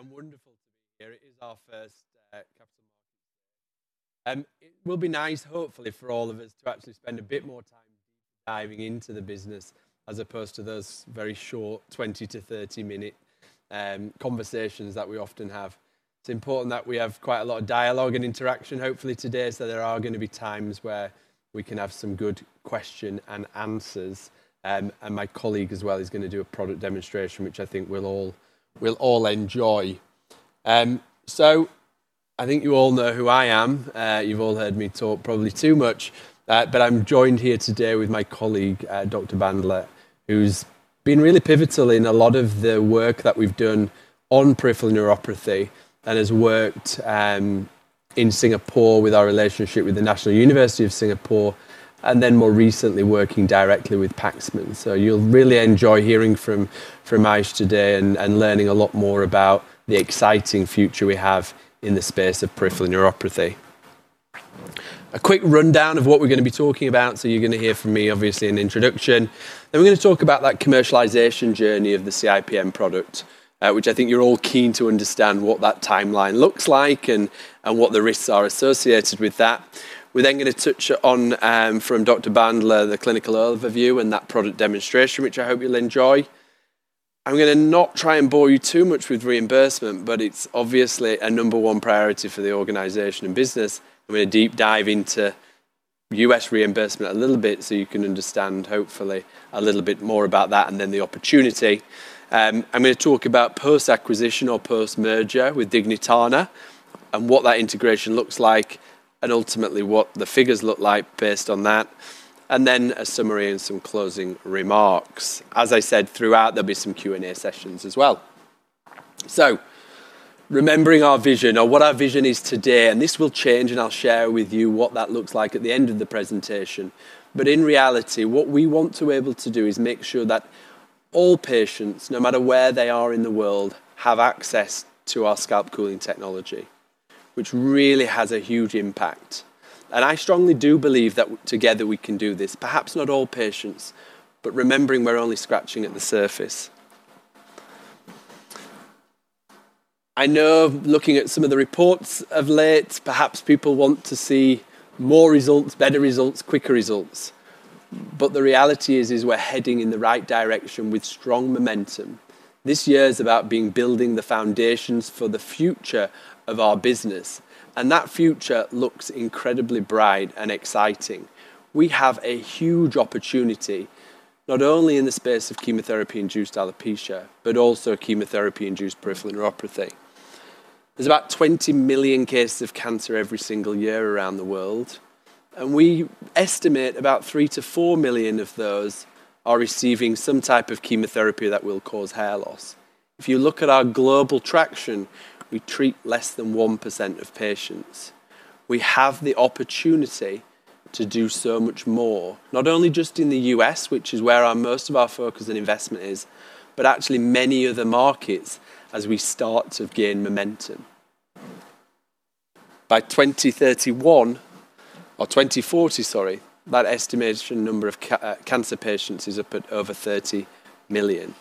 Wonderful to be here. It is our first Capital Markets Day. It will be nice, hopefully, for all of us to actually spend a bit more time deep diving into the business, as opposed to those very short 20-30 minute conversations that we often have. It's important that we have quite a lot of dialogue and interaction, hopefully, today. There are going to be times where we can have some good questions and answers. My colleague as well is going to do a product demonstration, which I think we'll all enjoy. I think you all know who I am. You've all heard me talk probably too much. I'm joined here today with my colleague, Dr. Bandla, who's been really pivotal in a lot of the work that we've done on peripheral neuropathy and has worked in Singapore with our relationship with the National University of Singapore, and then more recently working directly with Paxman. You will really enjoy hearing from Aish today and learning a lot more about the exciting future we have in the space of peripheral neuropathy. A quick rundown of what we're going to be talking about. You are going to hear from me, obviously, an introduction. We are going to talk about that commercialization journey of the CIPN product, which I think you're all keen to understand what that timeline looks like and what the risks are associated with that. We are then going to touch on, from Dr. Bandla, the clinical overview and that product demonstration, which I hope you'll enjoy. I'm going to not try and bore you too much with reimbursement, but it's obviously a number one priority for the organization and business. I'm going to deep dive into U.S. reimbursement a little bit so you can understand, hopefully, a little bit more about that and then the opportunity. I'm going to talk about post-acquisition or post-merger with Dignitana and what that integration looks like and ultimately what the figures look like based on that. Then a summary and some closing remarks. As I said, throughout, there'll be some Q&A sessions as well. Remembering our vision, or what our vision is today, and this will change, and I'll share with you what that looks like at the end of the presentation. In reality, what we want to be able to do is make sure that all patients, no matter where they are in the world, have access to our scalp cooling technology, which really has a huge impact. I strongly do believe that together we can do this. Perhaps not all patients, but remembering we're only scratching at the surface. I know looking at some of the reports of late, perhaps people want to see more results, better results, quicker results. The reality is we're heading in the right direction with strong momentum. This year is about building the foundations for the future of our business. That future looks incredibly bright and exciting. We have a huge opportunity, not only in the space of chemotherapy-induced alopecia, but also chemotherapy-induced peripheral neuropathy. There's about 20 million cases of cancer every single year around the world. We estimate about 3 million-4 million of those are receiving some type of chemotherapy that will cause hair loss. If you look at our global traction, we treat less than 1% of patients. We have the opportunity to do so much more, not only just in the U.S., which is where most of our focus and investment is, but actually many other markets as we start to gain momentum. By 2031, or 2040, sorry, that estimated number of cancer patients is up at over 30 million.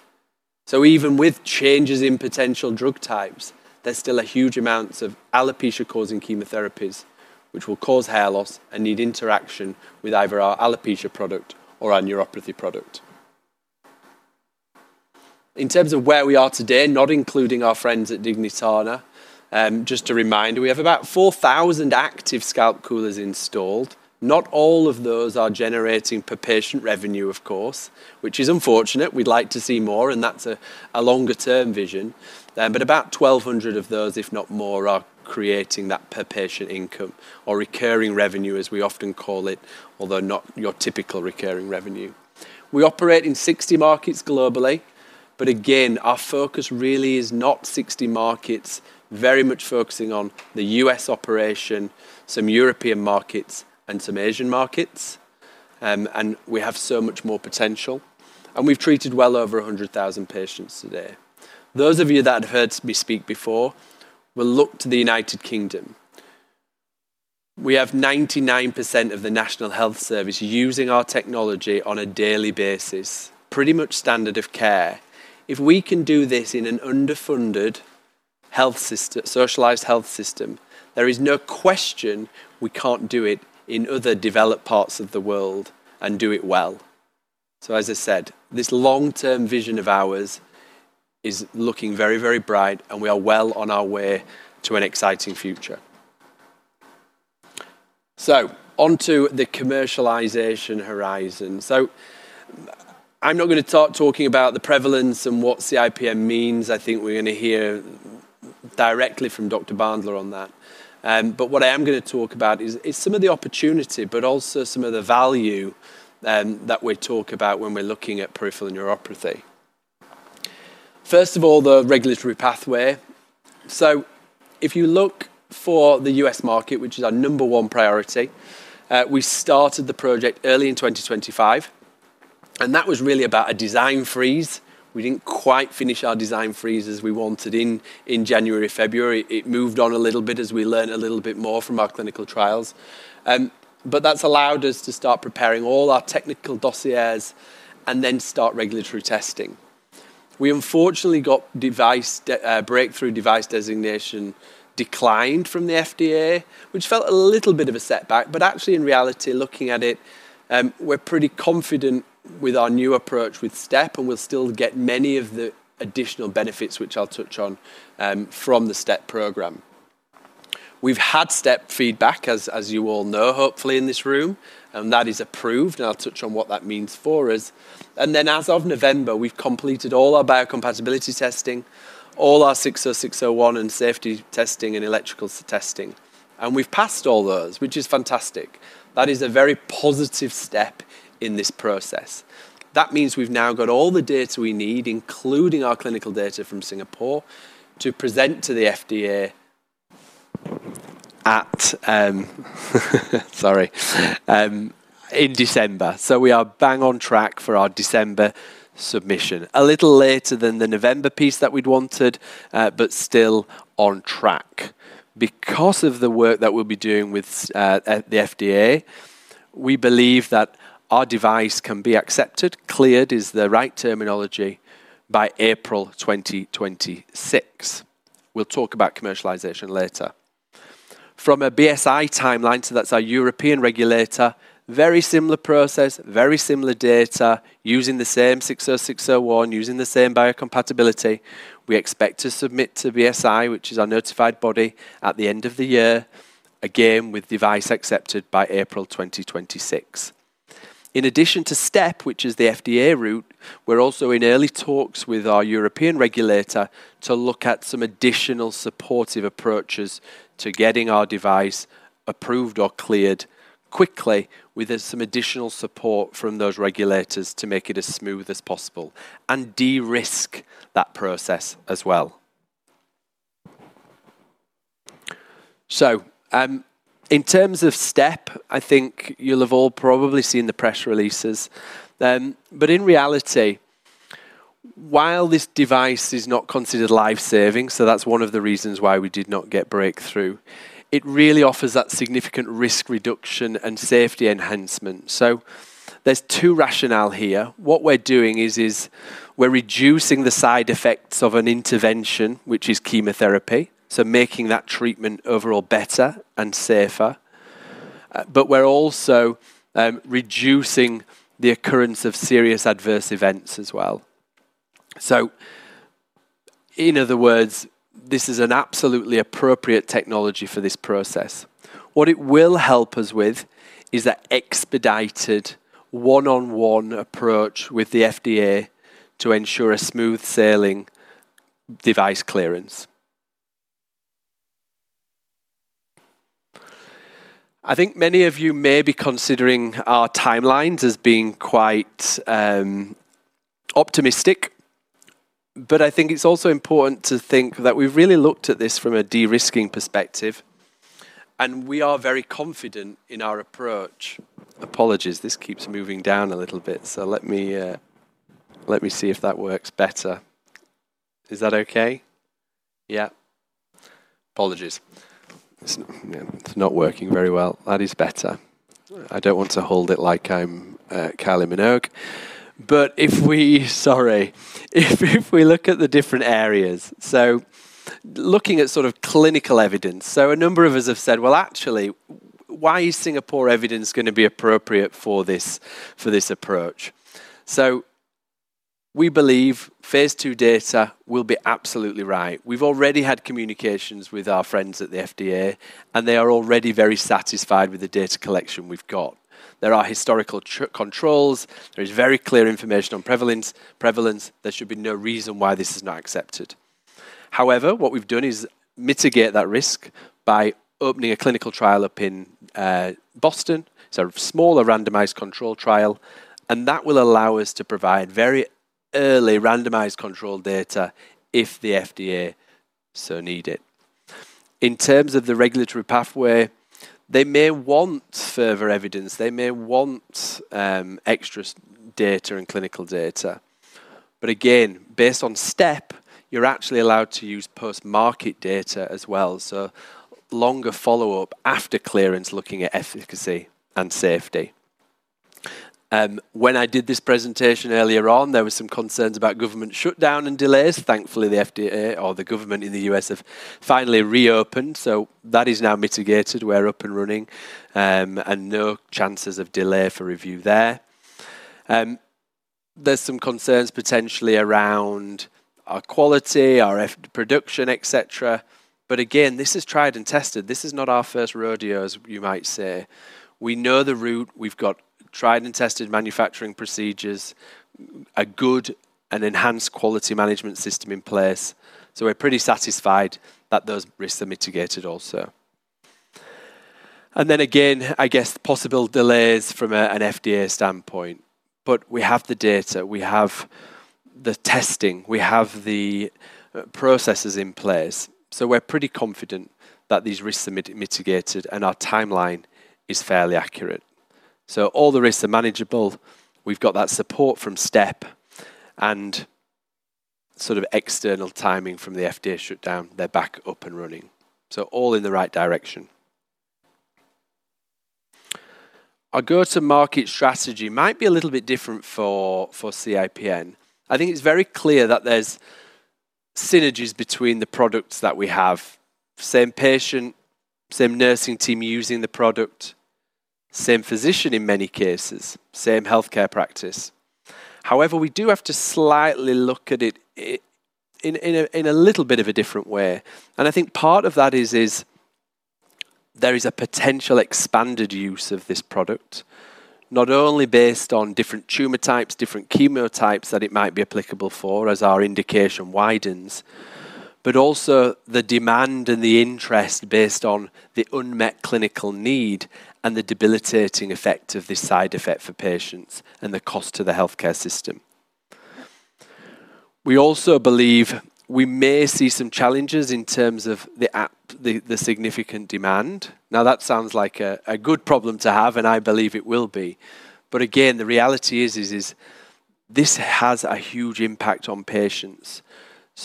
Even with changes in potential drug types, there is still a huge amount of alopecia-causing chemotherapies, which will cause hair loss and need interaction with either our alopecia product or our neuropathy product. In terms of where we are today, not including our friends at Dignitana, just a reminder, we have about 4,000 active scalp coolers installed. Not all of those are generating per patient revenue, of course, which is unfortunate. We'd like to see more, and that's a longer-term vision. About 1,200 of those, if not more, are creating that per patient income or recurring revenue, as we often call it, although not your typical recurring revenue. We operate in 60 markets globally. Our focus really is not 60 markets, very much focusing on the U.S. operation, some European markets, and some Asian markets. We have so much more potential. We've treated well over 100,000 patients today. Those of you that had heard me speak before will look to the United Kingdom. We have 99% of the National Health Service using our technology on a daily basis, pretty much standard of care. If we can do this in an underfunded socialized health system, there is no question we can't do it in other developed parts of the world and do it well. As I said, this long-term vision of ours is looking very, very bright, and we are well on our way to an exciting future. Onto the commercialization horizon. I'm not going to start talking about the prevalence and what CIPN means. I think we're going to hear directly from Dr. Bandla on that. What I am going to talk about is some of the opportunity, but also some of the value that we talk about when we're looking at peripheral neuropathy. First of all, the regulatory pathway. If you look for the U.S. market, which is our number one priority, we started the project early in 2025. That was really about a design freeze. We didn't quite finish our design freeze as we wanted in January or February. It moved on a little bit as we learned a little bit more from our clinical trials. That has allowed us to start preparing all our technical dossiers and then start regulatory testing. We unfortunately got Breakthrough Device Designation declined from the FDA, which felt a little bit of a setback. Actually, in reality, looking at it, we're pretty confident with our new approach with STeP, and we'll still get many of the additional benefits, which I'll touch on, from the STeP program. We've had STeP feedback, as you all know, hopefully, in this room. That is approved. I'll touch on what that means for us. As of November, we've completed all our biocompatibility testing, all our 60601 and safety testing and electrical testing. We've passed all those, which is fantastic. That is a very positive step in this process. That means we've now got all the data we need, including our clinical data from Singapore, to present to the FDA in December. We are bang on track for our December submission, a little later than the November piece that we'd wanted, but still on track. Because of the work that we'll be doing with the FDA, we believe that our device can be accepted, cleared is the right terminology, by April 2026. We'll talk about commercialization later. From a BSI timeline, so that's our European regulator, very similar process, very similar data, using the same 60601, using the same biocompatibility. We expect to submit to BSI, which is our notified body, at the end of the year, again with device accepted by April 2026. In addition to STeP, which is the FDA route, we're also in early talks with our European regulator to look at some additional supportive approaches to getting our device approved or cleared quickly with some additional support from those regulators to make it as smooth as possible and de-risk that process as well. In terms of STeP, I think you'll have all probably seen the press releases. In reality, while this device is not considered lifesaving, so that's one of the reasons why we did not get breakthrough, it really offers that significant risk reduction and safety enhancement. There are two rationales here. What we're doing is we're reducing the side effects of an intervention, which is chemotherapy, making that treatment overall better and safer. We're also reducing the occurrence of serious adverse events as well. In other words, this is an absolutely appropriate technology for this process. What it will help us with is that expedited one-on-one approach with the FDA to ensure a smooth sailing device clearance. I think many of you may be considering our timelines as being quite optimistic. I think it's also important to think that we've really looked at this from a de-risking perspective. We are very confident in our approach. Apologies, this keeps moving down a little bit. Let me see if that works better. Is that okay? Yeah. Apologies. It's not working very well. That is better. I don't want to hold it like I'm Kylie Minogue. If we look at the different areas, looking at sort of clinical evidence, a number of us have said, actually, why is Singapore evidence going to be appropriate for this approach? We believe phase II data will be absolutely right. We've already had communications with our friends at the FDA, and they are already very satisfied with the data collection we've got. There are historical controls. There is very clear information on prevalence. There should be no reason why this is not accepted. However, what we've done is mitigate that risk by opening a clinical trial up in Boston. It's a smaller randomized control trial. That will allow us to provide very early randomized control data if the FDA so need it. In terms of the regulatory pathway, they may want further evidence. They may want extra data and clinical data. Again, based on STeP, you're actually allowed to use post-market data as well, so longer follow-up after clearance looking at efficacy and safety. When I did this presentation earlier on, there were some concerns about government shutdown and delays. Thankfully, the FDA or the government in the U.S. have finally reopened. That is now mitigated. We're up and running and no chances of delay for review there. There are some concerns potentially around our quality, our production, etc. Again, this is tried and tested. This is not our first rodeo, as you might say. We know the route. We've got tried and tested manufacturing procedures, a good and enhanced quality management system in place. We're pretty satisfied that those risks are mitigated also. I guess possible delays from an FDA standpoint. We have the data. We have the testing. We have the processes in place. We're pretty confident that these risks are mitigated and our timeline is fairly accurate. All the risks are manageable. We've got that support from STeP and sort of external timing from the FDA shutdown. They're back up and running. All in the right direction. Our go-to-market strategy might be a little bit different for CIPN. I think it's very clear that there's synergies between the products that we have, same patient, same nursing team using the product, same physician in many cases, same healthcare practice. However, we do have to slightly look at it in a little bit of a different way. I think part of that is there is a potential expanded use of this product, not only based on different tumor types, different chemotypes that it might be applicable for as our indication widens, but also the demand and the interest based on the unmet clinical need and the debilitating effect of this side effect for patients and the cost to the healthcare system. We also believe we may see some challenges in terms of the significant demand. That sounds like a good problem to have, and I believe it will be. Again, the reality is this has a huge impact on patients.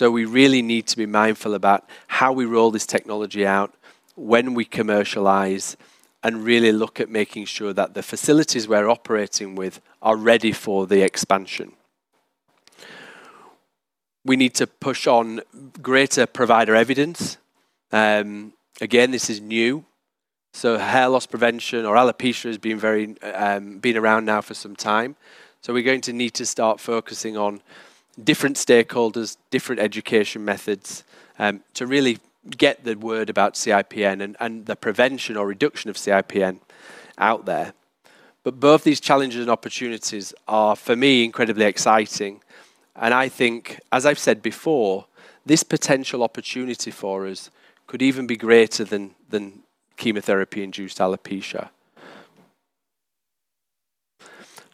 We really need to be mindful about how we roll this technology out, when we commercialize, and really look at making sure that the facilities we're operating with are ready for the expansion. We need to push on greater provider evidence. Again, this is new. Hair loss prevention or alopecia has been around now for some time. We're going to need to start focusing on different stakeholders, different education methods to really get the word about CIPN and the prevention or reduction of CIPN out there. Both these challenges and opportunities are, for me, incredibly exciting. I think, as I've said before, this potential opportunity for us could even be greater than chemotherapy-induced alopecia.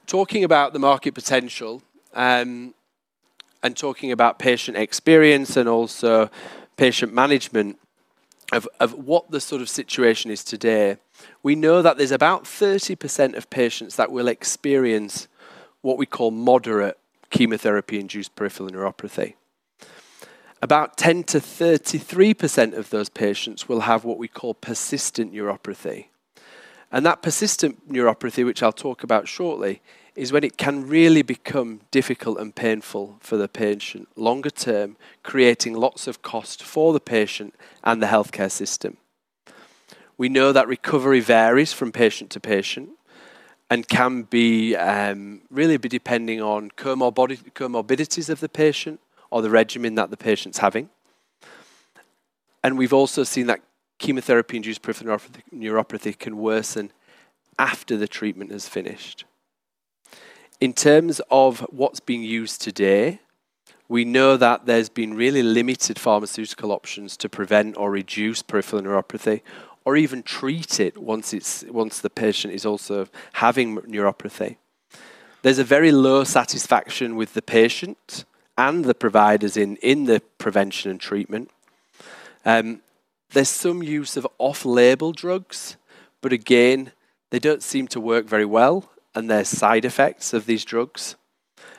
Talking about the market potential and talking about patient experience and also patient management of what the sort of situation is today, we know that there's about 30% of patients that will experience what we call moderate chemotherapy-induced peripheral neuropathy. About 10%-33% of those patients will have what we call persistent neuropathy. That persistent neuropathy, which I'll talk about shortly, is when it can really become difficult and painful for the patient longer term, creating lots of cost for the patient and the healthcare system. We know that recovery varies from patient to patient and can really be depending on comorbidities of the patient or the regimen that the patient's having. We've also seen that chemotherapy-induced peripheral neuropathy can worsen after the treatment is finished. In terms of what's being used today, we know that there's been really limited pharmaceutical options to prevent or reduce peripheral neuropathy or even treat it once the patient is also having neuropathy. There's a very low satisfaction with the patient and the providers in the prevention and treatment. There's some use of off-label drugs, but again, they don't seem to work very well, and there's side effects of these drugs.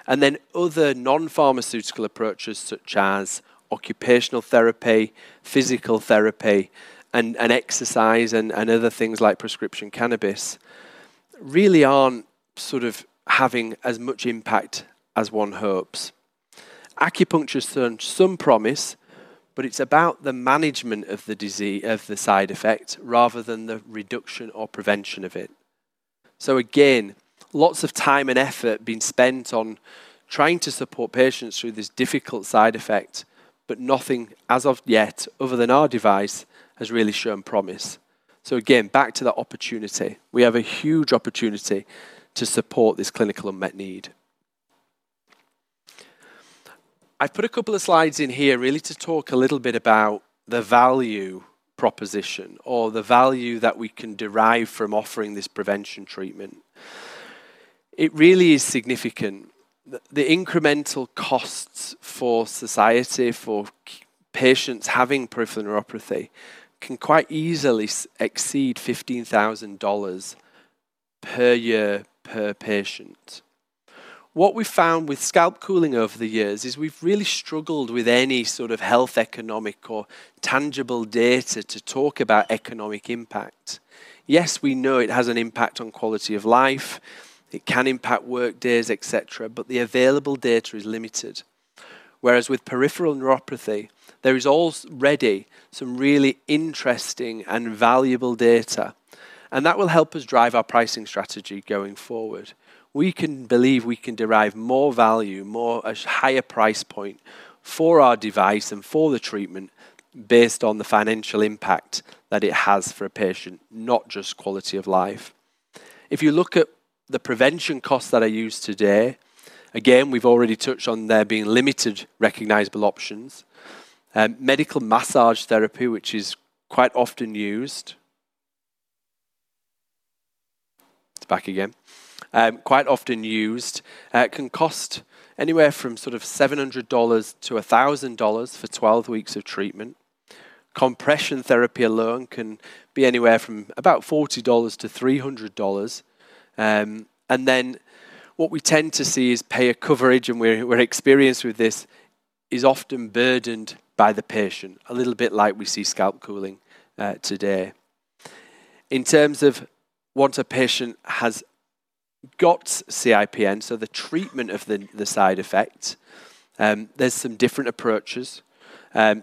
Other non-pharmaceutical approaches such as occupational therapy, physical therapy, and exercise and other things like prescription cannabis really aren't sort of having as much impact as one hopes. Acupuncture has earned some promise, but it's about the management of the side effect rather than the reduction or prevention of it. Again, lots of time and effort being spent on trying to support patients through this difficult side effect, but nothing as of yet other than our device has really shown promise. Again, back to that opportunity. We have a huge opportunity to support this clinical unmet need. I've put a couple of slides in here really to talk a little bit about the value proposition or the value that we can derive from offering this prevention treatment. It really is significant. The incremental costs for society, for patients having peripheral neuropathy, can quite easily exceed $15,000 per year per patient. What we found with scalp cooling over the years is we've really struggled with any sort of health economic or tangible data to talk about economic impact. Yes, we know it has an impact on quality of life. It can impact workdays, etc., but the available data is limited. Whereas with peripheral neuropathy, there is already some really interesting and valuable data. That will help us drive our pricing strategy going forward. We believe we can derive more value, a higher price point for our device and for the treatment based on the financial impact that it has for a patient, not just quality of life. If you look at the prevention costs that are used today, again, we've already touched on there being limited recognizable options. Medical massage therapy, which is quite often used—it's back again—quite often used can cost anywhere from $700 to $1,000 for 12 weeks of treatment. Compression therapy alone can be anywhere from about $40 to $300. What we tend to see is payer coverage, and we're experienced with this, is often burdened by the patient, a little bit like we see scalp cooling today. In terms of what a patient has got CIPN, so the treatment of the side effects, there's some different approaches.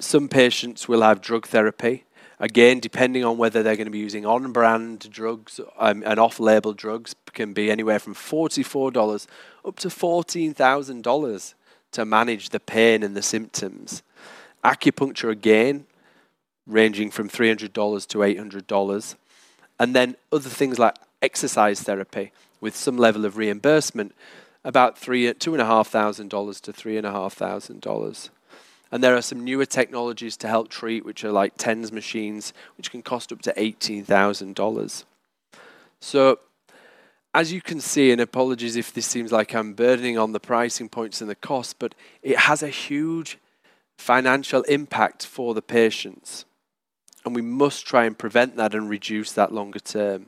Some patients will have drug therapy. Again, depending on whether they're going to be using on-brand drugs and off-label drugs, can be anywhere from $44 up to $14,000 to manage the pain and the symptoms. Acupuncture, again, ranging from $300 to $800. Other things like exercise therapy with some level of reimbursement, about $2,500-$3,500. There are some newer technologies to help treat, which are like TENS machines, which can cost up to $18,000. As you can see, and apologies if this seems like I'm burning on the pricing points and the cost, but it has a huge financial impact for the patients. We must try and prevent that and reduce that longer term.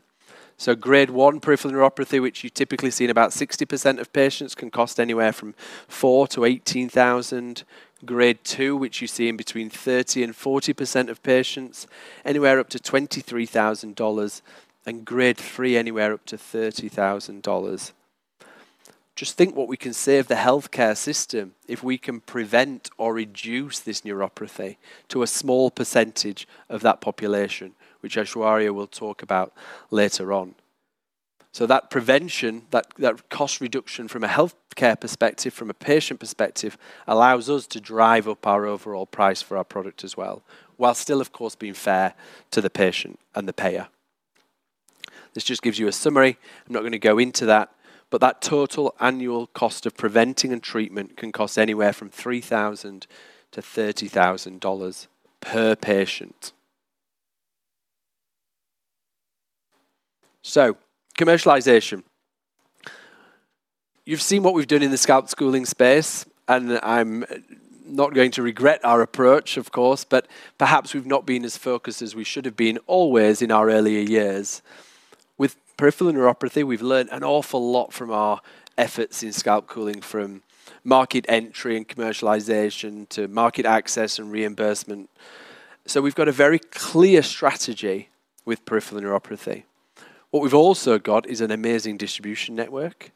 Grade 1 peripheral neuropathy, which you typically see in about 60% of patients, can cost anywhere from $4,000 to $18,000. Grade 2, which you see in between 30%-40% of patients, anywhere up to $23,000. Grade 3, anywhere up to $30,000. Just think what we can save the healthcare system if we can prevent or reduce this neuropathy to a small percentage of that population, which Aishwarya will talk about later on. That prevention, that cost reduction from a healthcare perspective, from a patient perspective, allows us to drive up our overall price for our product as well, while still, of course, being fair to the patient and the payer. This just gives you a summary. I'm not going to go into that. That total annual cost of preventing and treatment can cost anywhere from $3,000 to $30,000 per patient. Commercialization. You've seen what we've done in the scalp cooling space. I'm not going to regret our approach, of course, but perhaps we've not been as focused as we should have been always in our earlier years. With peripheral neuropathy, we've learned an awful lot from our efforts in scalp cooling, from market entry and commercialization to market access and reimbursement. We've got a very clear strategy with peripheral neuropathy. What we've also got is an amazing distribution network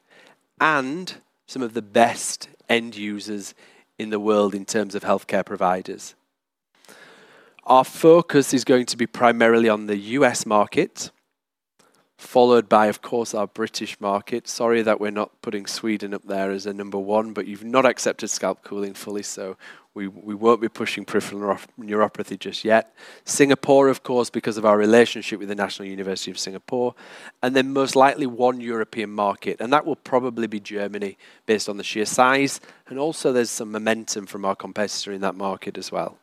and some of the best end users in the world in terms of healthcare providers. Our focus is going to be primarily on the U.S. market, followed by, of course, our British market. Sorry that we're not putting Sweden up there as number one, but you've not accepted scalp cooling fully, so we won't be pushing peripheral neuropathy just yet. Singapore, of course, because of our relationship with the National University of Singapore. And then most likely one European market. That will probably be Germany based on the sheer size. Also, there's some momentum from our competitor in that market as well.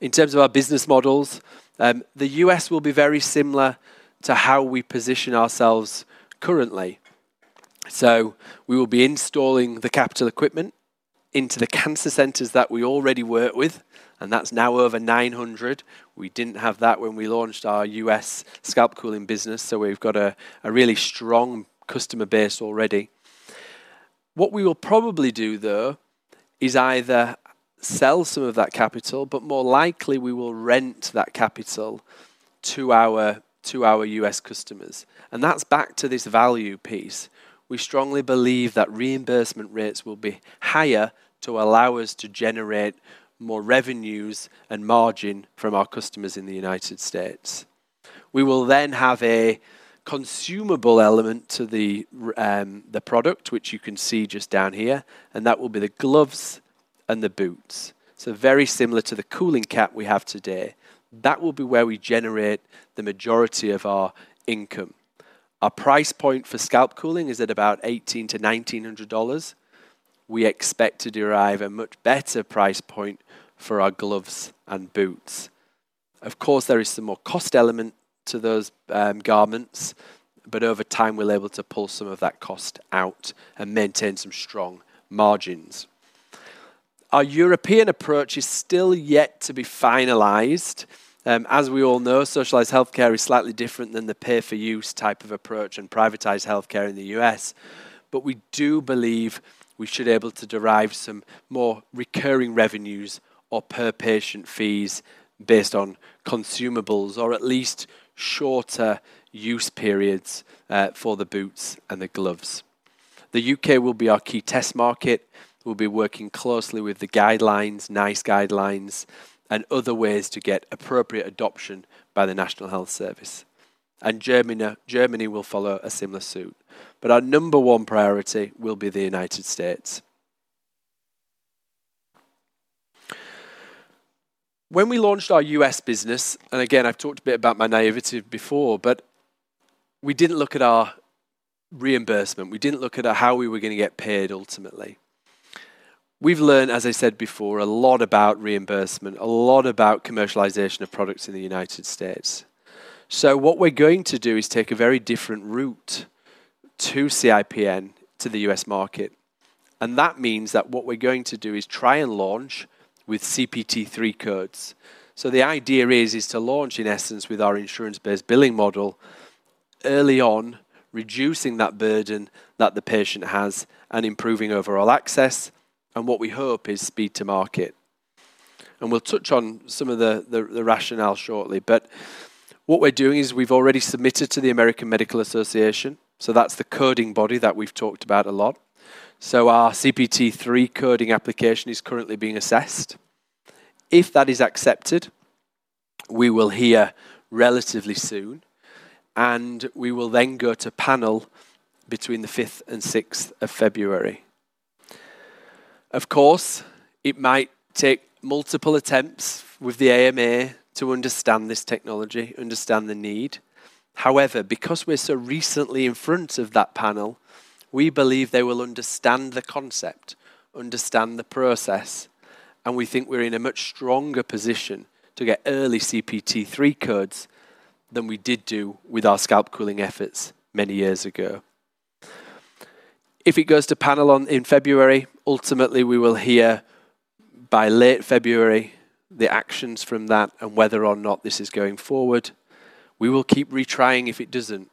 In terms of our business models, the U.S. will be very similar to how we position ourselves currently. We will be installing the capital equipment into the cancer centers that we already work with, and that's now over 900. We didn't have that when we launched our U.S. scalp cooling business, so we've got a really strong customer base already. What we will probably do, though, is either sell some of that capital, but more likely we will rent that capital to our U.S. customers. That's back to this value piece. We strongly believe that reimbursement rates will be higher to allow us to generate more revenues and margin from our customers in the United States. We will then have a consumable element to the product, which you can see just down here, and that will be the gloves and the boots. Very similar to the cooling cap we have today. That will be where we generate the majority of our income. Our price point for scalp cooling is at about $1,800-$1,900. We expect to derive a much better price point for our gloves and boots. Of course, there is some more cost element to those garments, but over time, we'll be able to pull some of that cost out and maintain some strong margins. Our European approach is still yet to be finalized. As we all know, socialized healthcare is slightly different than the pay-for-use type of approach and privatized healthcare in the U.S. We do believe we should be able to derive some more recurring revenues or per-patient fees based on consumables or at least shorter use periods for the boots and the gloves. The U.K. will be our key test market. We'll be working closely with the guidelines, NICE guidelines, and other ways to get appropriate adoption by the National Health Service. Germany will follow a similar suit. Our number one priority will be the United States. When we launched our U.S. business, and again, I've talked a bit about my naivety before, we didn't look at our reimbursement. We didn't look at how we were going to get paid ultimately. We've learned, as I said before, a lot about reimbursement, a lot about commercialization of products in the United States. What we're going to do is take a very different route to CIPN to the U.S. market. That means that what we're going to do is try and launch with CPT-3 codes. The idea is to launch, in essence, with our insurance-based billing model early on, reducing that burden that the patient has and improving overall access. What we hope is speed to market. We'll touch on some of the rationale shortly. What we're doing is we've already submitted to the American Medical Association. That's the coding body that we've talked about a lot. Our CPT-3 coding application is currently being assessed. If that is accepted, we will hear relatively soon. We will then go to panel between the 5th and 6th of February. Of course, it might take multiple attempts with the AMA to understand this technology, understand the need. However, because we're so recently in front of that panel, we believe they will understand the concept, understand the process, and we think we're in a much stronger position to get early CPT-3 codes than we did do with our scalp cooling efforts many years ago. If it goes to panel in February, ultimately, we will hear by late February the actions from that and whether or not this is going forward We will keep retrying if it doesn't.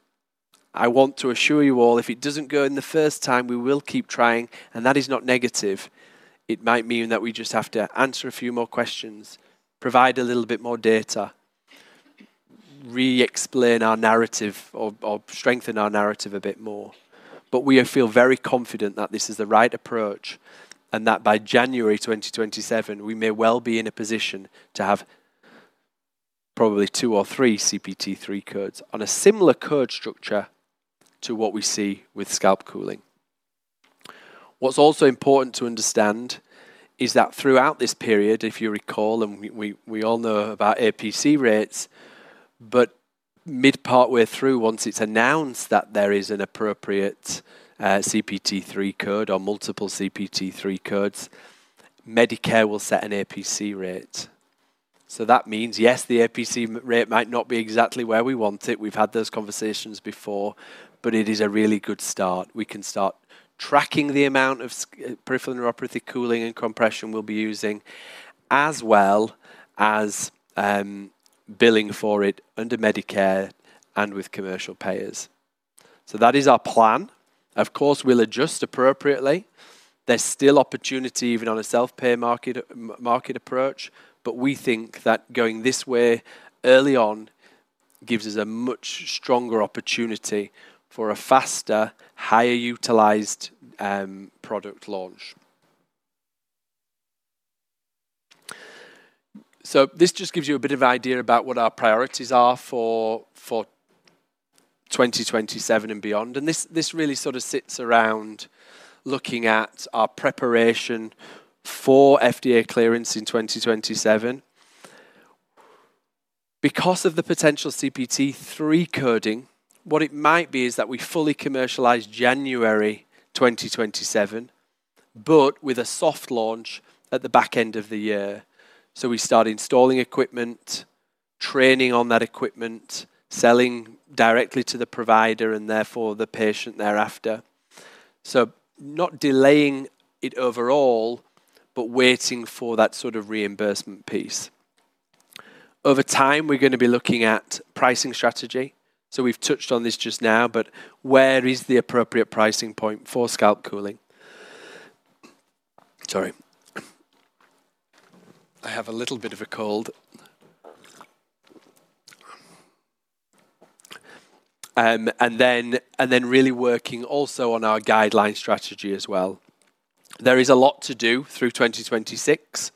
I want to assure you all, if it doesn't go in the first time, we will keep trying. That is not negative. It might mean that we just have to answer a few more questions, provide a little bit more data, re-explain our narrative or strengthen our narrative a bit more. We feel very confident that this is the right approach and that by January 2027, we may well be in a position to have probably two or three CPT-3 codes on a similar code structure to what we see with scalp cooling. What's also important to understand is that throughout this period, if you recall, and we all know about APC rates, mid-partway through, once it's announced that there is an appropriate CPT-3 code or multiple CPT-3 codes, Medicare will set an APC rate. That means, yes, the APC rate might not be exactly where we want it. We've had those conversations before, but it is a really good start. We can start tracking the amount of peripheral neuropathy cooling and compression we'll be using, as well as billing for it under Medicare and with commercial payers. That is our plan. Of course, we'll adjust appropriately. There's still opportunity even on a self-pay market approach, but we think that going this way early on gives us a much stronger opportunity for a faster, higher-utilized product launch. This just gives you a bit of an idea about what our priorities are for 2027 and beyond. This really sort of sits around looking at our preparation for FDA clearance in 2027. Because of the potential CPT-3 coding, what it might be is that we fully commercialize January 2027, but with a soft launch at the back end of the year. We start installing equipment, training on that equipment, selling directly to the provider, and therefore the patient thereafter. Not delaying it overall, but waiting for that sort of reimbursement piece. Over time, we're going to be looking at pricing strategy. We've touched on this just now, but where is the appropriate pricing point for scalp cooling? Sorry. I have a little bit of a cold. Then really working also on our guideline strategy as well. There is a lot to do through 2026,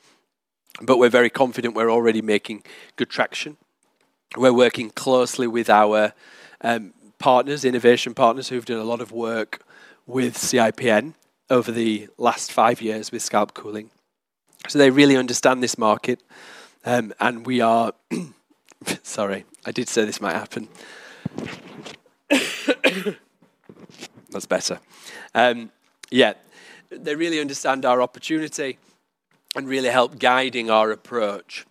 but we're very confident we're already making good traction. We're working closely with our partners, innovation partners, who've done a lot of work with CIPN over the last five years with scalp cooling. They really understand this market. I did say this might happen. That's better. Yeah. They really understand our opportunity and really help guiding our approach.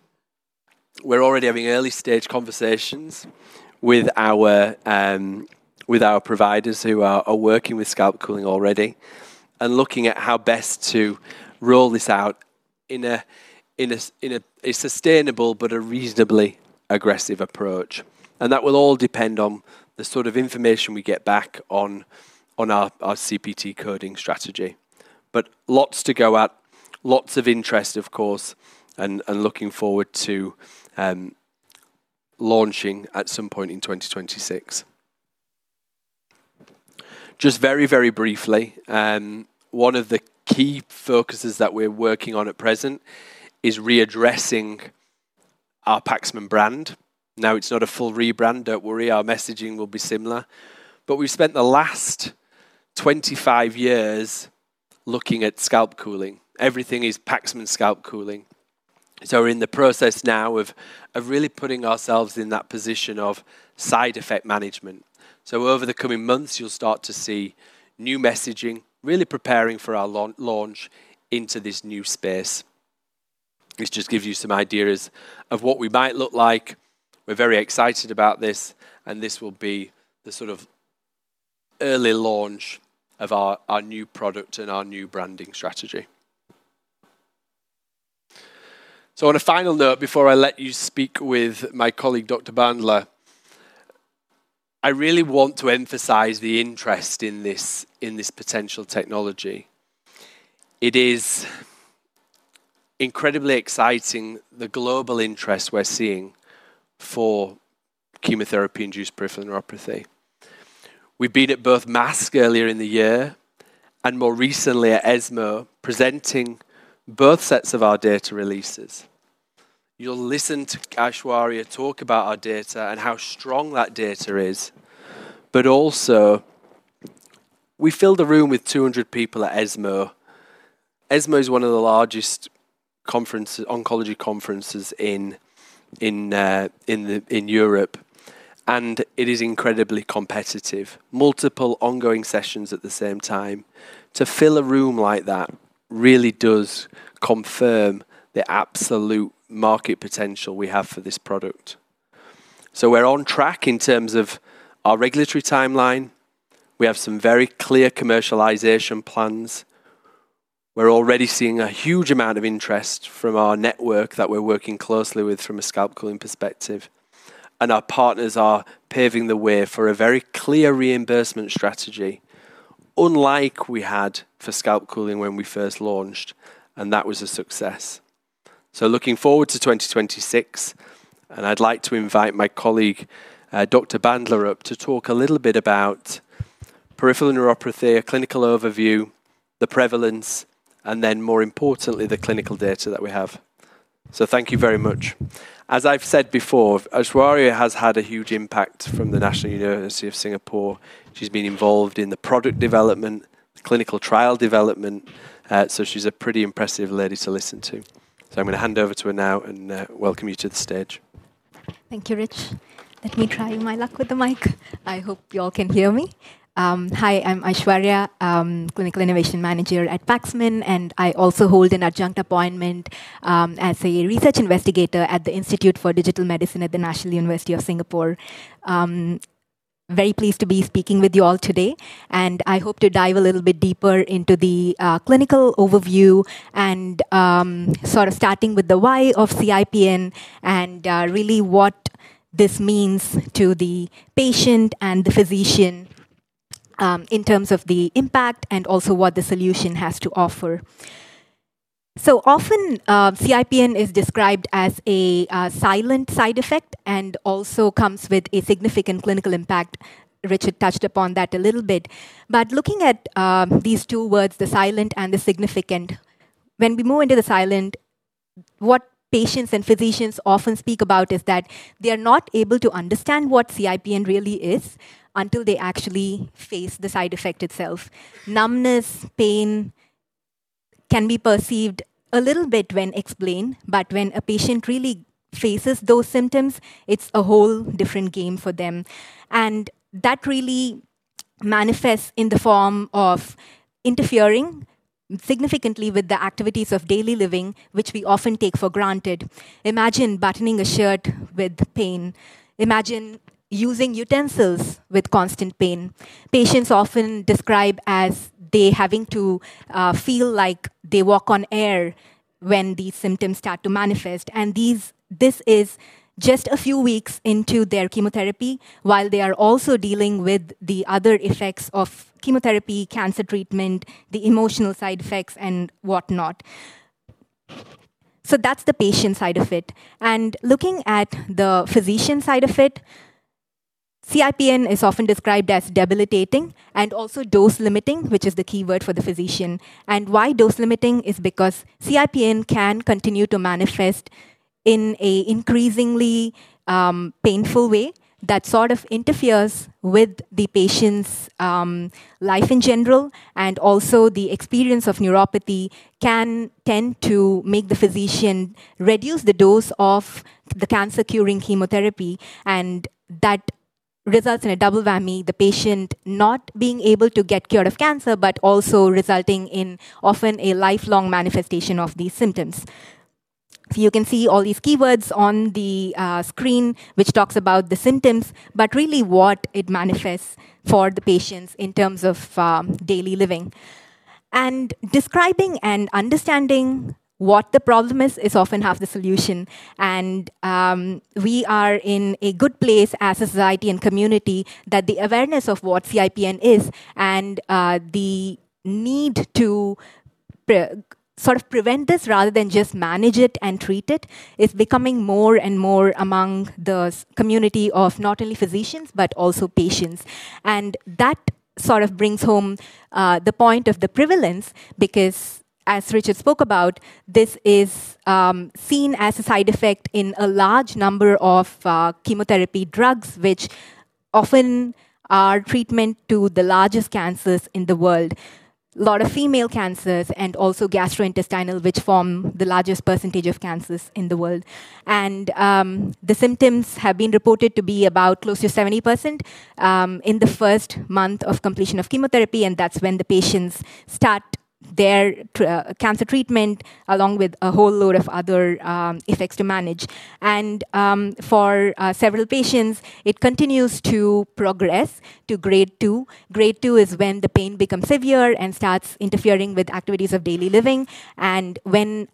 We're already having early-stage conversations with our providers who are working with scalp cooling already and looking at how best to roll this out in a sustainable but a reasonably aggressive approach. That will all depend on the sort of information we get back on our CPT coding strategy. Lots to go at, lots of interest, of course, and looking forward to launching at some point in 2026. Just very, very briefly, one of the key focuses that we're working on at present is readdressing our Paxman brand. Now, it's not a full rebrand, don't worry. Our messaging will be similar. We've spent the last 25 years looking at scalp cooling. Everything is Paxman scalp cooling. We're in the process now of really putting ourselves in that position of side effect management. Over the coming months, you'll start to see new messaging, really preparing for our launch into this new space. This just gives you some ideas of what we might look like. We're very excited about this, and this will be the sort of early launch of our new product and our new branding strategy. On a final note, before I let you speak with my colleague, Dr. Bandla, I really want to emphasize the interest in this potential technology. It is incredibly exciting, the global interest we're seeing for chemotherapy-induced peripheral neuropathy. We've been at Birth Mask earlier in the year and more recently at ESMO, presenting both sets of our data releases. You'll listen to Aishwarya talk about our data and how strong that data is, but also we filled the room with 200 people at ESMO. ESMO is one of the largest oncology conferences in Europe, and it is incredibly competitive. Multiple ongoing sessions at the same time to fill a room like that really does confirm the absolute market potential we have for this product. We are on track in terms of our regulatory timeline. We have some very clear commercialization plans. We are already seeing a huge amount of interest from our network that we are working closely with from a scalp cooling perspective. Our partners are paving the way for a very clear reimbursement strategy, unlike we had for scalp cooling when we first launched, and that was a success. Looking forward to 2026, and I'd like to invite my colleague, Dr. Bandla, up to talk a little bit about peripheral neuropathy, a clinical overview, the prevalence, and then more importantly, the clinical data that we have. Thank you very much. As I've said before, Aishwarya has had a huge impact from the National University of Singapore. She's been involved in the product development, clinical trial development. She's a pretty impressive lady to listen to. I'm going to hand over to her now and welcome you to the stage. Thank you, Rich. Let me try my luck with the mic. I hope you all can hear me. Hi, I'm Aishwarya, Clinical Innovation Manager at Paxman, and I also hold an adjunct appointment as a research investigator at the Institute for Digital Medicine at the National University of Singapore. Very pleased to be speaking with you all today, and I hope to dive a little bit deeper into the clinical overview and sort of starting with the why of CIPN and really what this means to the patient and the physician in terms of the impact and also what the solution has to offer. So often, CIPN is described as a silent side effect and also comes with a significant clinical impact. Richard touched upon that a little bit. But looking at these two words, the silent and the significant, when we move into the silent, what patients and physicians often speak about is that they are not able to understand what CIPN really is until they actually face the side effect itself. Numbness, pain can be perceived a little bit when explained, but when a patient really faces those symptoms, it's a whole different game for them. That really manifests in the form of interfering significantly with the activities of daily living, which we often take for granted. Imagine buttoning a shirt with pain. Imagine using utensils with constant pain. Patients often describe as they having to feel like they walk on air when these symptoms start to manifest. This is just a few weeks into their chemotherapy while they are also dealing with the other effects of chemotherapy, cancer treatment, the emotional side effects, and whatnot. That's the patient side of it. Looking at the physician side of it, CIPN is often described as debilitating and also dose-limiting, which is the key word for the physician. Why dose-limiting? It's because CIPN can continue to manifest in an increasingly painful way that sort of interferes with the patient's life in general. Also, the experience of neuropathy can tend to make the physician reduce the dose of the cancer-curing chemotherapy, and that results in a double whammy, the patient not being able to get cured of cancer, but also resulting in often a lifelong manifestation of these symptoms. You can see all these keywords on the screen, which talks about the symptoms, but really what it manifests for the patients in terms of daily living. Describing and understanding what the problem is, is often half the solution. We are in a good place as a society and community that the awareness of what CIPN is and the need to sort of prevent this rather than just manage it and treat it is becoming more and more among the community of not only physicians, but also patients. That sort of brings home the point of the prevalence because, as Richard spoke about, this is seen as a side effect in a large number of chemotherapy drugs, which often are treatment to the largest cancers in the world, a lot of female cancers and also gastrointestinal, which form the largest percentage of cancers in the world. The symptoms have been reported to be about close to 70% in the first month of completion of chemotherapy, and that's when the patients start their cancer treatment along with a whole load of other effects to manage. For several patients, it continues to progress to grade two. Grade two is when the pain becomes severe and starts interfering with activities of daily living. When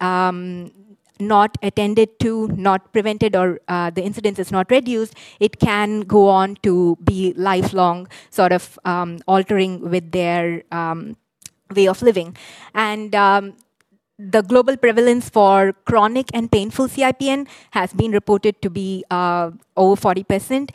not attended to, not prevented, or the incidence is not reduced, it can go on to be lifelong, sort of altering with their way of living. The global prevalence for chronic and painful CIPN has been reported to be over 40%.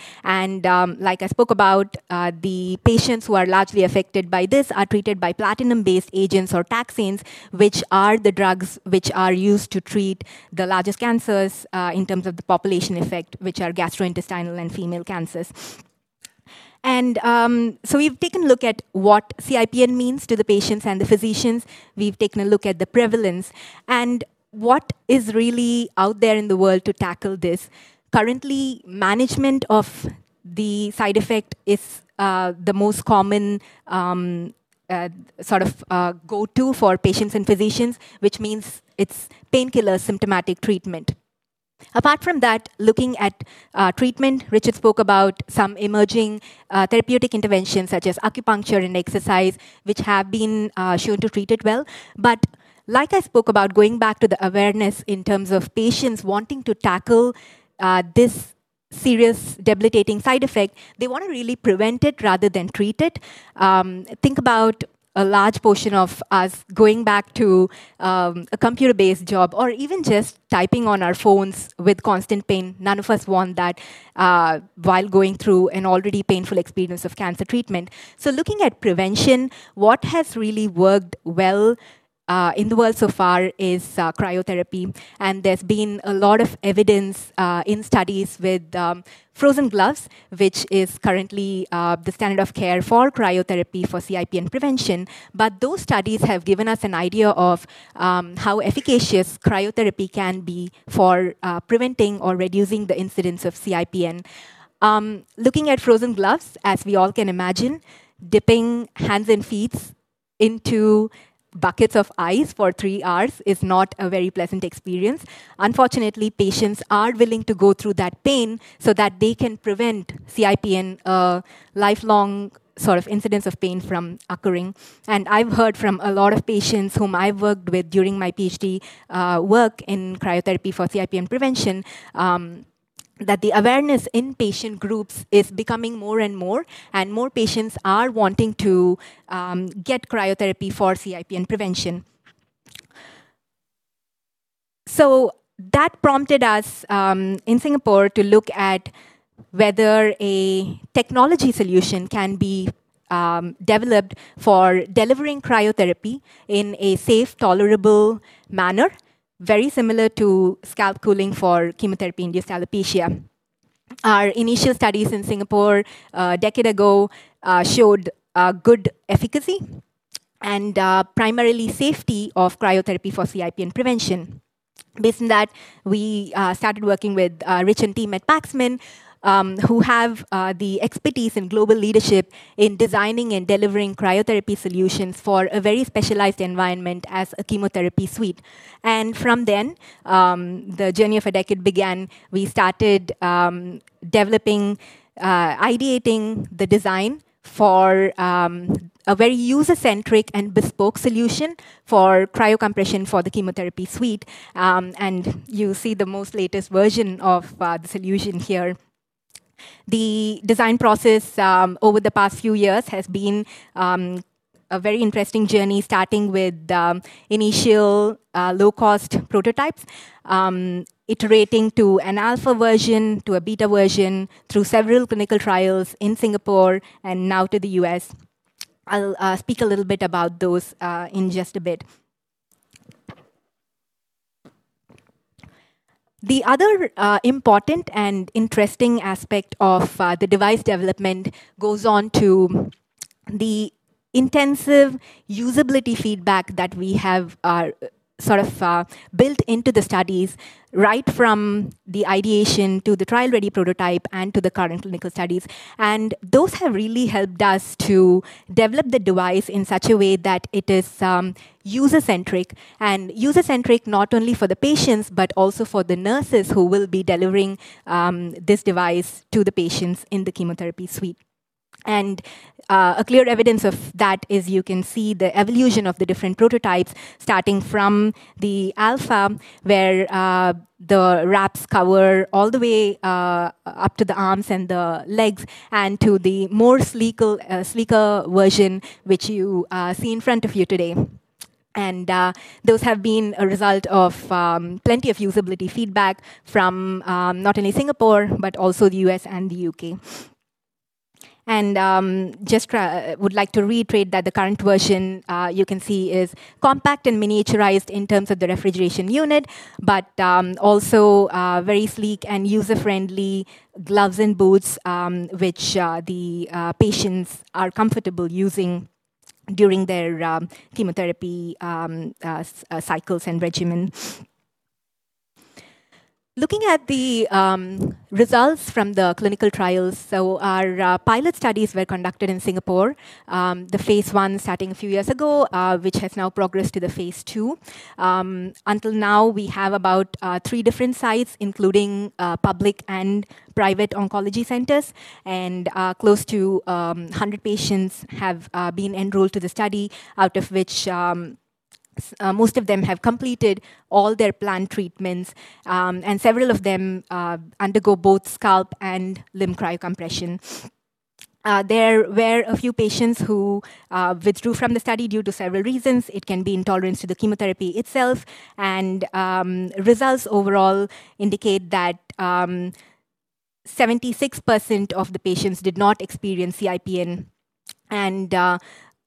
Like I spoke about, the patients who are largely affected by this are treated by platinum-based agents or taxanes, which are the drugs which are used to treat the largest cancers in terms of the population effect, which are gastrointestinal and female cancers. We have taken a look at what CIPN means to the patients and the physicians. We have taken a look at the prevalence and what is really out there in the world to tackle this. Currently, management of the side effect is the most common sort of go-to for patients and physicians, which means it is painkiller symptomatic treatment. Apart from that, looking at treatment, Richard spoke about some emerging therapeutic interventions such as acupuncture and exercise, which have been shown to treat it well. Like I spoke about, going back to the awareness in terms of patients wanting to tackle this serious debilitating side effect, they want to really prevent it rather than treat it. Think about a large portion of us going back to a computer-based job or even just typing on our phones with constant pain. None of us want that while going through an already painful experience of cancer treatment. Looking at prevention, what has really worked well in the world so far is cryotherapy. There has been a lot of evidence in studies with frozen gloves, which is currently the standard of care for cryotherapy for CIPN prevention. Those studies have given us an idea of how efficacious cryotherapy can be for preventing or reducing the incidence of CIPN. Looking at frozen gloves, as we all can imagine, dipping hands and feet into buckets of ice for three hours is not a very pleasant experience. Unfortunately, patients are willing to go through that pain so that they can prevent CIPN, lifelong sort of incidence of pain from occurring. I've heard from a lot of patients whom I've worked with during my PhD work in cryotherapy for CIPN prevention that the awareness in patient groups is becoming more and more, and more patients are wanting to get cryotherapy for CIPN prevention. That prompted us in Singapore to look at whether a technology solution can be developed for delivering cryotherapy in a safe, tolerable manner, very similar to scalp cooling for chemotherapy-induced alopecia. Our initial studies in Singapore a decade ago showed good efficacy and primarily safety of cryotherapy for CIPN prevention. Based on that, we started working with Rich and team at Paxman, who have the expertise and global leadership in designing and delivering cryotherapy solutions for a very specialized environment as a chemotherapy suite. From then, the journey of a decade began. We started developing, ideating the design for a very user-centric and bespoke solution for cryocompression for the chemotherapy suite. You see the most latest version of the solution here. The design process over the past few years has been a very interesting journey, starting with initial low-cost prototypes, iterating to an alpha version, to a beta version through several clinical trials in Singapore, and now to the U.S.. I'll speak a little bit about those in just a bit. The other important and interesting aspect of the device development goes on to the intensive usability feedback that we have sort of built into the studies, right from the ideation to the trial-ready prototype and to the current clinical studies. Those have really helped us to develop the device in such a way that it is user-centric, and user-centric not only for the patients, but also for the nurses who will be delivering this device to the patients in the chemotherapy suite. A clear evidence of that is you can see the evolution of the different prototypes, starting from the alpha, where the wraps cover all the way up to the arms and the legs, and to the more sleeker version, which you see in front of you today. Those have been a result of plenty of usability feedback from not only Singapore, but also the U.S. and the U.K.. I just would like to reiterate that the current version you can see is compact and miniaturized in terms of the refrigeration unit, but also very sleek and user-friendly gloves and boots, which the patients are comfortable using during their chemotherapy cycles and regimen. Looking at the results from the clinical trials, our pilot studies were conducted in Singapore, the phase one starting a few years ago, which has now progressed to the phase II. Until now, we have about three different sites, including public and private oncology centers, and close to 100 patients have been enrolled to the study, out of which most of them have completed all their planned treatments, and several of them undergo both scalp and limb cryocompression. There were a few patients who withdrew from the study due to several reasons. It can be intolerance to the chemotherapy itself. Results overall indicate that 76% of the patients did not experience CIPN, and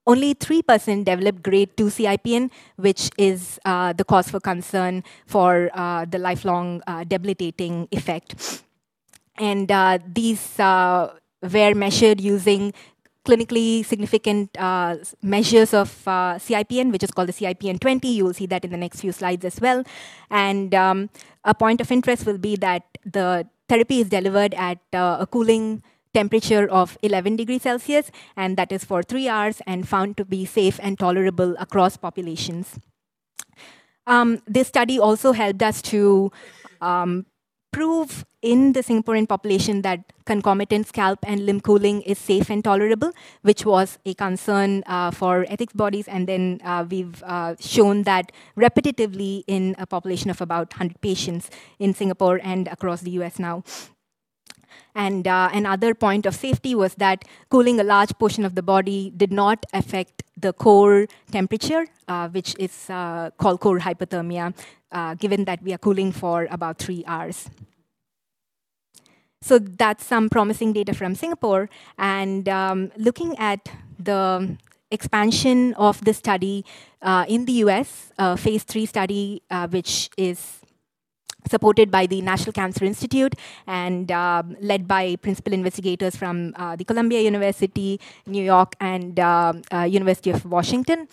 only 3% developed grade two CIPN, which is the cause for concern for the lifelong debilitating effect. These were measured using clinically significant measures of CIPN, which is called the CIPN20. You will see that in the next few slides as well. A point of interest will be that the therapy is delivered at a cooling temperature of 11 degrees Celsius, and that is for three hours and found to be safe and tolerable across populations. This study also helped us to prove in the Singaporean population that concomitant scalp and limb cooling is safe and tolerable, which was a concern for ethics bodies. We've shown that repetitively in a population of about 100 patients in Singapore and across the U.S. now. Another point of safety was that cooling a large portion of the body did not affect the core temperature, which is called core hypothermia, given that we are cooling for about three hours. That's some promising data from Singapore. Looking at the expansion of the study in the U.S., the phase III study is supported by the National Cancer Institute and led by principal investigators from Columbia University, New York, and University of Washington.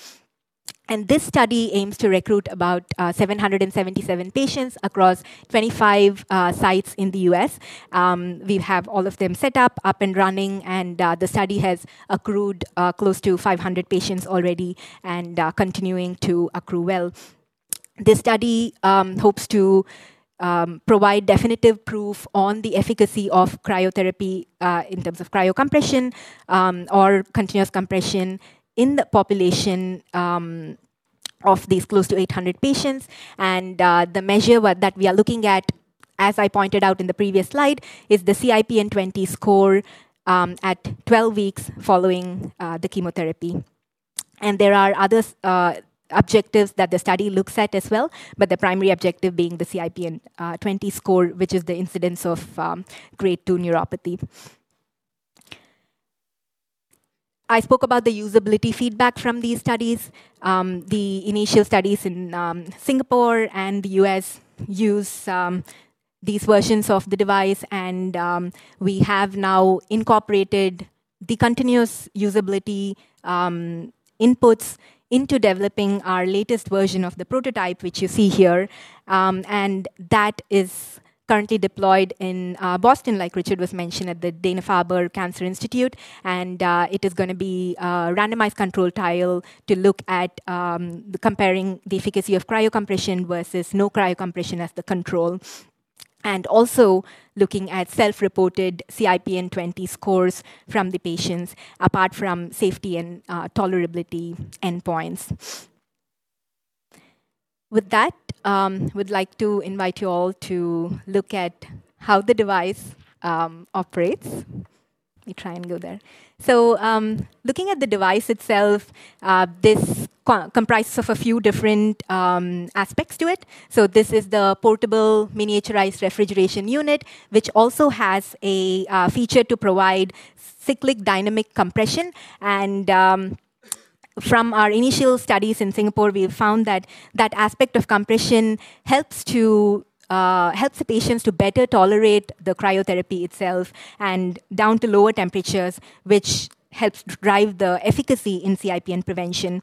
This study aims to recruit about 777 patients across 25 sites in the U.S.. We have all of them set up, up and running, and the study has accrued close to 500 patients already and is continuing to accrue well. This study hopes to provide definitive proof on the efficacy of cryotherapy in terms of cryocompression or continuous compression in the population of these close to 800 patients. The measure that we are looking at, as I pointed out in the previous slide, is the CIPN20 score at 12 weeks following the chemotherapy. There are other objectives that the study looks at as well, but the primary objective being the CIPN20 score, which is the incidence of grade two neuropathy. I spoke about the usability feedback from these studies. The initial studies in Singapore and the U.S. use these versions of the device, and we have now incorporated the continuous usability inputs into developing our latest version of the prototype, which you see here. That is currently deployed in Boston, like Richard Paxman was mentioning, at the Dana-Farber Cancer Institute. It is going to be a randomized control trial to look at comparing the efficacy of cryocompression versus no cryocompression as the control, and also looking at self-reported CIPN20 scores from the patients, apart from safety and tolerability endpoints. With that, I would like to invite you all to look at how the device operates. Let me try and go there. Looking at the device itself, this comprises a few different aspects to it. This is the portable miniaturized refrigeration unit, which also has a feature to provide cyclic dynamic compression. From our initial studies in Singapore, we've found that that aspect of compression helps the patients to better tolerate the cryotherapy itself and down to lower temperatures, which helps drive the efficacy in CIPN prevention.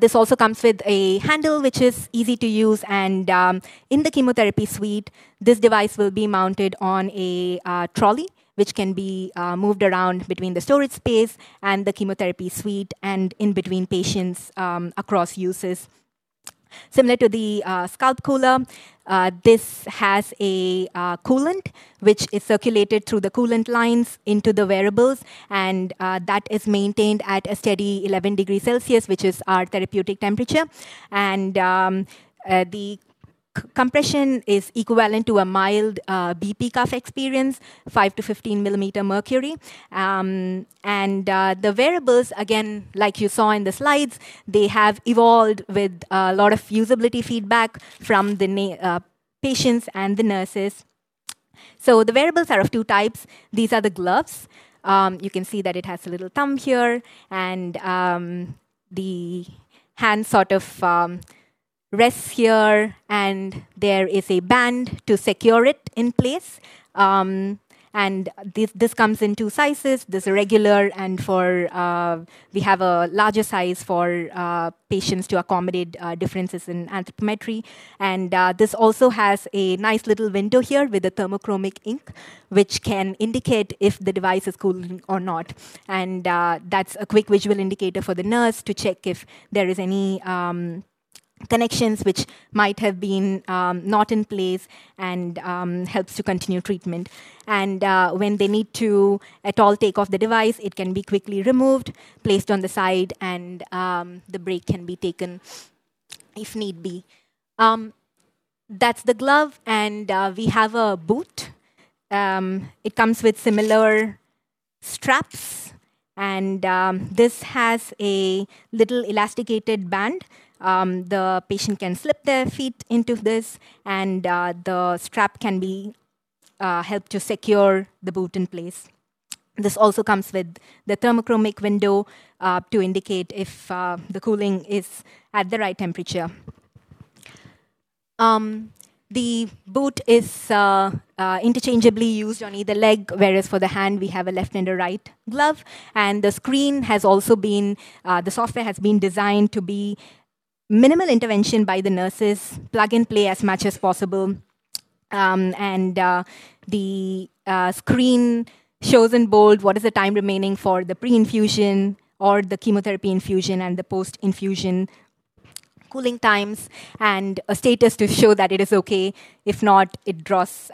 This also comes with a handle, which is easy to use. In the chemotherapy suite, this device will be mounted on a trolley, which can be moved around between the storage space and the chemotherapy suite and in between patients across uses. Similar to the scalp cooler, this has a coolant, which is circulated through the coolant lines into the wearables, and that is maintained at a steady 11 degrees Celsius, which is our therapeutic temperature. The compression is equivalent to a mild BP cuff experience, 5-15 millimeters mercury. The wearables, again, like you saw in the slides, have evolved with a lot of usability feedback from the patients and the nurses. The wearables are of two types. These are the gloves. You can see that it has a little thumb here, and the hand sort of rests here, and there is a band to secure it in place. This comes in two sizes. There is a regular, and we have a larger size for patients to accommodate differences in anthropometry. This also has a nice little window here with a thermochromic ink, which can indicate if the device is cooling or not. That is a quick visual indicator for the nurse to check if there are any connections which might have been not in place and helps to continue treatment. When they need to at all take off the device, it can be quickly removed, placed on the side, and the break can be taken if need be. That is the glove, and we have a boot. It comes with similar straps, and this has a little elasticated band. The patient can slip their feet into this, and the strap can be helped to secure the boot in place. This also comes with the thermochromic window to indicate if the cooling is at the right temperature. The boot is interchangeably used on either leg, whereas for the hand, we have a left and a right glove. The screen has also been, the software has been designed to be minimal intervention by the nurses, plug and play as much as possible. The screen shows in bold what is the time remaining for the pre-infusion or the chemotherapy infusion and the post-infusion cooling times and a status to show that it is okay. If not, it draws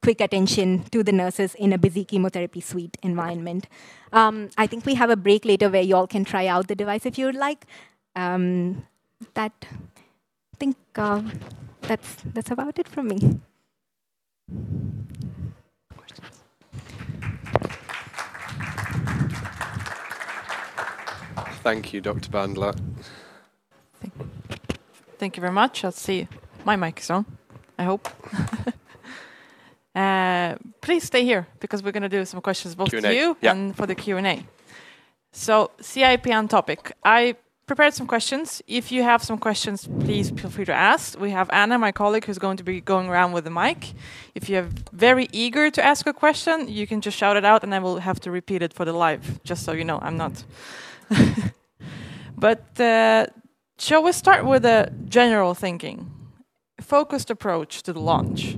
quick attention to the nurses in a busy chemotherapy suite environment. I think we have a break later where you all can try out the device if you would like. I think that's about it from me. Thank you, Dr. Bandla. Thank you very much. I'll see my mic is on, I hope. Please stay here because we're going to do some questions both for you and for the Q&A. CIPN topic. I prepared some questions. If you have some questions, please feel free to ask. We have Anna, my colleague, who's going to be going around with the mic. If you are very eager to ask a question, you can just shout it out, and I will have to repeat it for the live, just so you know. Shall we start with a general thinking? Focused approach to the launch.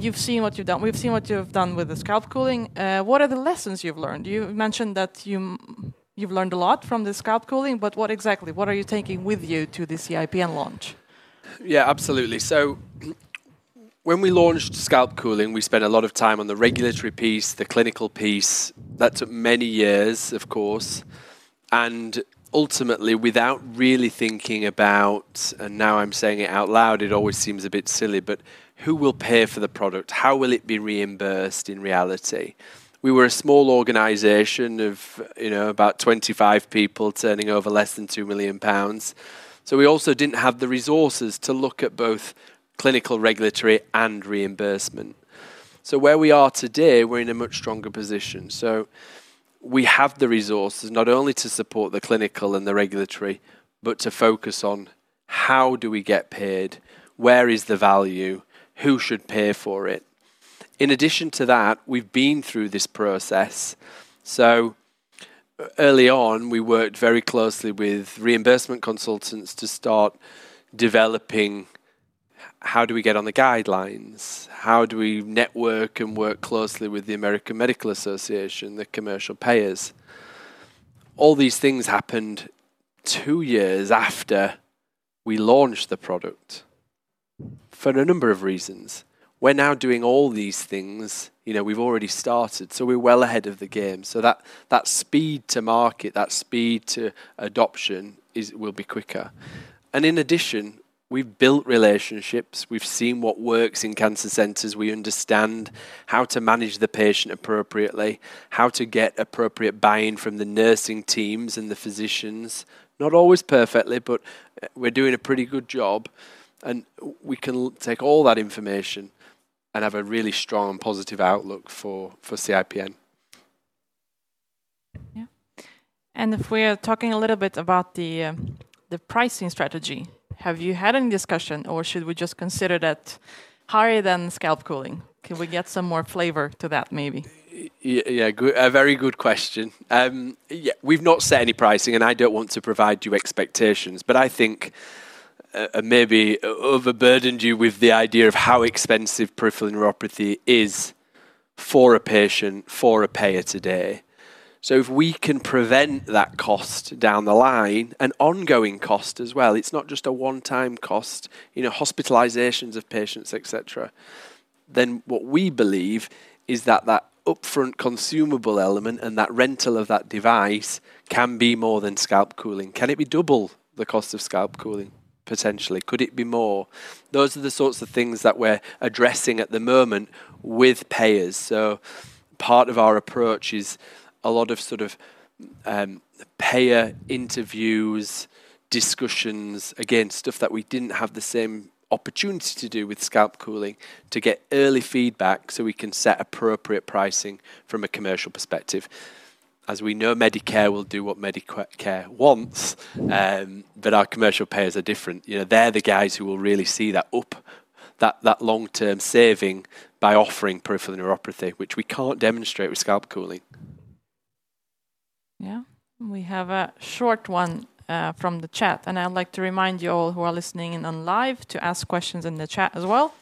You've seen what you've done. We've seen what you've done with the scalp cooling. What are the lessons you've learned? You mentioned that you've learned a lot from the scalp cooling, but what exactly? What are you taking with you to the CIPN launch? Yeah, absolutely. When we launched scalp cooling, we spent a lot of time on the regulatory piece, the clinical piece. That took many years, of course. Ultimately, without really thinking about, and now I'm saying it out loud, it always seems a bit silly, but who will pay for the product? How will it be reimbursed in reality? We were a small organization of about 25 people turning over less than 2 million pounds. We also didn't have the resources to look at both clinical, regulatory, and reimbursement. Where we are today, we're in a much stronger position. We have the resources not only to support the clinical and the regulatory, but to focus on how do we get paid, where is the value, who should pay for it. In addition to that, we've been through this process. Early on, we worked very closely with reimbursement consultants to start developing how do we get on the guidelines, how do we network and work closely with the American Medical Association, the commercial payers. All these things happened two years after we launched the product for a number of reasons. We're now doing all these things. We've already started, so we're well ahead of the game. That speed to market, that speed to adoption will be quicker. In addition, we've built relationships. We've seen what works in cancer centers. We understand how to manage the patient appropriately, how to get appropriate buy-in from the nursing teams and the physicians. Not always perfectly, but we're doing a pretty good job. We can take all that information and have a really strong and positive outlook for CIPN. Yeah. If we are talking a little bit about the pricing strategy, have you had any discussion, or should we just consider that higher than scalp cooling? Can we get some more flavor to that, maybe? Yeah, a very good question. We've not set any pricing, and I don't want to provide you expectations, but I think maybe overburdened you with the idea of how expensive peripheral neuropathy is for a patient, for a payer today. If we can prevent that cost down the line, an ongoing cost as well, it's not just a one-time cost, hospitalizations of patients, et cetera, then what we believe is that that upfront consumable element and that rental of that device can be more than scalp cooling. Can it be double the cost of scalp cooling, potentially? Could it be more? Those are the sorts of things that we're addressing at the moment with payers. Part of our approach is a lot of sort of payer interviews, discussions, again, stuff that we didn't have the same opportunity to do with scalp cooling to get early feedback so we can set appropriate pricing from a commercial perspective. As we know, Medicare will do what Medicare wants, but our commercial payers are different. They're the guys who will really see that long-term saving by offering peripheral neuropathy, which we can't demonstrate with scalp cooling. Yeah. We have a short one from the chat, and I'd like to remind you all who are listening in on live to ask questions in the chat as well.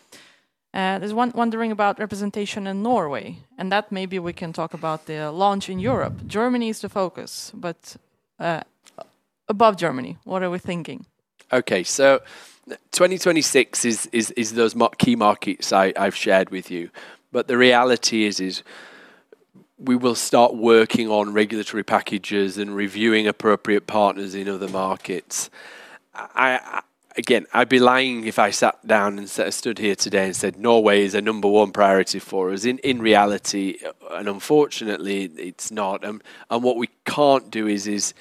There's one wondering about representation in Norway, and that maybe we can talk about the launch in Europe. Germany is the focus, but above Germany, what are we thinking? Okay, so 2026 is those key markets I've shared with you. The reality is we will start working on regulatory packages and reviewing appropriate partners in other markets. Again, I'd be lying if I sat down and stood here today and said Norway is a number one priority for us. In reality, and unfortunately, it's not. What we can't do is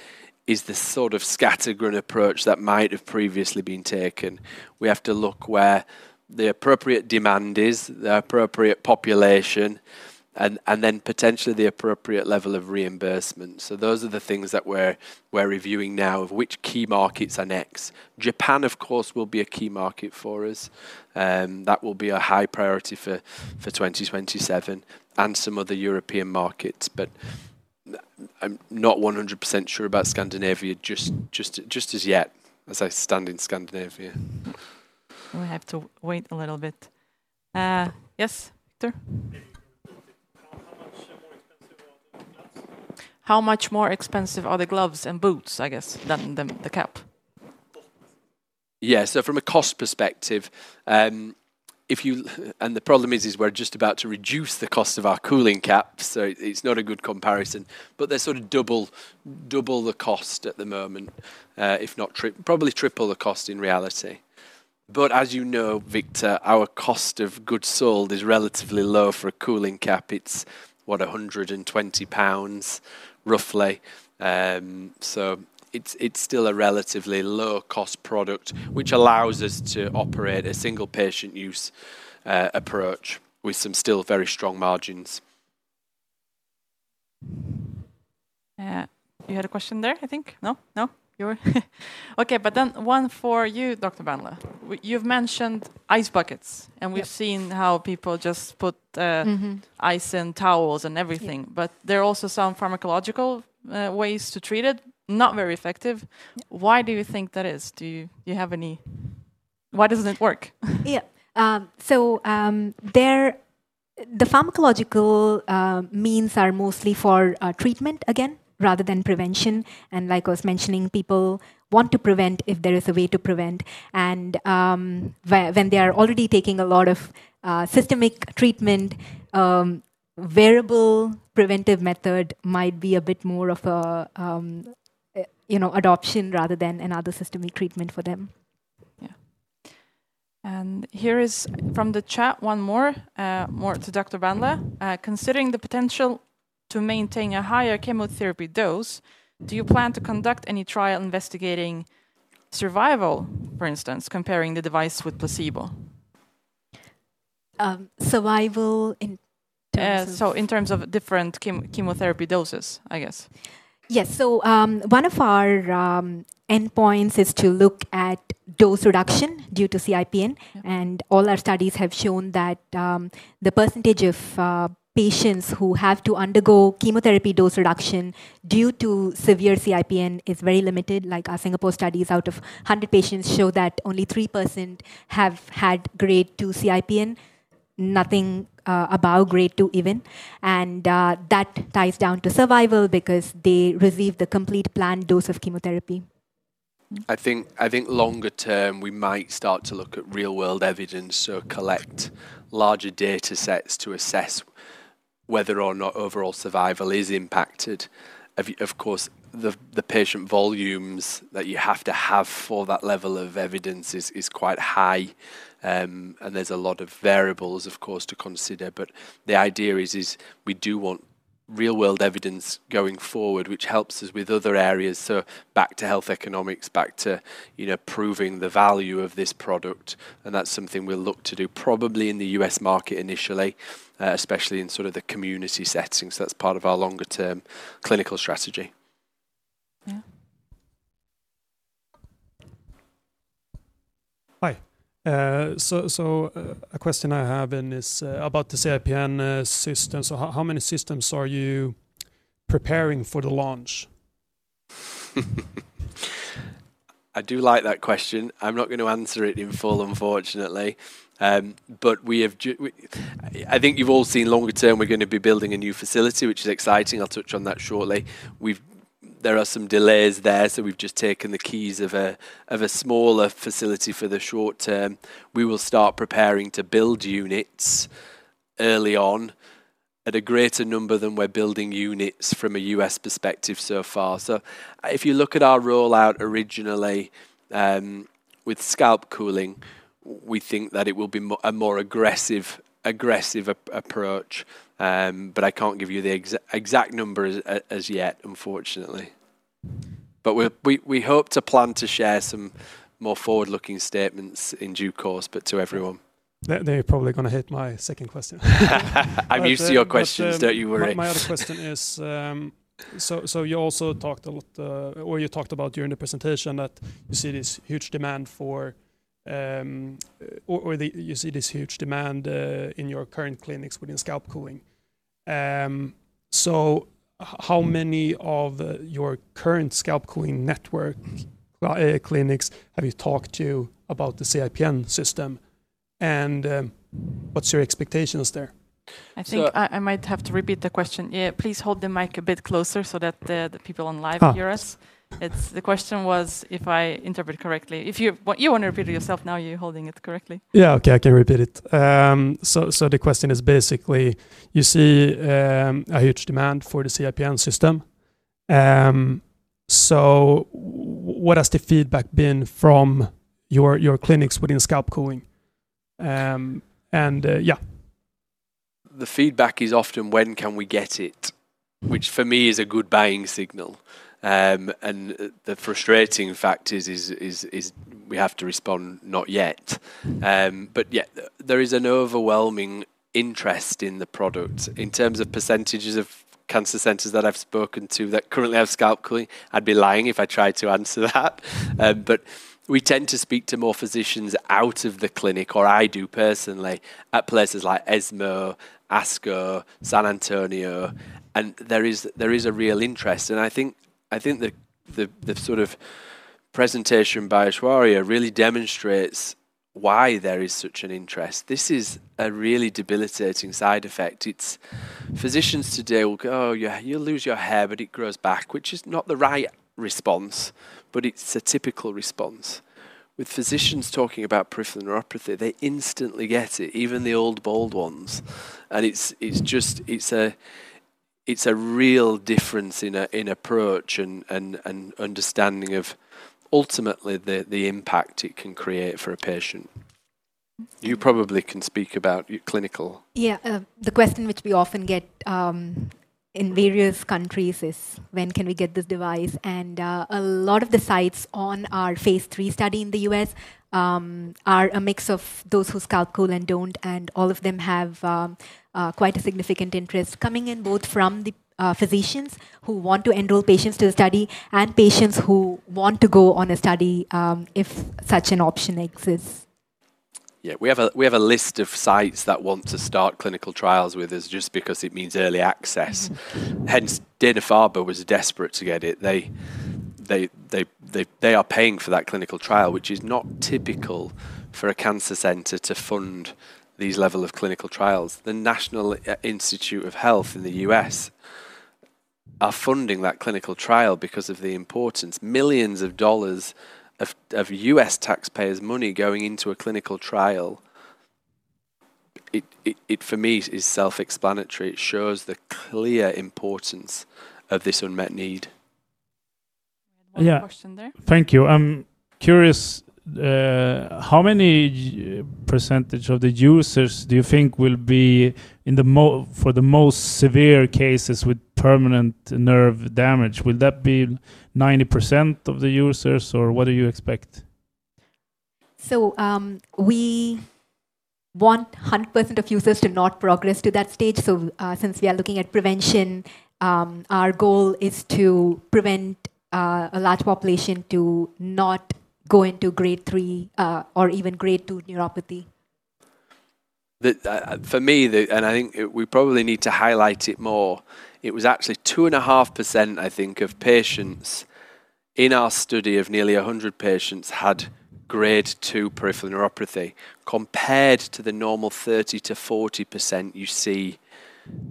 the sort of scatter grid approach that might have previously been taken. We have to look where the appropriate demand is, the appropriate population, and then potentially the appropriate level of reimbursement. Those are the things that we're reviewing now of which key markets are next. Japan, of course, will be a key market for us. That will be a high priority for 2027 and some other European markets. I'm not 100% sure about Scandinavia just as yet, as I stand in Scandinavia. We have to wait a little bit. Yes, Victor? How much more expensive are the gloves and boots, I guess, than the cap? Yeah, so from a cost perspective, the problem is we're just about to reduce the cost of our cooling cap, so it's not a good comparison. They're sort of double the cost at the moment, if not probably triple the cost in reality. As you know, Victor, our cost of goods sold is relatively low for a cooling cap. It's what, 120 pounds, roughly. It's still a relatively low-cost product, which allows us to operate a single patient use approach with some still very strong margins. You had a question there, I think? No? No? Okay, but then one for you, Dr. Bandla. You've mentioned ice buckets, and we've seen how people just put ice and towels and everything. But there are also some pharmacological ways to treat it, not very effective. Why do you think that is? Do you have any? Why doesn't it work? Yeah. The pharmacological means are mostly for treatment, again, rather than prevention. Like I was mentioning, people want to prevent if there is a way to prevent. When they are already taking a lot of systemic treatment, a wearable preventive method might be a bit more of an adoption rather than another systemic treatment for them. Yeah. Here is from the chat one more to Dr. Bandla. Considering the potential to maintain a higher chemotherapy dose, do you plan to conduct any trial investigating survival, for instance, comparing the device with placebo? Survival in terms of? In terms of different chemotherapy doses, I guess. Yes. One of our endpoints is to look at dose reduction due to CIPN. All our studies have shown that the percentage of patients who have to undergo chemotherapy dose reduction due to severe CIPN is very limited. Like our Singapore studies out of 100 patients show that only 3% have had grade 2 CIPN, nothing above grade 2 even. That ties down to survival because they receive the complete planned dose of chemotherapy. I think longer term, we might start to look at real-world evidence or collect larger data sets to assess whether or not overall survival is impacted. Of course, the patient volumes that you have to have for that level of evidence is quite high, and there's a lot of variables, of course, to consider. The idea is we do want real-world evidence going forward, which helps us with other areas. Back to health economics, back to proving the value of this product. That's something we'll look to do probably in the U.S. market initially, especially in sort of the community settings. That's part of our longer-term clinical strategy. Yeah. Hi. A question I have is about the CIPN system. How many systems are you preparing for the launch? I do like that question. I'm not going to answer it in full, unfortunately. I think you've all seen longer term, we're going to be building a new facility, which is exciting. I'll touch on that shortly. There are some delays there, so we've just taken the keys of a smaller facility for the short term. We will start preparing to build units early on at a greater number than we're building units from a U.S. perspective so far. If you look at our rollout originally with scalp cooling, we think that it will be a more aggressive approach. I can't give you the exact number as yet, unfortunately. We hope to plan to share some more forward-looking statements in due course, but to everyone. They're probably going to hit my second question. I'm used to your questions. Don't you worry. My other question is, you also talked a lot, or you talked about during the presentation that you see this huge demand for, or you see this huge demand in your current clinics within scalp cooling. How many of your current scalp cooling network clinics have you talked to about the CIPN system? What's your expectations there? I think I might have to repeat the question. Yeah, please hold the mic a bit closer so that the people on live hear us. The question was, if I interpret correctly, you want to repeat it yourself. Now you're holding it correctly. Yeah, okay, I can repeat it. The question is basically, you see a huge demand for the CIPN system. What has the feedback been from your clinics within scalp cooling? Yeah. The feedback is often, when can we get it? Which for me is a good buying signal. The frustrating fact is we have to respond, not yet. Yeah, there is an overwhelming interest in the product. In terms of percentages of cancer centers that I've spoken to that currently have scalp cooling, I'd be lying if I tried to answer that. We tend to speak to more physicians out of the clinic, or I do personally, at places like ESMO, ASCO, San Antonio. There is a real interest. I think the sort of presentation by Aishwarya really demonstrates why there is such an interest. This is a really debilitating side effect. Physicians today will go, "Oh, you'll lose your hair, but it grows back," which is not the right response, but it's a typical response. With physicians talking about peripheral neuropathy, they instantly get it, even the old, bald ones. It is a real difference in approach and understanding of ultimately the impact it can create for a patient. You probably can speak about clinical. Yeah, the question which we often get in various countries is, when can we get this device? A lot of the sites on our phase III study in the U.S. are a mix of those who scalp cool and do not, and all of them have quite a significant interest coming in both from the physicians who want to enroll patients to the study and patients who want to go on a study if such an option exists. Yeah, we have a list of sites that want to start clinical trials with us just because it means early access. Hence, Dana-Farber was desperate to get it. They are paying for that clinical trial, which is not typical for a cancer center to fund these levels of clinical trials. The National Cancer Institute in the U.S. are funding that clinical trial because of the importance. Millions of dollars of U.S. taxpayers' money going into a clinical trial, it for me is self-explanatory. It shows the clear importance of this unmet need. We had one more question there. Thank you. I'm curious, how many percentage of the users do you think will be for the most severe cases with permanent nerve damage? Will that be 90% of the users, or what do you expect? We want 100% of users to not progress to that stage. Since we are looking at prevention, our goal is to prevent a large population from not going to grade 3 or even grade 2 neuropathy. For me, and I think we probably need to highlight it more, it was actually 2.5% I think of patients in our study of nearly 100 patients had grade 2 peripheral neuropathy compared to the normal 30%-40% you see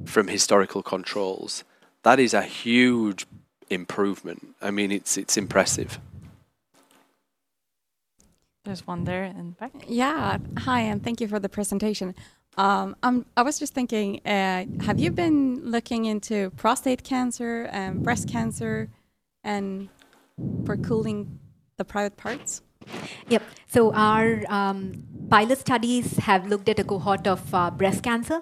from historical controls. That is a huge improvement. I mean, it's impressive. There's one there in the back. Yeah. Hi, and thank you for the presentation. I was just thinking, have you been looking into prostate cancer and breast cancer and for cooling the private parts? Yeah. Our pilot studies have looked at a cohort of breast cancer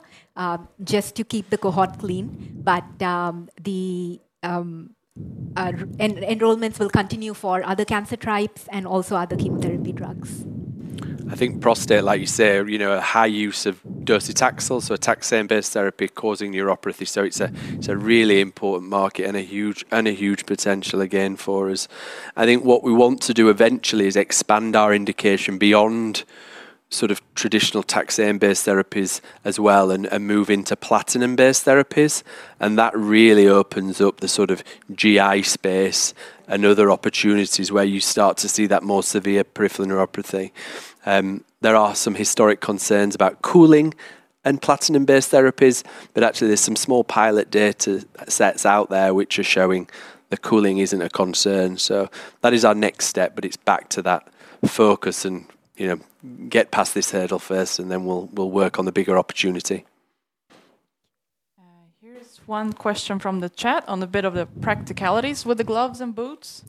just to keep the cohort clean. The enrollments will continue for other cancer types and also other chemotherapy drugs. I think prostate, like you say, a high use of docetaxel, so a taxane-based therapy causing neuropathy. It is a really important market and a huge potential, again, for us. I think what we want to do eventually is expand our indication beyond sort of traditional taxane-based therapies as well and move into platinum-based therapies. That really opens up the sort of GI space and other opportunities where you start to see that more severe peripheral neuropathy. There are some historic concerns about cooling and platinum-based therapies, but actually there are some small pilot data sets out there which are showing that cooling is not a concern. That is our next step, but it is back to that focus and get past this hurdle first, and then we will work on the bigger opportunity. Here's one question from the chat on a bit of the practicalities with the gloves and boots.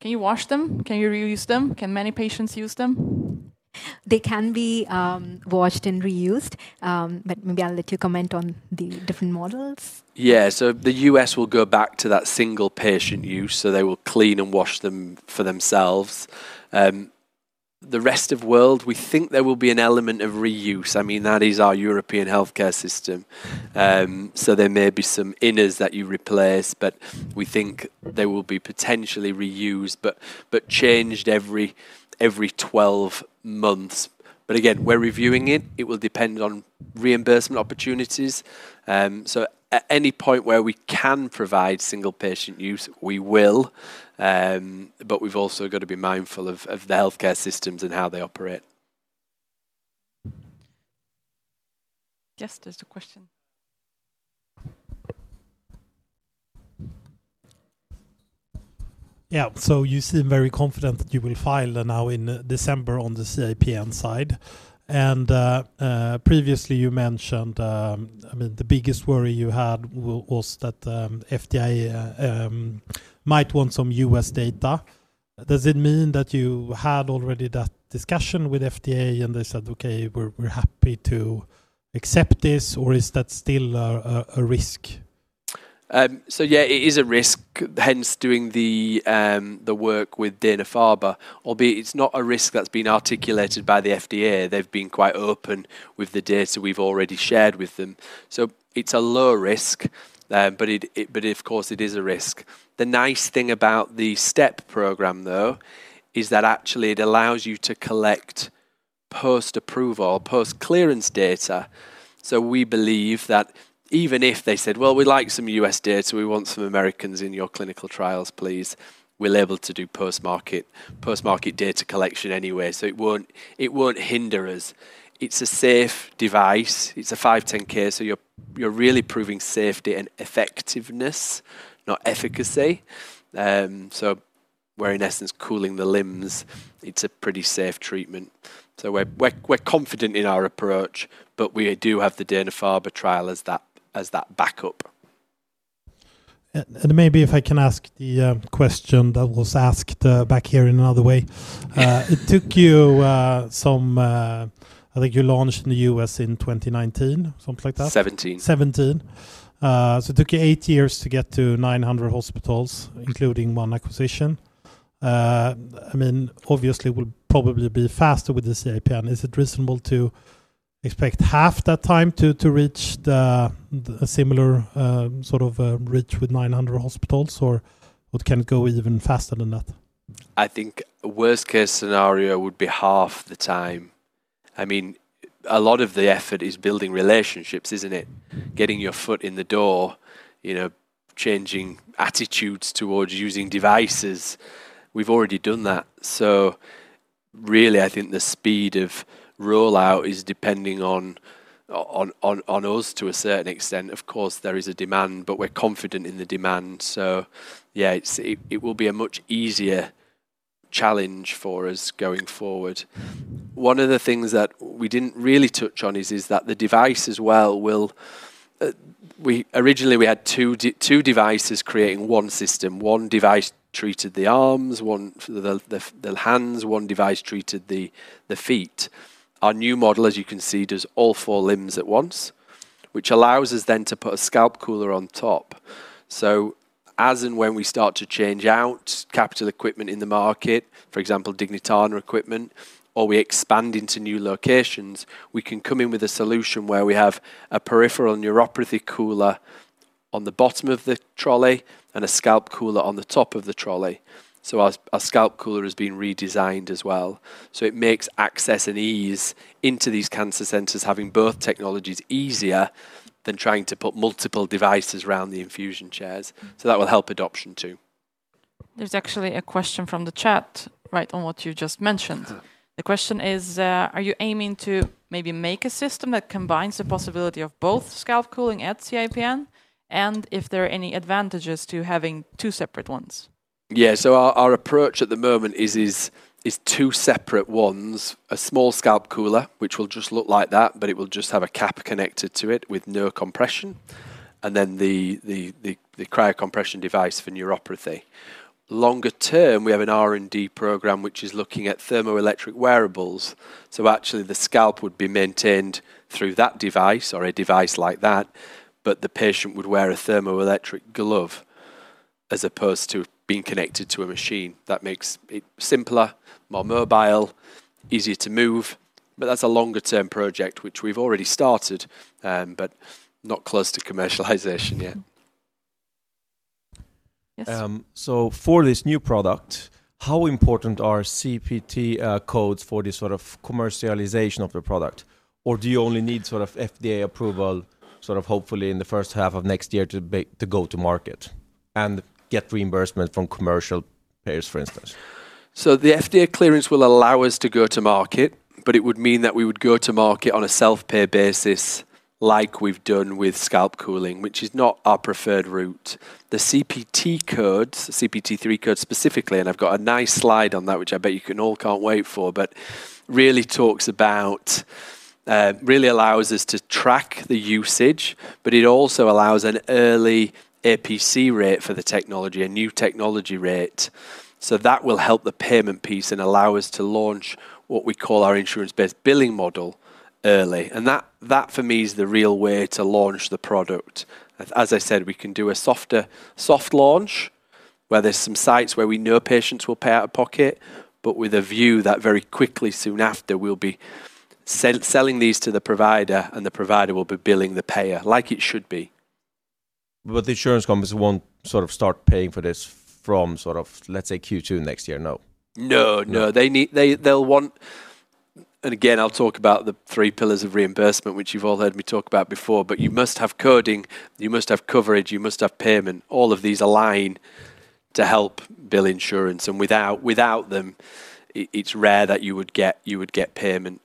Can you wash them? Can you reuse them? Can many patients use them? They can be washed and reused, but maybe I'll let you comment on the different models. Yeah, the U.S. will go back to that single patient use, so they will clean and wash them for themselves. The rest of the world, we think there will be an element of reuse. I mean, that is our European healthcare system. There may be some inners that you replace, but we think they will be potentially reused but changed every 12 months. Again, we're reviewing it. It will depend on reimbursement opportunities. At any point where we can provide single patient use, we will. We've also got to be mindful of the healthcare systems and how they operate. Justice to question. Yeah, you seem very confident that you will file now in December on the CIPN side. Previously, you mentioned, I mean, the biggest worry you had was that FDA might want some U.S. data. Does it mean that you had already that discussion with FDA and they said, "Okay, we're happy to accept this," or is that still a risk? Yeah, it is a risk, hence doing the work with Dana-Farber, albeit it's not a risk that's been articulated by the FDA. They've been quite open with the data we've already shared with them. It's a low risk, but of course, it is a risk. The nice thing about the STeP program, though, is that actually it allows you to collect post-approval, post-clearance data. We believe that even if they said, "Well, we'd like some U.S. data. We want some Americans in your clinical trials, please," we're able to do post-market data collection anyway. It won't hinder us. It's a safe device. It's a 510(k), so you're really proving safety and effectiveness, not efficacy. We're, in essence, cooling the limbs. It's a pretty safe treatment. We're confident in our approach, but we do have the Dana-Farber trial as that backup. Maybe if I can ask the question that was asked back here in another way. It took you some, I think you launched in the U.S. in 2019, something like that. '17. It took you eight years to get to 900 hospitals, including one acquisition. I mean, obviously, it will probably be faster with the CIPN. Is it reasonable to expect half that time to reach a similar sort of reach with 900 hospitals, or can it go even faster than that? I think worst-case scenario would be half the time. I mean, a lot of the effort is building relationships, isn't it? Getting your foot in the door, changing attitudes towards using devices. We've already done that. Really, I think the speed of rollout is depending on us to a certain extent. Of course, there is a demand, but we're confident in the demand. Yeah, it will be a much easier challenge for us going forward. One of the things that we didn't really touch on is that the device as well will originally, we had two devices creating one system. One device treated the arms, one for the hands, one device treated the feet. Our new model, as you can see, does all four limbs at once, which allows us then to put a scalp cooler on top. As and when we start to change out capital equipment in the market, for example, Dignitana equipment, or we expand into new locations, we can come in with a solution where we have a peripheral neuropathy cooler on the bottom of the trolley and a scalp cooler on the top of the trolley. Our scalp cooler has been redesigned as well. It makes access and ease into these cancer centers having both technologies easier than trying to put multiple devices around the infusion chairs. That will help adoption too. There's actually a question from the chat right on what you just mentioned. The question is, are you aiming to maybe make a system that combines the possibility of both scalp cooling and CIPN and if there are any advantages to having two separate ones? Yeah, so our approach at the moment is two separate ones, a small scalp cooler, which will just look like that, but it will just have a cap connected to it with no compression, and then the cryocompression device for neuropathy. Longer term, we have an R&D program which is looking at thermoelectric wearables. Actually, the scalp would be maintained through that device or a device like that, but the patient would wear a thermoelectric glove as opposed to being connected to a machine. That makes it simpler, more mobile, easier to move. That is a longer-term project which we have already started, but not close to commercialization yet. Yes. For this new product, how important are CPT codes for this sort of commercialization of the product? Or do you only need FDA approval, hopefully in the first half of next year, to go to market and get reimbursement from commercial payers, for instance? The FDA clearance will allow us to go to market, but it would mean that we would go to market on a self-pay basis like we've done with scalp cooling, which is not our preferred route. The CPT codes, CPT-3 codes specifically, and I've got a nice slide on that, which I bet you all can't wait for, but really talks about, really allows us to track the usage, but it also allows an early APC rate for the technology, a new technology rate. That will help the payment piece and allow us to launch what we call our insurance-based billing model early. That, for me, is the real way to launch the product. As I said, we can do a soft launch where there's some sites where we know patients will pay out of pocket, but with a view that very quickly soon after, we'll be selling these to the provider, and the provider will be billing the payer like it should be. The insurance companies won't sort of start paying for this from sort of, let's say, Q2 next year, no? No, no. They'll want, and again, I'll talk about the three pillars of reimbursement, which you've all heard me talk about before, but you must have coding, you must have coverage, you must have payment. All of these align to help bill insurance. Without them, it's rare that you would get payment.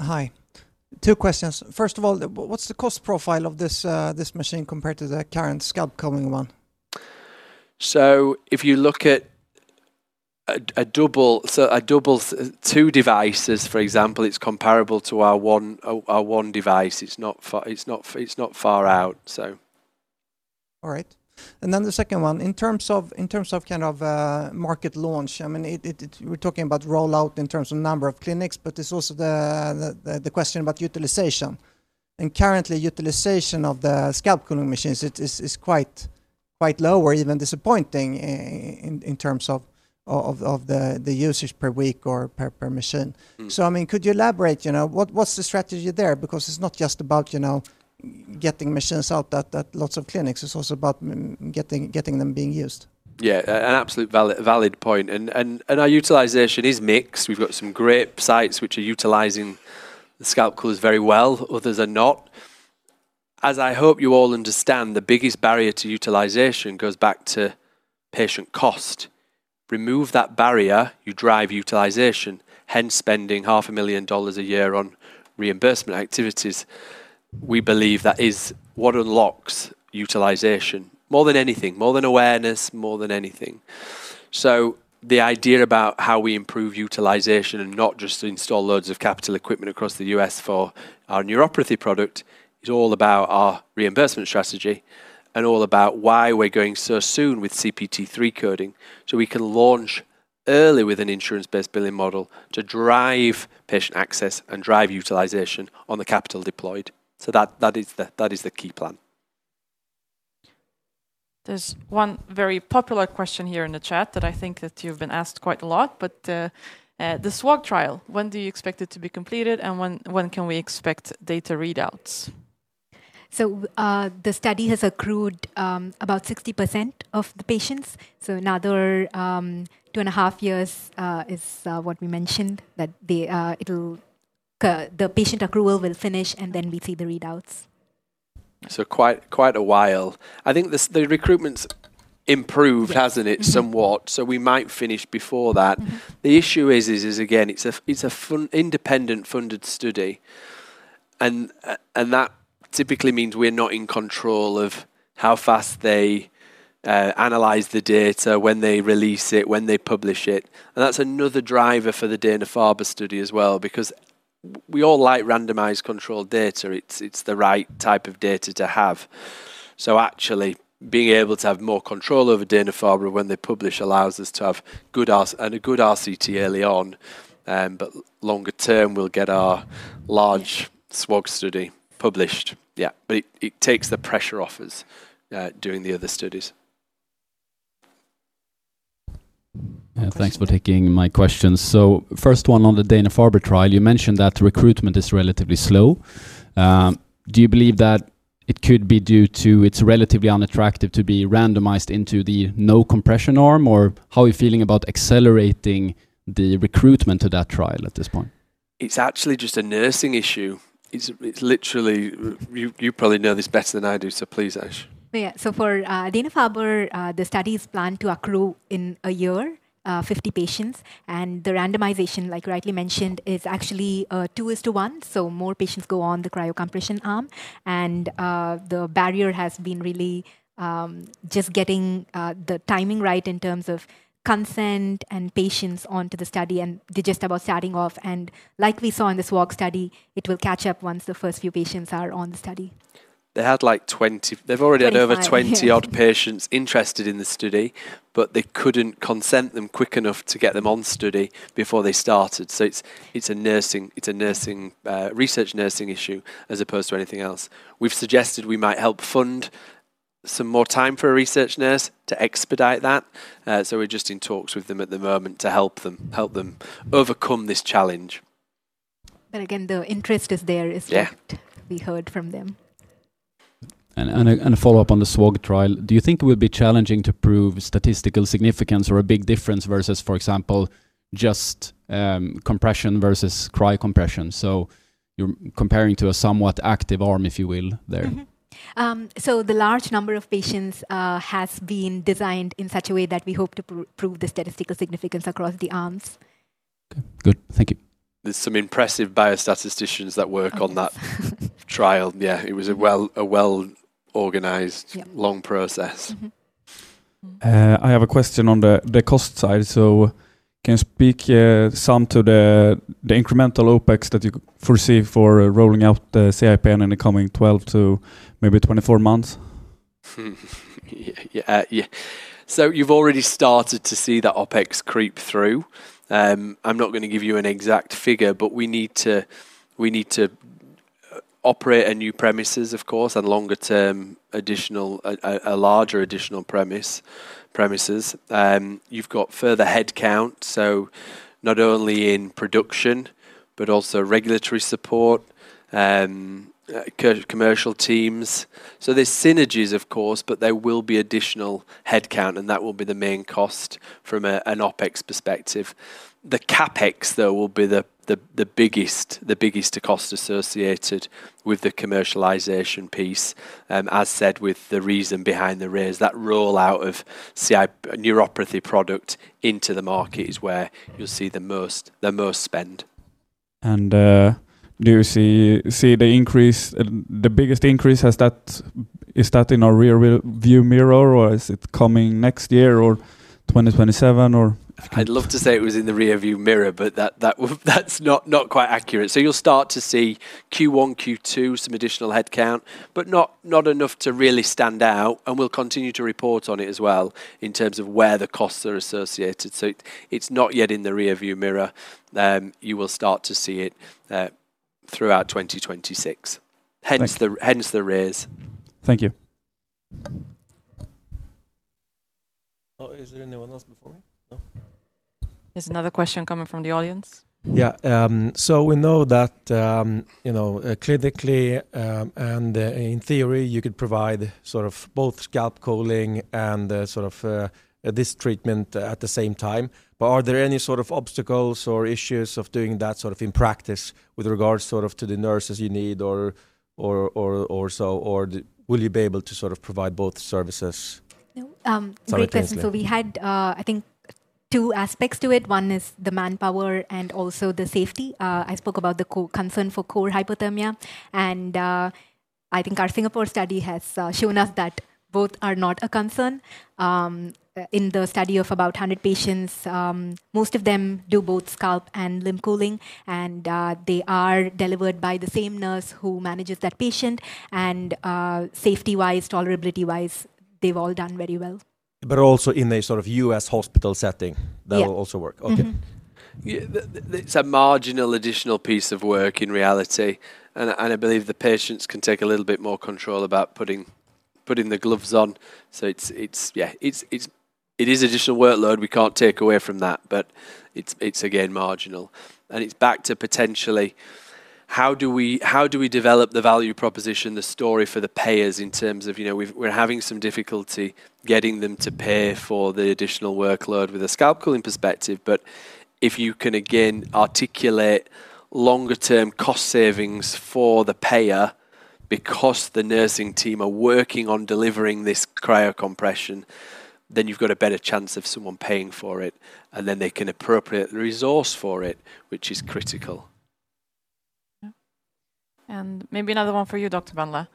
Hi. Two questions. First of all, what's the cost profile of this machine compared to the current scalp cooling one? If you look at a double two devices, for example, it's comparable to our one device. It's not far out, so. All right. The second one, in terms of kind of market launch, I mean, we're talking about rollout in terms of number of clinics, but it's also the question about utilization. Currently, utilization of the scalp cooling machines is quite low or even disappointing in terms of the usage per week or per machine. I mean, could you elaborate? What's the strategy there? Because it's not just about getting machines out at lots of clinics. It's also about getting them being used. Yeah, an absolute valid point. Our utilization is mixed. We've got some great sites which are utilizing the scalp coolers very well. Others are not. As I hope you all understand, the biggest barrier to utilization goes back to patient cost. Remove that barrier, you drive utilization, hence spending $500,000 a year on reimbursement activities. We believe that is what unlocks utilization, more than anything, more than awareness, more than anything. The idea about how we improve utilization and not just install loads of capital equipment across the U.S. for our neuropathy product is all about our reimbursement strategy and all about why we're going so soon with CPT-3 coding so we can launch early with an insurance-based billing model to drive patient access and drive utilization on the capital deployed. That is the key plan. There's one very popular question here in the chat that I think that you've been asked quite a lot, but the SWOG trial, when do you expect it to be completed and when can we expect data readouts? The study has accrued about 60% of the patients. Another two and a half years is what we mentioned that the patient accrual will finish and then we see the readouts. Quite a while. I think the recruitment's improved, hasn't it, somewhat? We might finish before that. The issue is, again, it's an independent funded study. That typically means we're not in control of how fast they analyze the data, when they release it, when they publish it. That's another driver for the Dana-Farber study as well because we all like randomized controlled data. It's the right type of data to have. Actually, being able to have more control over Dana-Farber when they publish allows us to have a good RCT early on, but longer term, we'll get our large SWOG study published. It takes the pressure off us doing the other studies. Thanks for taking my questions. First one on the Dana-Farber trial, you mentioned that recruitment is relatively slow. Do you believe that it could be due to it's relatively unattractive to be randomized into the no compression arm? Or how are you feeling about accelerating the recruitment to that trial at this point? It's actually just a nursing issue. It's literally, you probably know this better than I do, so please, Ash. Yeah, so for Dana-Farber, the study is planned to accrue in a year, 50 patients. The randomization, like rightly mentioned, is actually two is to one. More patients go on the cryocompression arm. The barrier has been really just getting the timing right in terms of consent and patients onto the study and they're just about starting off. Like we saw in the SWOG study, it will catch up once the first few patients are on the study. They had like 20, they've already had over 20 odd patients interested in the study, but they couldn't consent them quick enough to get them on study before they started. It is a nursing, it is a research nursing issue as opposed to anything else. We've suggested we might help fund some more time for a research nurse to expedite that. We are just in talks with them at the moment to help them overcome this challenge. Again, the interest is there is that we heard from them. A follow-up on the SWOG trial, do you think it would be challenging to prove statistical significance or a big difference versus, for example, just compression versus cryocompression? You're comparing to a somewhat active arm, if you will, there. The large number of patients has been designed in such a way that we hope to prove the statistical significance across the arms. Okay, good. Thank you. There's some impressive biostatisticians that work on that trial. Yeah, it was a well-organized, long process. I have a question on the cost side. Can you speak some to the incremental OpEx that you foresee for rolling out the CIPN in the coming 12 to maybe 24 months? Yeah. You've already started to see that OpEx creep through. I'm not going to give you an exact figure, but we need to operate on new premises, of course, and longer-term additional, a larger additional premises. You've got further headcount, so not only in production, but also regulatory support, commercial teams. There's synergies, of course, but there will be additional headcount, and that will be the main cost from an OpEx perspective. The CapEx, though, will be the biggest cost associated with the commercialization piece, as said with the reason behind the rears, that rollout of neuropathy product into the market is where you'll see the most spend. Do you see the increase, the biggest increase, is that in a rearview mirror or is it coming next year or 2027 or? I'd love to say it was in the rearview mirror, but that's not quite accurate. You'll start to see Q1, Q2, some additional headcount, but not enough to really stand out. We'll continue to report on it as well in terms of where the costs are associated. It's not yet in the rearview mirror. You will start to see it throughout 2026, hence the rears. Thank you. Is there anyone else before me? No? There's another question coming from the audience. Yeah. We know that clinically and in theory, you could provide sort of both scalp cooling and sort of this treatment at the same time. Are there any sort of obstacles or issues of doing that sort of in practice with regards sort of to the nurses you need or so? Or will you be able to sort of provide both services? Great question. We had, I think, two aspects to it. One is the manpower and also the safety. I spoke about the concern for core hypothermia. I think our Singapore study has shown us that both are not a concern. In the study of about 100 patients, most of them do both scalp and limb cooling, and they are delivered by the same nurse who manages that patient. Safety-wise, tolerability-wise, they've all done very well. Also in a sort of U.S. hospital setting, that will also work. Okay. It's a marginal additional piece of work in reality. I believe the patients can take a little bit more control about putting the gloves on. Yeah, it is additional workload, we can't take away from that, but it's again marginal. It's back to potentially how do we develop the value proposition, the story for the payers in terms of we're having some difficulty getting them to pay for the additional workload with a scalp cooling perspective. If you can again articulate longer-term cost savings for the payer because the nursing team are working on delivering this cryocompression, then you've got a better chance of someone paying for it, and then they can appropriate the resource for it, which is critical. Maybe another one for you, Dr. Bandla.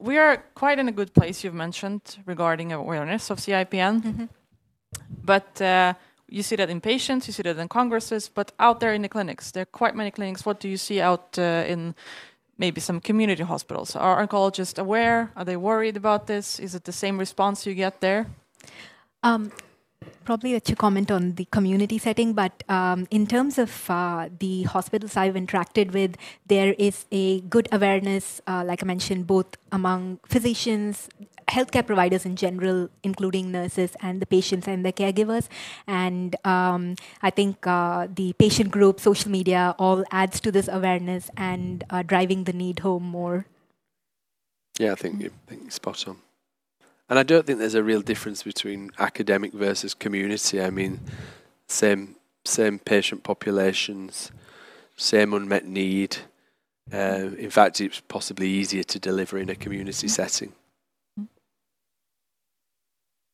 We are quite in a good place, you've mentioned, regarding awareness of CIPN. You see that in patients, you see that in congresses, but out there in the clinics, there are quite many clinics. What do you see out in maybe some community hospitals? Are oncologists aware? Are they worried about this? Is it the same response you get there? Probably a two-comment on the community setting, but in terms of the hospitals I've interacted with, there is a good awareness, like I mentioned, both among physicians, healthcare providers in general, including nurses and the patients and the caregivers. I think the patient group, social media, all adds to this awareness and driving the need home more. Yeah, I think you're spot on. I don't think there's a real difference between academic versus community. I mean, same patient populations, same unmet need. In fact, it's possibly easier to deliver in a community setting.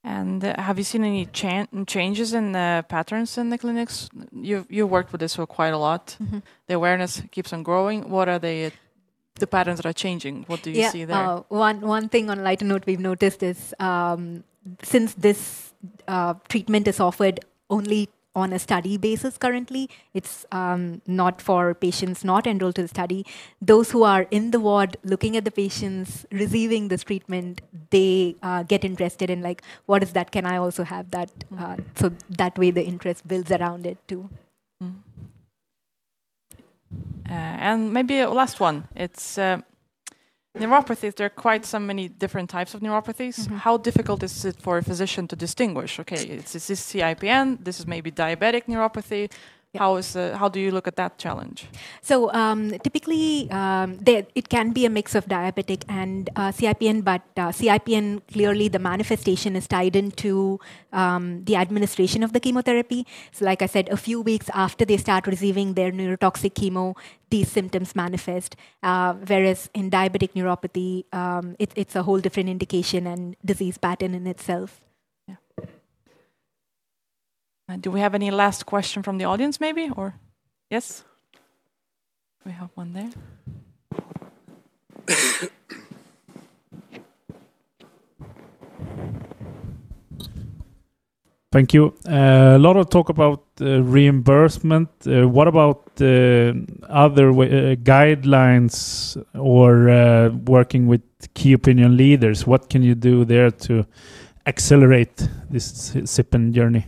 Have you seen any changes in the patterns in the clinics? You've worked with this for quite a lot. The awareness keeps on growing. What are the patterns that are changing? What do you see there? Yeah, one thing on a lighter note we've noticed is since this treatment is offered only on a study basis currently, it's not for patients not enrolled to the study, those who are in the ward looking at the patients receiving this treatment, they get interested in like, what is that? Can I also have that? That way the interest builds around it too. Maybe a last one. Neuropathies, there are quite so many different types of neuropathies. How difficult is it for a physician to distinguish? Okay, this is CIPN, this is maybe diabetic neuropathy. How do you look at that challenge? Typically, it can be a mix of diabetic and CIPN, but CIPN, clearly the manifestation is tied into the administration of the chemotherapy. Like I said, a few weeks after they start receiving their neurotoxic chemo, these symptoms manifest, whereas in diabetic neuropathy, it's a whole different indication and disease pattern in itself. Do we have any last question from the audience maybe? Or yes? We have one there. Thank you. A lot of talk about reimbursement. What about other guidelines or working with key opinion leaders? What can you do there to accelerate this CIPN journey?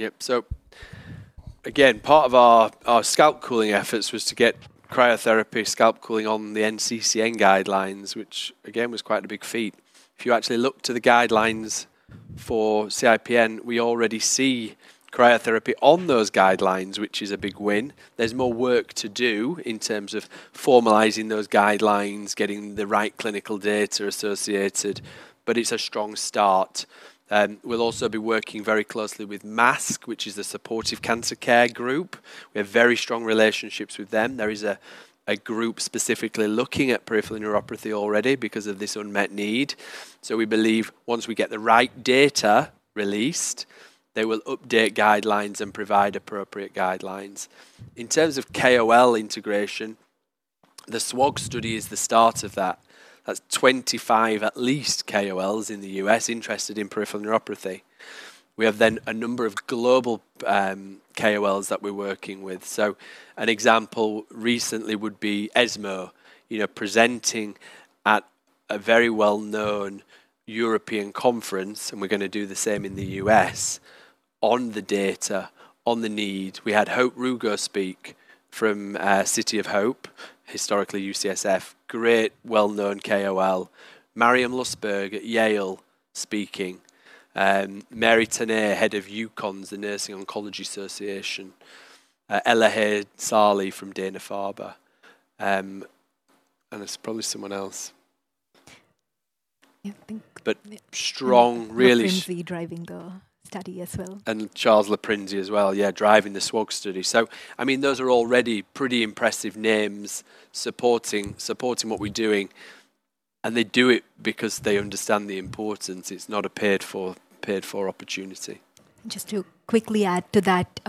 Yep. Again, part of our scalp cooling efforts was to get cryotherapy scalp cooling on the NCCN guidelines, which again was quite a big feat. If you actually look to the guidelines for CIPN, we already see cryotherapy on those guidelines, which is a big win. There's more work to do in terms of formalizing those guidelines, getting the right clinical data associated, but it's a strong start. We'll also be working very closely with MASC, which is the Supportive Cancer Care Group. We have very strong relationships with them. There is a group specifically looking at peripheral neuropathy already because of this unmet need. We believe once we get the right data released, they will update guidelines and provide appropriate guidelines. In terms of KOL integration, the SWOG study is the start of that. That's 25 at least KOLs in the U.S. interested in peripheral neuropathy. We have then a number of global KOLs that we're working with. An example recently would be ESMO presenting at a very well-known European conference, and we're going to do the same in the U.S. on the data, on the need. We had Hope Ruger speak from City of Hope, historically UCSF, great, well-known KOL. Mariam Lusberg at Yale speaking. Mary Tanea, head of Oncology Nursing Society. Ella Hayd-Sarley from Dana-Farber. There's probably someone else. I think. Strong, really. She's been really driving the study as well. Charles LaPrinsey as well, yeah, driving the SWOG study. I mean, those are already pretty impressive names supporting what we're doing. And they do it because they understand the importance. It's not a paid-for opportunity. Just to quickly add to that,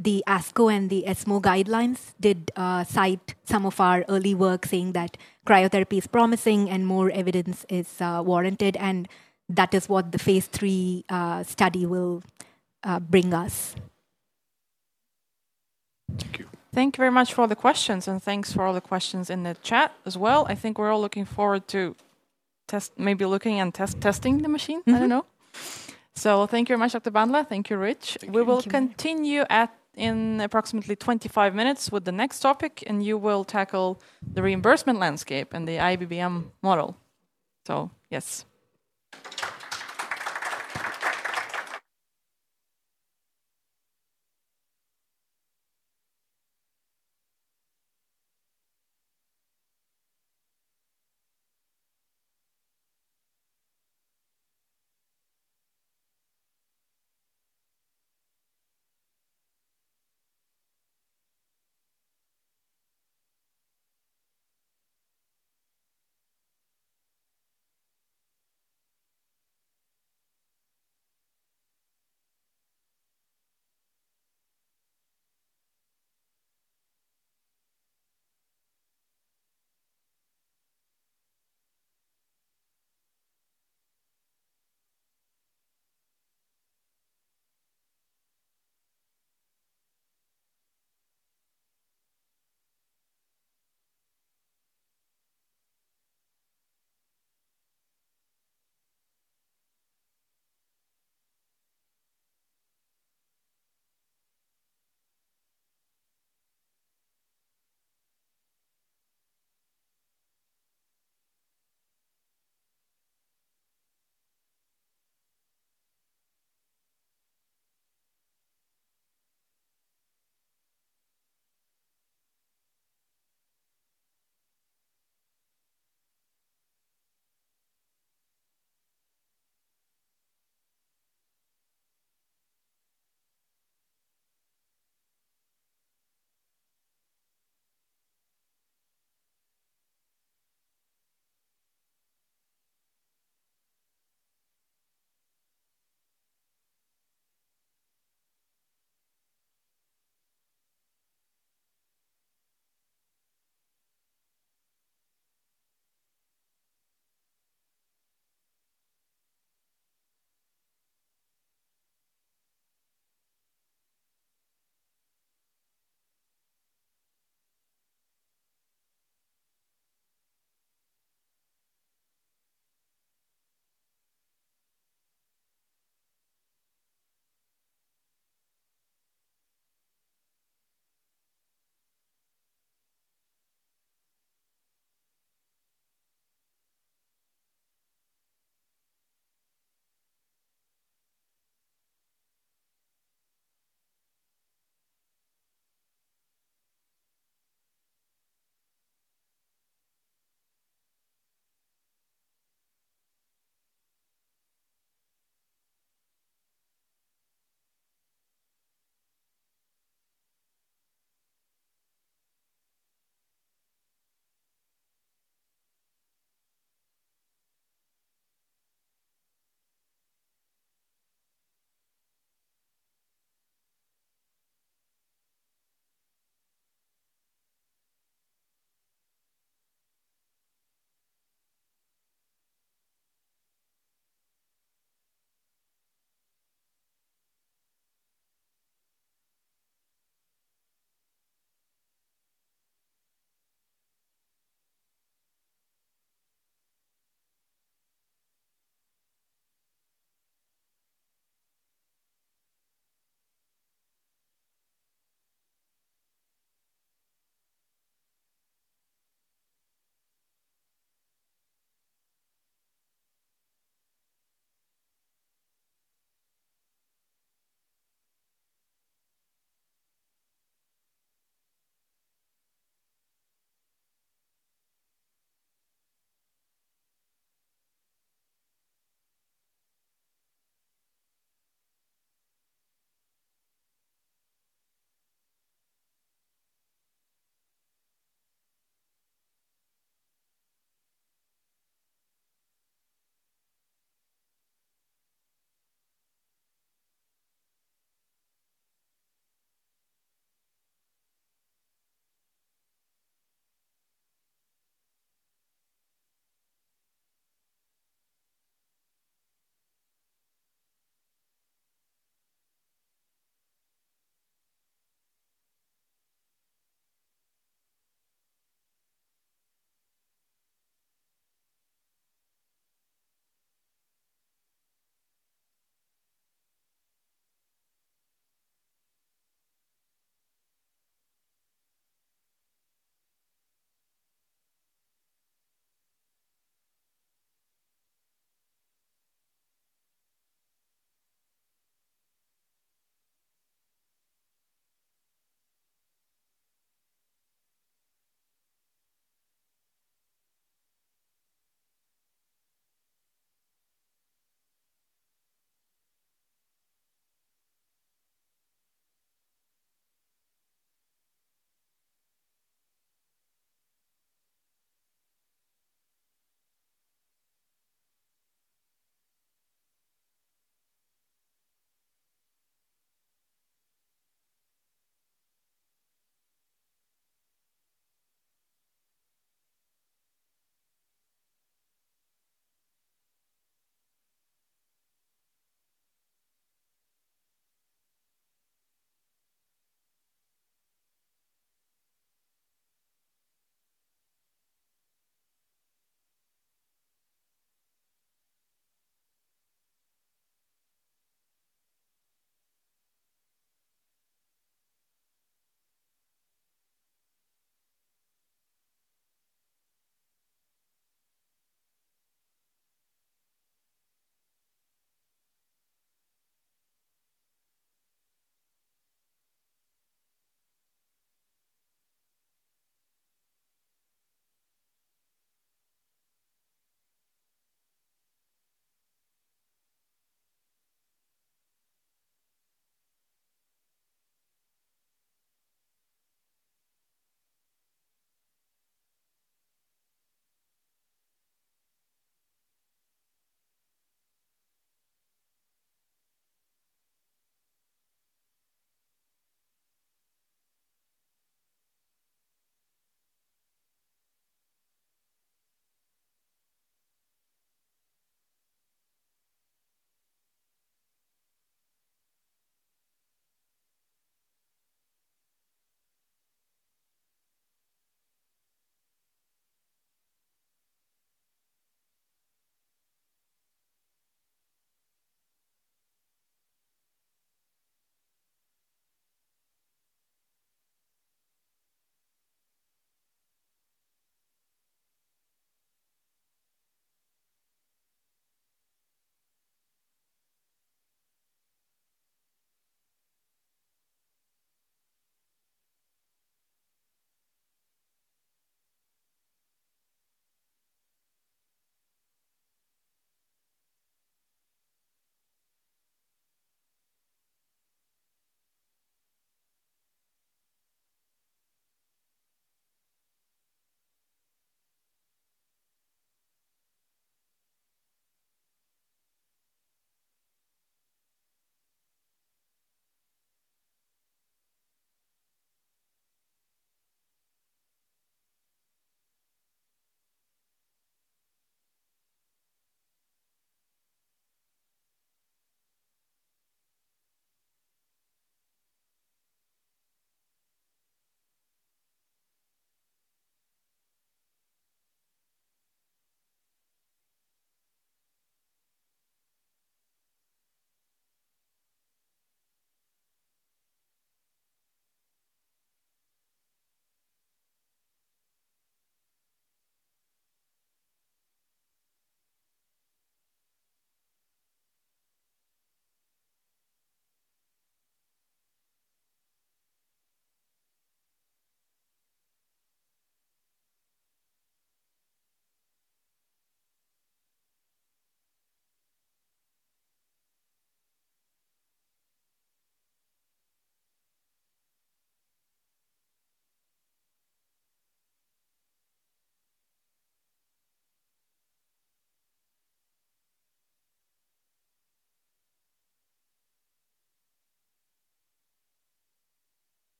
the ASCO and the ESMO guidelines did cite some of our early work saying that cryotherapy is promising and more evidence is warranted. That is what the phase III study will bring us. Thank you. Thank you very much for all the questions. Thank you for all the questions in the chat as well. I think we're all looking forward to maybe looking and testing the machine. I don't know. Thank you very much, Dr. Bandla. Thank you, Rich. We will continue in approximately 25 minutes with the next topic, and you will tackle the reimbursement landscape and the IBBM model. Yes.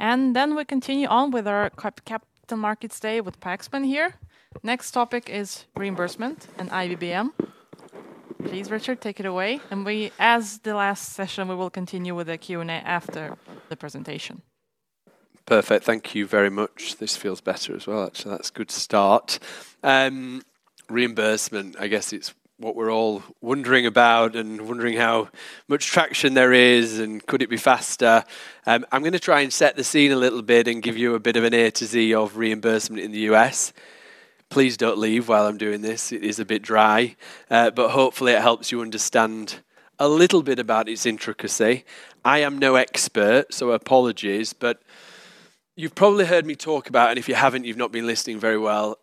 We continue on with our Capital Markets Day with Paxman here. Next topic is reimbursement and IBBM. Please, Richard, take it away. As the last session, we will continue with the Q&A after the presentation. Perfect. Thank you very much. This feels better as well. Actually, that's a good start. Reimbursement, I guess it's what we're all wondering about and wondering how much traction there is and could it be faster. I'm going to try and set the scene a little bit and give you a bit of an A to Z of reimbursement in the U.S.. Please don't leave while I'm doing this. It is a bit dry, but hopefully it helps you understand a little bit about its intricacy. I am no expert, so apologies, but you've probably heard me talk about, and if you haven't, you've not been listening very well,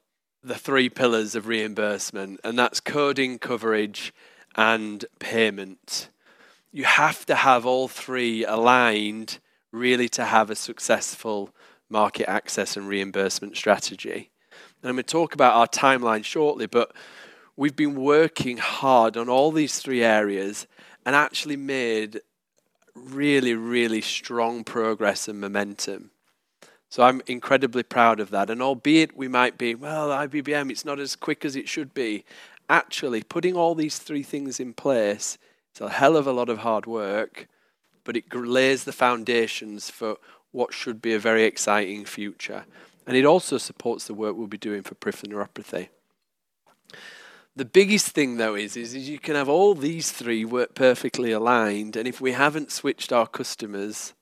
the three pillars of reimbursement, and that's coding, coverage, and payment. You have to have all three aligned, really, to have a successful market access and reimbursement strategy. I'm going to talk about our timeline shortly, but we've been working hard on all these three areas and actually made really, really strong progress and momentum. I'm incredibly proud of that. Albeit we might be, well, IBBM, it's not as quick as it should be. Actually, putting all these three things in place is a hell of a lot of hard work, but it lays the foundations for what should be a very exciting future. It also supports the work we'll be doing for peripheral neuropathy. The biggest thing, though, is you can have all these three work perfectly aligned, and if we haven't switched our customers,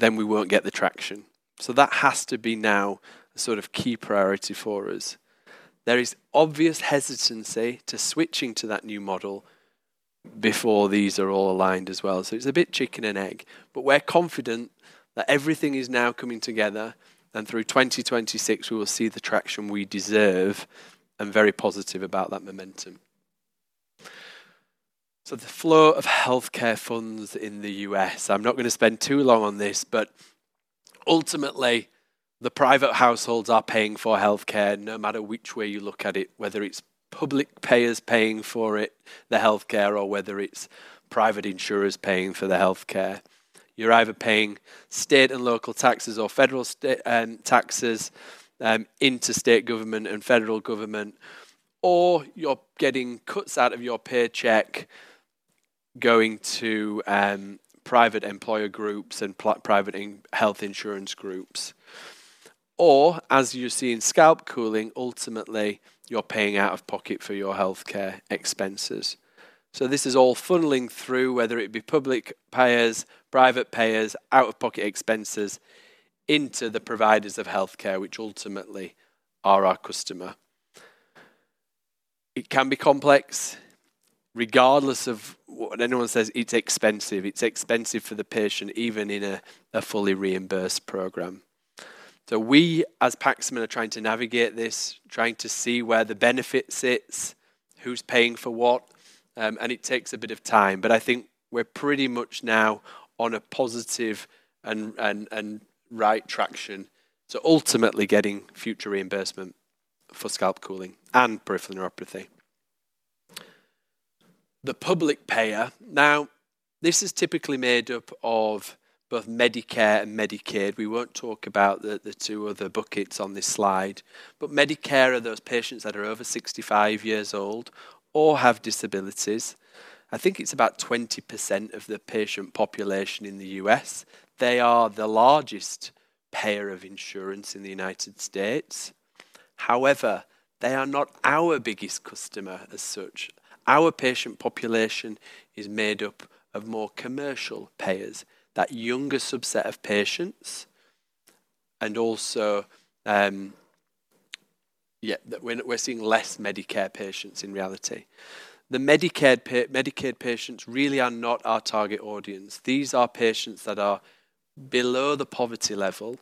then we won't get the traction. That has to be now a sort of key priority for us. There is obvious hesitancy to switching to that new model before these are all aligned as well. It's a bit chicken and egg, but we're confident that everything is now coming together, and through 2026, we will see the traction we deserve and very positive about that momentum. The flow of healthcare funds in the U.S., I'm not going to spend too long on this, but ultimately, the private households are paying for healthcare no matter which way you look at it, whether it's public payers paying for it, the healthcare, or whether it's private insurers paying for the healthcare. You're either paying state and local taxes or federal taxes, interstate government and federal government, or you're getting cuts out of your paycheck going to private employer groups and private health insurance groups. As you're seeing scalp cooling, ultimately, you're paying out of pocket for your healthcare expenses. This is all funneling through, whether it be public payers, private payers, out of pocket expenses into the providers of healthcare, which ultimately are our customer. It can be complex, regardless of what anyone says, it's expensive. It's expensive for the patient, even in a fully reimbursed program. We, as Paxman, are trying to navigate this, trying to see where the benefit sits, who's paying for what, and it takes a bit of time, but I think we're pretty much now on a positive and right traction to ultimately getting future reimbursement for scalp cooling and peripheral neuropathy. The public payer, now, this is typically made up of both Medicare and Medicaid. We won't talk about the two other buckets on this slide, but Medicare are those patients that are over 65 years old or have disabilities. I think it's about 20% of the patient population in the United States. They are the largest payer of insurance in the United States. However, they are not our biggest customer as such. Our patient population is made up of more commercial payers, that younger subset of patients, and also, yeah, that we're seeing less Medicare patients in reality. The Medicare patients really are not our target audience. These are patients that are below the poverty level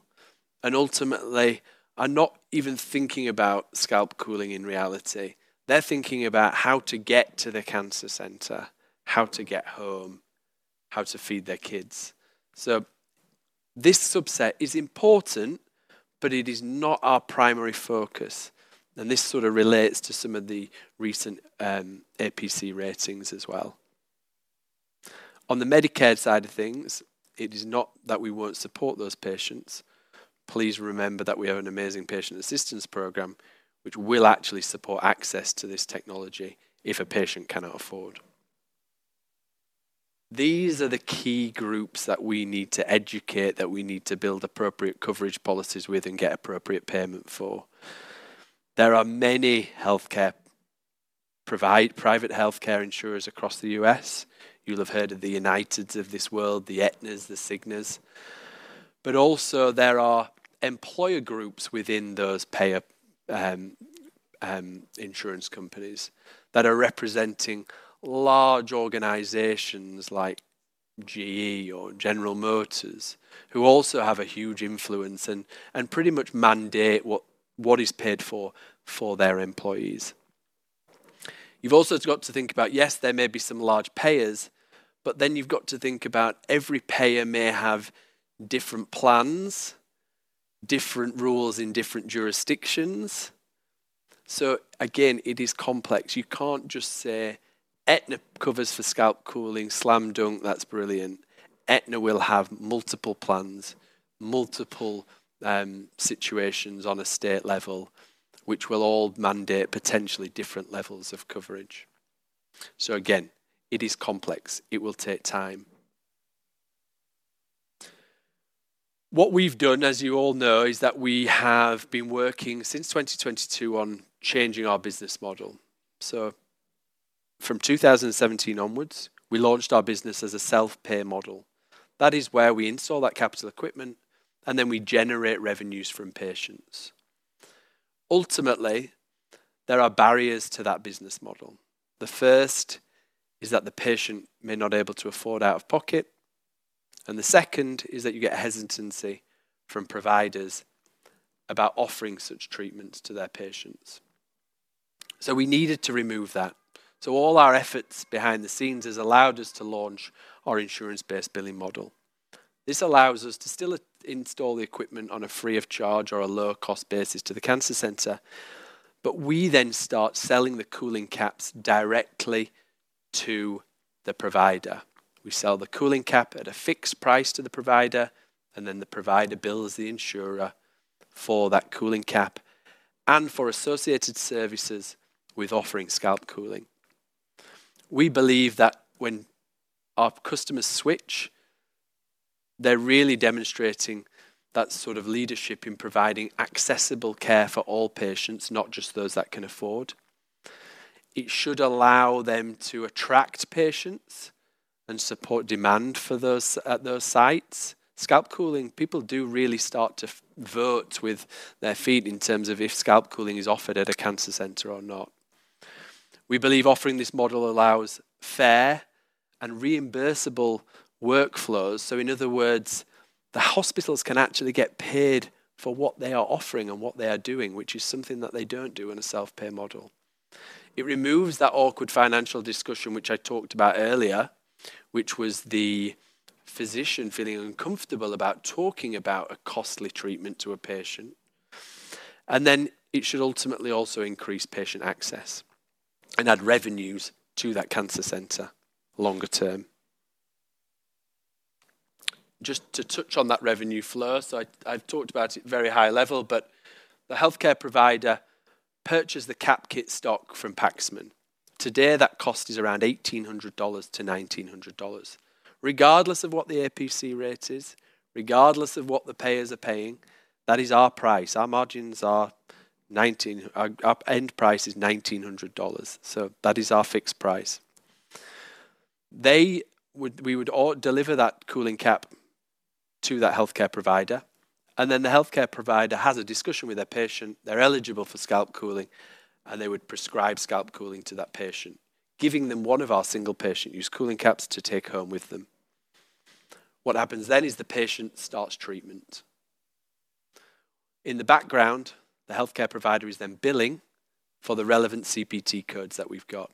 and ultimately are not even thinking about scalp cooling in reality. They're thinking about how to get to the cancer center, how to get home, how to feed their kids. This subset is important, but it is not our primary focus. This sort of relates to some of the recent APC ratings as well. On the Medicare side of things, it is not that we won't support those patients. Please remember that we have an amazing patient assistance program, which will actually support access to this technology if a patient cannot afford. These are the key groups that we need to educate, that we need to build appropriate coverage policies with and get appropriate payment for. There are many healthcare providers, private healthcare insurers across the U.S.. You'll have heard of the Uniteds of this world, the Aetnas, the Cignas. There are employer groups within those payer insurance companies that are representing large organizations like GE or General Motors, who also have a huge influence and pretty much mandate what is paid for for their employees. You have also got to think about, yes, there may be some large payers, but then you have to think about every payer may have different plans, different rules in different jurisdictions. It is complex. You can't just say Aetna covers for scalp cooling, slam dunk, that's brilliant. Aetna will have multiple plans, multiple situations on a state level, which will all mandate potentially different levels of coverage. It is complex. It will take time. What we've done, as you all know, is that we have been working since 2022 on changing our business model. From 2017 onwards, we launched our business as a self-pay model. That is where we install that capital equipment, and then we generate revenues from patients. Ultimately, there are barriers to that business model. The first is that the patient may not be able to afford out of pocket, and the second is that you get hesitancy from providers about offering such treatments to their patients. We needed to remove that. All our efforts behind the scenes has allowed us to launch our insurance-based billing model. This allows us to still install the equipment on a free-of-charge or a low-cost basis to the cancer center, but we then start selling the cooling caps directly to the provider. We sell the cooling cap at a fixed price to the provider, and then the provider bills the insurer for that cooling cap and for associated services with offering scalp cooling. We believe that when our customers switch, they're really demonstrating that sort of leadership in providing accessible care for all patients, not just those that can afford. It should allow them to attract patients and support demand for those at those sites. Scalp cooling, people do really start to vote with their feet in terms of if scalp cooling is offered at a cancer center or not. We believe offering this model allows fair and reimbursable workflows. In other words, the hospitals can actually get paid for what they are offering and what they are doing, which is something that they do not do in a self-pay model. It removes that awkward financial discussion, which I talked about earlier, which was the physician feeling uncomfortable about talking about a costly treatment to a patient. It should ultimately also increase patient access and add revenues to that cancer center longer term. Just to touch on that revenue flow, I have talked about it at a very high level, but the healthcare provider purchased the Cap Kit stock from Paxman. Today, that cost is around $1,800-$1,900. Regardless of what the APC rate is, regardless of what the payers are paying, that is our price. Our margins are $1,900. Our end price is $1,900. That is our fixed price. We would deliver that cooling cap to that healthcare provider, and then the healthcare provider has a discussion with their patient. They're eligible for scalp cooling, and they would prescribe scalp cooling to that patient, giving them one of our single patient use cooling caps to take home with them. What happens then is the patient starts treatment. In the background, the healthcare provider is then billing for the relevant CPT codes that we've got.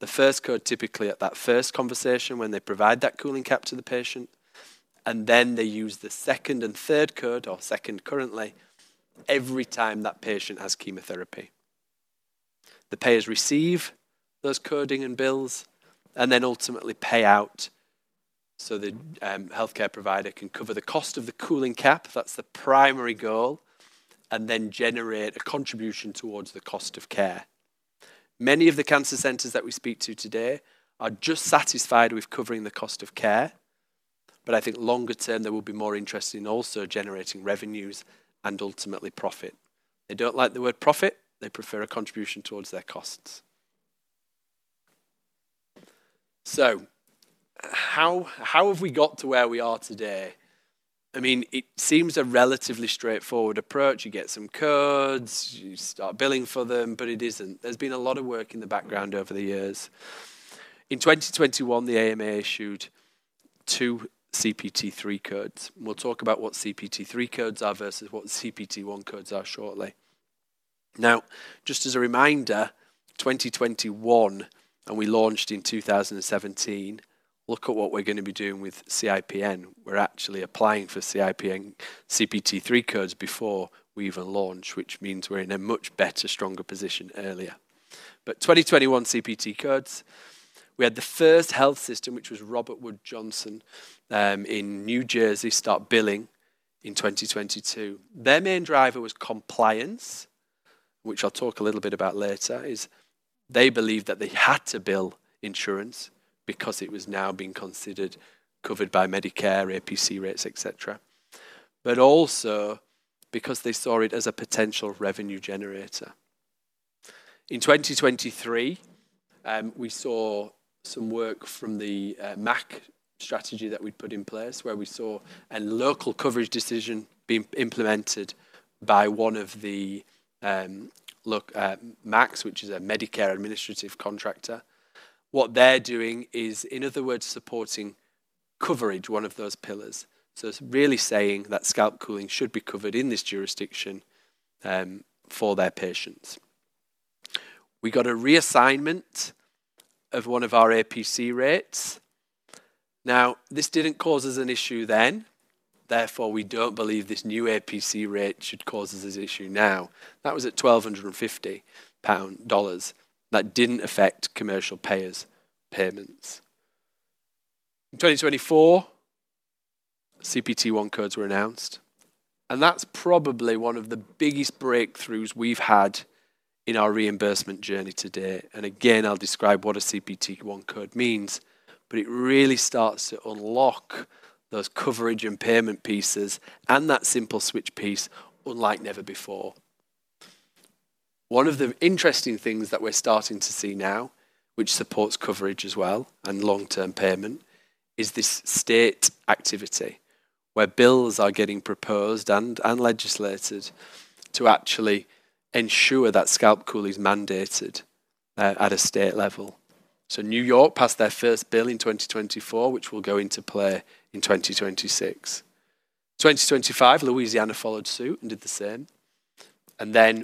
The first code typically at that first conversation when they provide that cooling cap to the patient, and then they use the second and third code or second currently every time that patient has chemotherapy. The payers receive those coding and bills and then ultimately pay out so the healthcare provider can cover the cost of the cooling cap. That's the primary goal, and then generate a contribution towards the cost of care. Many of the cancer centers that we speak to today are just satisfied with covering the cost of care, but I think longer term there will be more interest in also generating revenues and ultimately profit. They do not like the word profit. They prefer a contribution towards their costs. How have we got to where we are today? I mean, it seems a relatively straightforward approach. You get some codes, you start billing for them, but it is not. There has been a lot of work in the background over the years. In 2021, the American Medical Association issued two CPT-3 codes. We will talk about what CPT-3 codes are versus what the CPT-1 codes are shortly. Now, just as a reminder, 2021, and we launched in 2017. Look at what we are going to be doing with CIPN. We're actually applying for CIPN CPT-3 codes before we even launch, which means we're in a much better, stronger position earlier. In 2021 CPT codes, we had the first health system, which was Robert Wood Johnson in New Jersey, start billing in 2022. Their main driver was compliance, which I'll talk a little bit about later, is they believed that they had to bill insurance because it was now being considered covered by Medicare, APC rates, etc., but also because they saw it as a potential revenue generator. In 2023, we saw some work from the MAC strategy that we'd put in place where we saw a local coverage decision being implemented by one of the MACs, which is a Medicare administrative contractor. What they're doing is, in other words, supporting coverage, one of those pillars. It is really saying that scalp cooling should be covered in this jurisdiction for their patients. We got a reassignment of one of our APC rates. Now, this did not cause us an issue then. Therefore, we do not believe this new APC rate should cause us an issue now. That was at $1,250. That did not affect commercial payers' payments. In 2024, CPT-1 codes were announced, and that is probably one of the biggest breakthroughs we have had in our reimbursement journey today. Again, I will describe what a CPT-1 code means, but it really starts to unlock those coverage and payment pieces and that simple switch piece unlike never before. One of the interesting things that we are starting to see now, which supports coverage as well and long-term payment, is this state activity where bills are getting proposed and legislated to actually ensure that scalp cooling is mandated at a state level. New York passed their first bill in 2024, which will go into play in 2026. In 2025, Louisiana followed suit and did the same.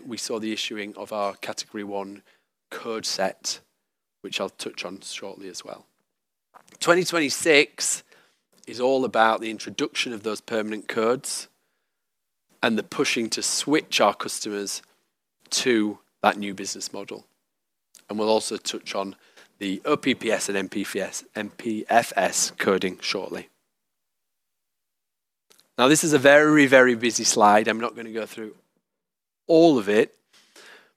We saw the issuing of our category one code set, which I'll touch on shortly as well. 2026 is all about the introduction of those permanent codes and the pushing to switch our customers to that new business model. We'll also touch on the OPPS and MPFS coding shortly. Now, this is a very, very busy slide. I'm not going to go through all of it,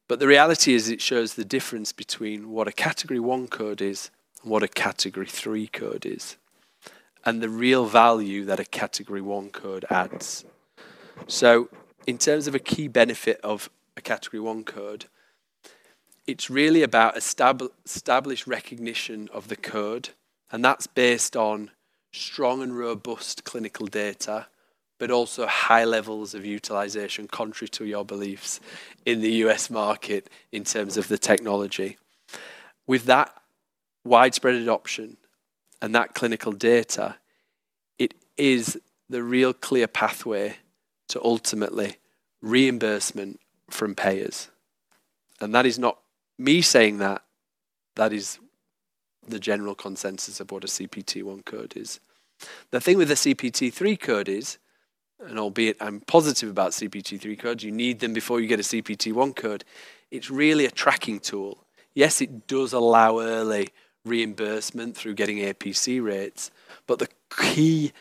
but the reality is it shows the difference between what a category one code is and what a category three code is and the real value that a category one code adds. In terms of a key benefit of a category one code, it's really about established recognition of the code, and that's based on strong and robust clinical data, but also high levels of utilization contrary to your beliefs in the U.S. market in terms of the technology. With that widespread adoption and that clinical data, it is the real clear pathway to ultimately reimbursement from payers. That is not me saying that. That is the general consensus of what a CPT-1 code is. The thing with the CPT-3 code is, and albeit I'm positive about CPT-3 codes, you need them before you get a CPT-1 code. It's really a tracking tool. Yes, it does allow early reimbursement through getting APC rates, but the key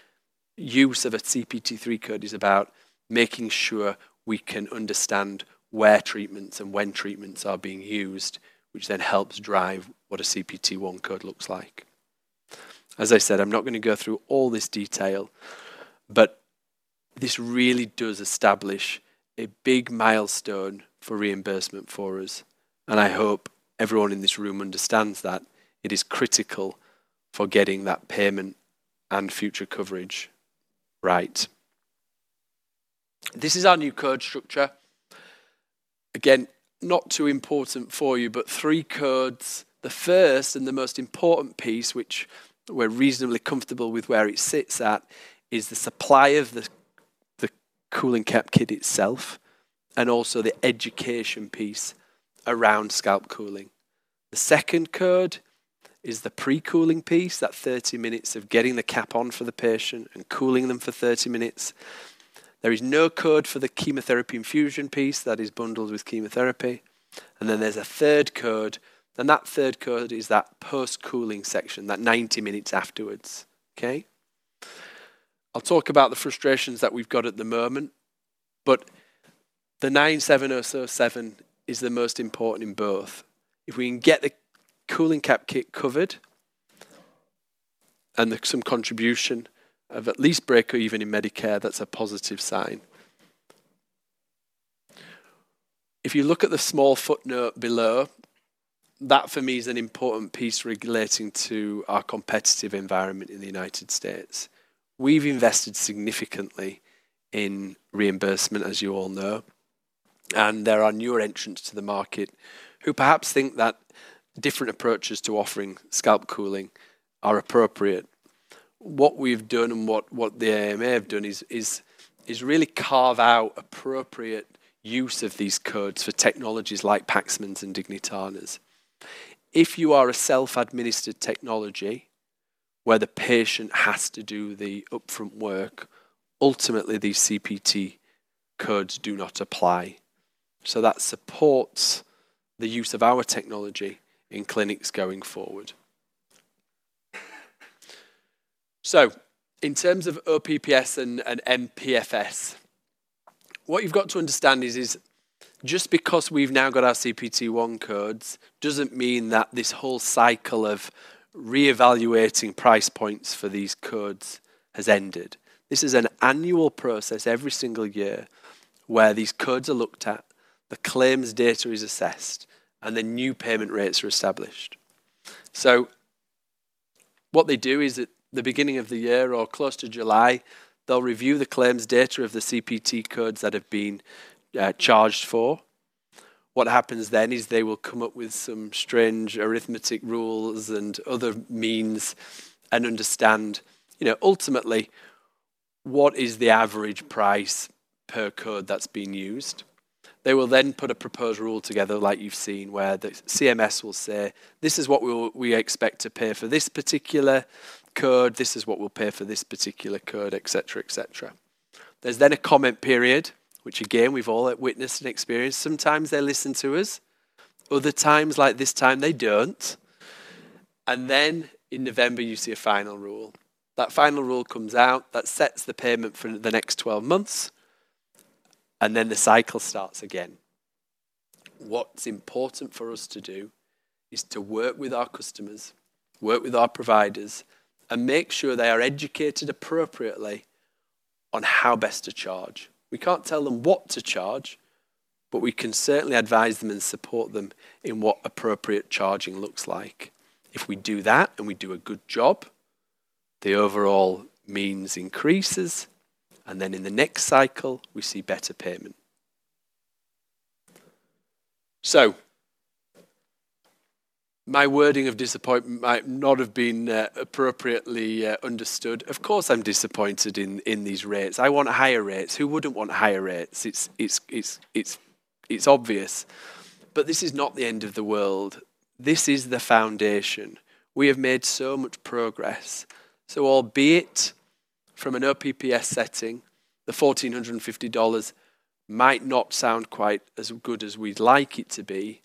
use of a CPT-3 code is about making sure we can understand where treatments and when treatments are being used, which then helps drive what a CPT-1 code looks like. As I said, I'm not going to go through all this detail, but this really does establish a big milestone for reimbursement for us, and I hope everyone in this room understands that it is critical for getting that payment and future coverage right. This is our new code structure. Again, not too important for you, but three codes. The first and the most important piece, which we're reasonably comfortable with where it sits at, is the supply of the cooling cap kit itself and also the education piece around scalp cooling. The second code is the pre-cooling piece, that 30 minutes of getting the cap on for the patient and cooling them for 30 minutes. There is no code for the chemotherapy infusion piece that is bundled with chemotherapy. There is a third code, and that third code is that post-cooling section, that 90 minutes afterwards. Okay, I'll talk about the frustrations that we've got at the moment, but the 97007 is the most important in both. If we can get the cooling cap kit covered and some contribution of at least breaker, even in Medicare, that's a positive sign. If you look at the small footnote below, that for me is an important piece relating to our competitive environment in the United States. We've invested significantly in reimbursement, as you all know, and there are newer entrants to the market who perhaps think that different approaches to offering scalp cooling are appropriate. What we've done and what the AMA have done is really carve out appropriate use of these codes for technologies like Paxman's and Dignitana's. If you are a self-administered technology where the patient has to do the upfront work, ultimately these CPT codes do not apply. That supports the use of our technology in clinics going forward. In terms of OPPS and MPFS, what you've got to understand is just because we've now got our CPT-1 codes doesn't mean that this whole cycle of re-evaluating price points for these codes has ended. This is an annual process every single year where these codes are looked at, the claims data is assessed, and the new payment rates are established. What they do is at the beginning of the year or close to July, they'll review the claims data of the CPT codes that have been charged for. What happens then is they will come up with some strange arithmetic rules and other means and understand, you know, ultimately what is the average price per code that's being used. They will then put a proposed rule together like you've seen where the Centers for Medicare & Medicaid Services will say, "This is what we expect to pay for this particular code. This is what we'll pay for this particular code," etc., etc. There's then a comment period, which again we've all witnessed and experienced. Sometimes they listen to us. Other times, like this time, they don't. In November, you see a final rule. That final rule comes out that sets the payment for the next 12 months, and then the cycle starts again. What's important for us to do is to work with our customers, work with our providers, and make sure they are educated appropriately on how best to charge. We can't tell them what to charge, but we can certainly advise them and support them in what appropriate charging looks like. If we do that and we do a good job, the overall means increases, and then in the next cycle, we see better payment. My wording of disappointment might not have been appropriately understood. Of course, I'm disappointed in these rates. I want higher rates. Who wouldn't want higher rates? It's obvious, but this is not the end of the world. This is the foundation. We have made so much progress. Albeit from an OPPS setting, the $1,450 might not sound quite as good as we'd like it to be,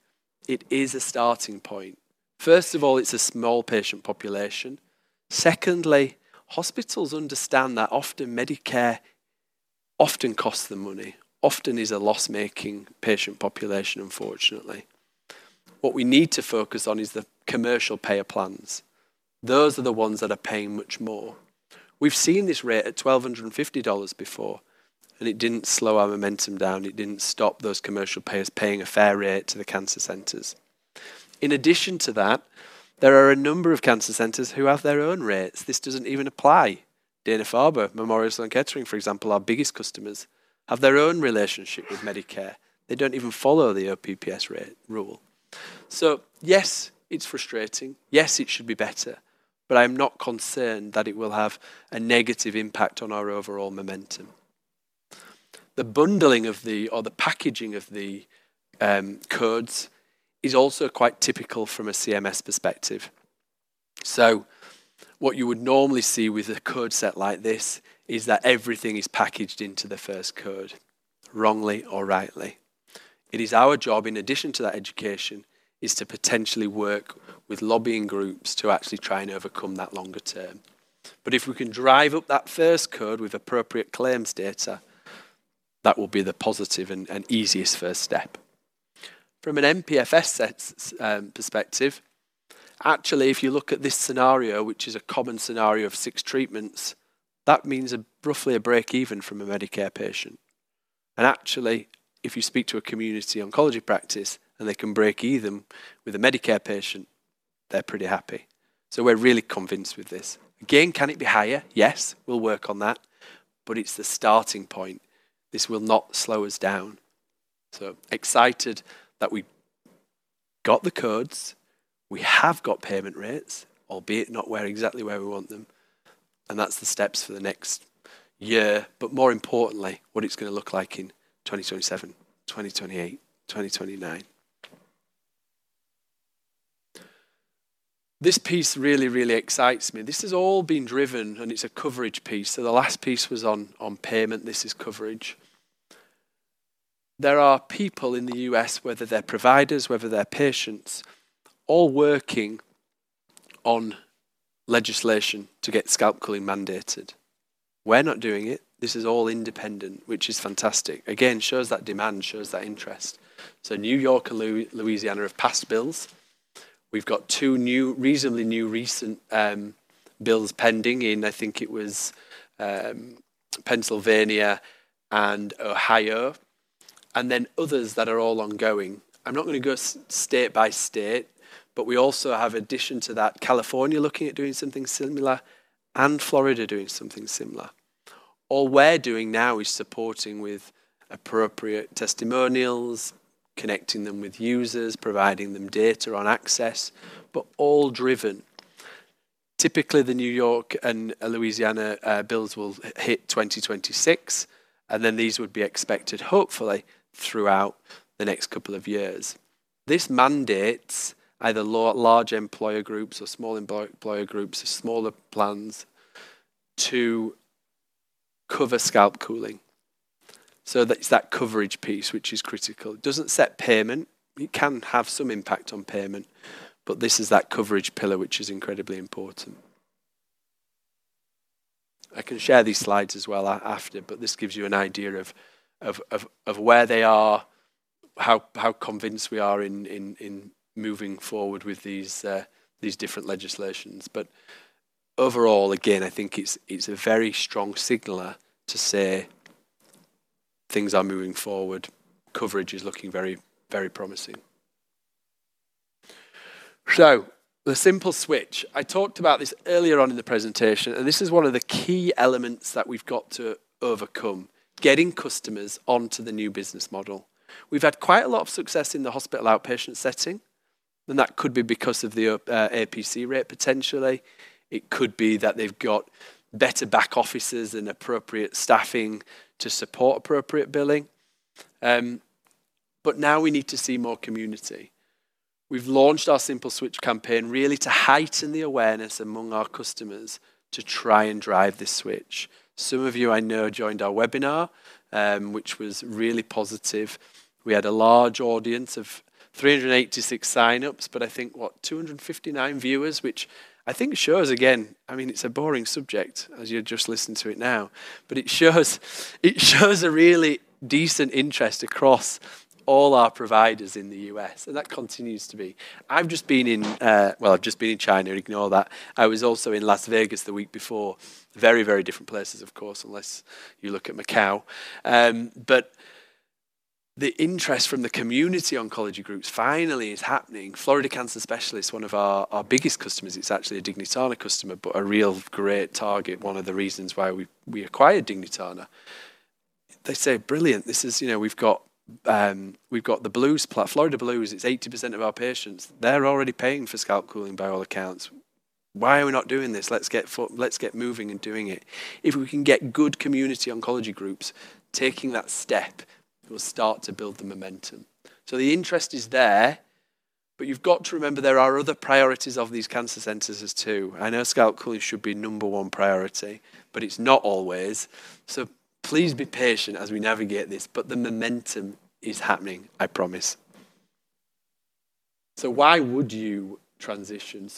it is a starting point. First of all, it's a small patient population. Secondly, hospitals understand that often Medicare often costs them money, often is a loss-making patient population, unfortunately. What we need to focus on is the commercial payer plans. Those are the ones that are paying much more. We've seen this rate at $1,250 before, and it didn't slow our momentum down. It didn't stop those commercial payers paying a fair rate to the cancer centers. In addition to that, there are a number of cancer centers who have their own rates. This doesn't even apply. Dana-Farber, Memorial Sloan Kettering, for example, our biggest customers, have their own relationship with Medicare. They don't even follow the OPPS rule. Yes, it's frustrating. Yes, it should be better, but I'm not concerned that it will have a negative impact on our overall momentum. The bundling of the, or the packaging of the codes is also quite typical from a CMS perspective. What you would normally see with a code set like this is that everything is packaged into the first code, wrongly or rightly. It is our job, in addition to that education, to potentially work with lobbying groups to actually try and overcome that longer term. If we can drive up that first code with appropriate claims data, that will be the positive and easiest first step. From an MPFS perspective, actually, if you look at this scenario, which is a common scenario of six treatments, that means roughly a break-even from a Medicare patient. If you speak to a community oncology practice and they can break even with a Medicare patient, they're pretty happy. We're really convinced with this. Again, can it be higher? Yes, we'll work on that, but it's the starting point. This will not slow us down. Excited that we got the codes. We have got payment rates, albeit not exactly where we want them, and that's the steps for the next year, but more importantly, what it's going to look like in 2027, 2028, 2029. This piece really, really excites me. This has all been driven, and it's a coverage piece. The last piece was on payment. This is coverage. There are people in the U.S., whether they're providers, whether they're patients, all working on legislation to get scalp cooling mandated. We're not doing it. This is all independent, which is fantastic. Again, shows that demand, shows that interest. New York and Louisiana have passed bills. We've got two new, reasonably new recent bills pending in, I think it was Pennsylvania and Ohio, and then others that are all ongoing. I'm not going to go state by state, but we also have, in addition to that, California looking at doing something similar and Florida doing something similar. All we're doing now is supporting with appropriate testimonials, connecting them with users, providing them data on access, but all driven. Typically, the New York and Louisiana bills will hit 2026, and then these would be expected, hopefully, throughout the next couple of years. This mandates either large employer groups or small employer groups or smaller plans to cover scalp cooling. That's that coverage piece, which is critical. It doesn't set payment. It can have some impact on payment, but this is that coverage pillar, which is incredibly important. I can share these slides as well after, but this gives you an idea of where they are, how convinced we are in moving forward with these different legislations. Overall, again, I think it's a very strong signaler to say things are moving forward. Coverage is looking very, very promising. The simple switch. I talked about this earlier on in the presentation, and this is one of the key elements that we've got to overcome: getting customers onto the new business model. We've had quite a lot of success in the hospital outpatient setting, and that could be because of the APC rate, potentially. It could be that they've got better back offices and appropriate staffing to support appropriate billing. Now we need to see more community. We've launched our simple switch campaign really to heighten the awareness among our customers to try and drive this switch. Some of you, I know, joined our webinar, which was really positive. We had a large audience of 386 sign-ups, but I think, what, 259 viewers, which I think shows, again, I mean, it's a boring subject as you're just listening to it now, but it shows a really decent interest across all our providers in the U.S., and that continues to be. I've just been in China. Ignore that. I was also in Las Vegas the week before. Very, very different places, of course, unless you look at Macao. The interest from the community oncology groups finally is happening. Florida Cancer Specialists, one of our biggest customers, it's actually a Dignitana customer, but a real great target, one of the reasons why we acquired Dignitana. They say, "Brilliant. This is, you know, we've got the Blues Plus. Florida Blues, it's 80% of our patients. They're already paying for scalp cooling by all accounts. Why are we not doing this? Let's get moving and doing it." If we can get good community oncology groups taking that step, we'll start to build the momentum. The interest is there, but you've got to remember there are other priorities of these cancer centers as too. I know scalp cooling should be number one priority, but it's not always. Please be patient as we navigate this, but the momentum is happening, I promise. Why would you transition?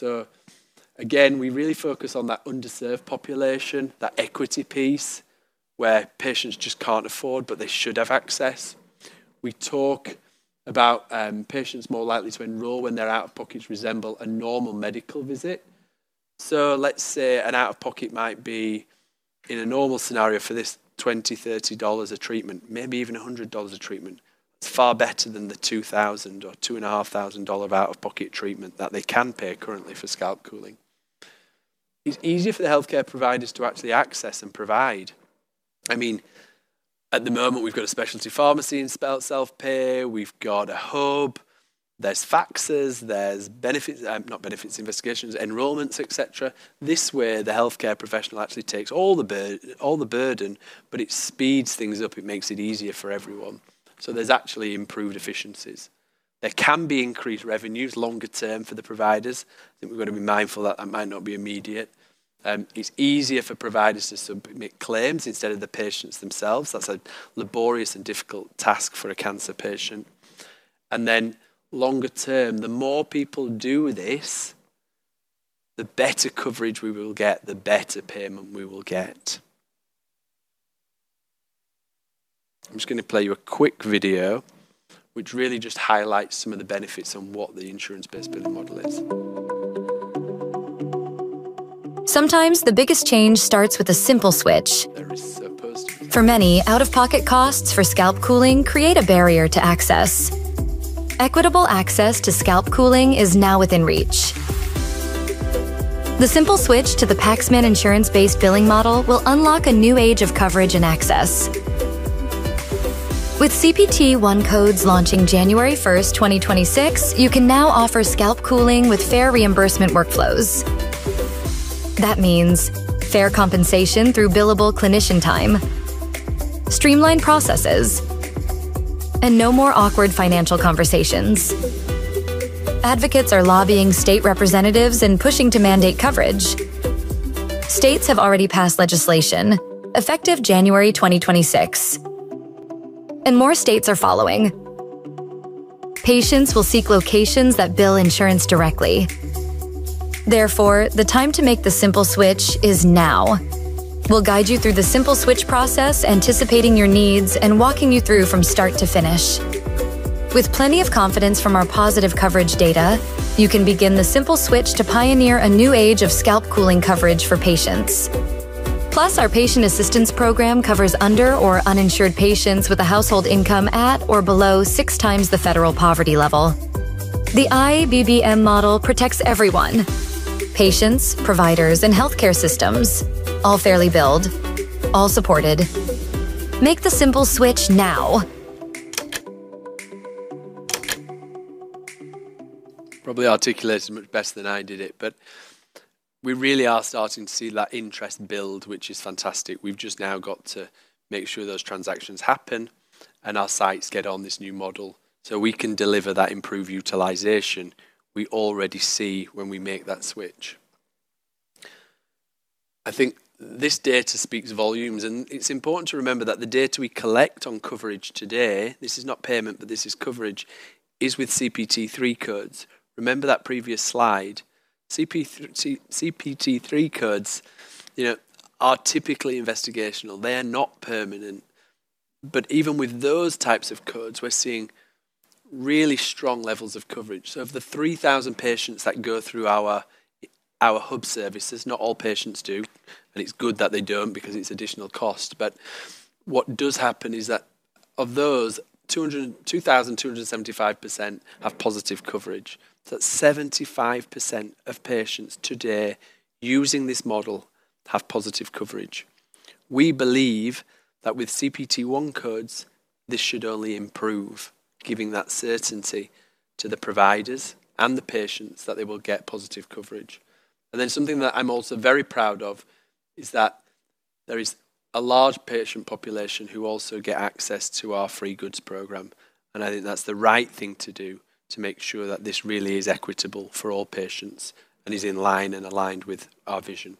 Again, we really focus on that underserved population, that equity piece where patients just can't afford, but they should have access. We talk about patients more likely to enroll when their out-of-pocket resembles a normal medical visit. Let's say an out-of-pocket might be, in a normal scenario for this, $20, $30 a treatment, maybe even $100 a treatment. It's far better than the $2,000 or $2,500 out-of-pocket treatment that they can pay currently for scalp cooling. It's easier for the healthcare providers to actually access and provide. I mean, at the moment, we've got a specialty pharmacy in spelled self-pay. We've got a hub. There's faxes. There's benefits, not benefits, investigations, enrollments, etc. This way, the healthcare professional actually takes all the burden, but it speeds things up. It makes it easier for everyone. There's actually improved efficiencies. There can be increased revenues longer term for the providers. I think we're going to be mindful that that might not be immediate. It's easier for providers to submit claims instead of the patients themselves. That's a laborious and difficult task for a cancer patient. Longer term, the more people do this, the better coverage we will get, the better payment we will get. I'm just going to play you a quick video, which really just highlights some of the benefits on what the insurance-based billing model is. Sometimes the biggest change starts with a simple switch. For many, out-of-pocket costs for scalp cooling create a barrier to access. Equitable access to scalp cooling is now within reach. The simple switch to the Paxman insurance-based billing model will unlock a new age of coverage and access. With CPT-1 codes launching January 1, 2026, you can now offer scalp cooling with fair reimbursement workflows. That means fair compensation through billable clinician time, streamlined processes, and no more awkward financial conversations. Advocates are lobbying state representatives and pushing to mandate coverage. States have already passed legislation, effective January 2026, and more states are following. Patients will seek locations that bill insurance directly. Therefore, the time to make the simple switch is now. We'll guide you through the simple switch process, anticipating your needs and walking you through from start to finish. With plenty of confidence from our positive coverage data, you can begin the simple switch to pioneer a new age of scalp cooling coverage for patients. Plus, our patient assistance program covers under- or uninsured patients with a household income at or below six times the federal poverty level. The IBBM model protects everyone: patients, providers, and healthcare systems, all fairly billed, all supported. Make the simple switch now. Probably articulated much better than I did it, but we really are starting to see that interest build, which is fantastic. We've just now got to make sure those transactions happen and our sites get on this new model so we can deliver that improved utilization we already see when we make that switch. I think this data speaks volumes, and it's important to remember that the data we collect on coverage today, this is not payment, but this is coverage, is with CPT-3 codes. Remember that previous slide? CPT-3 codes are typically investigational. They are not permanent. Even with those types of codes, we're seeing really strong levels of coverage. Of the 3,000 patients that go through our hub services, not all patients do, and it's good that they don't because it's additional cost. What does happen is that of those, 2,275% have positive coverage. That's 75% of patients today using this model have positive coverage. We believe that with CPT-1 codes, this should only improve, giving that certainty to the providers and the patients that they will get positive coverage. Something that I'm also very proud of is that there is a large patient population who also get access to our free goods program. I think that's the right thing to do to make sure that this really is equitable for all patients and is in line and aligned with our vision.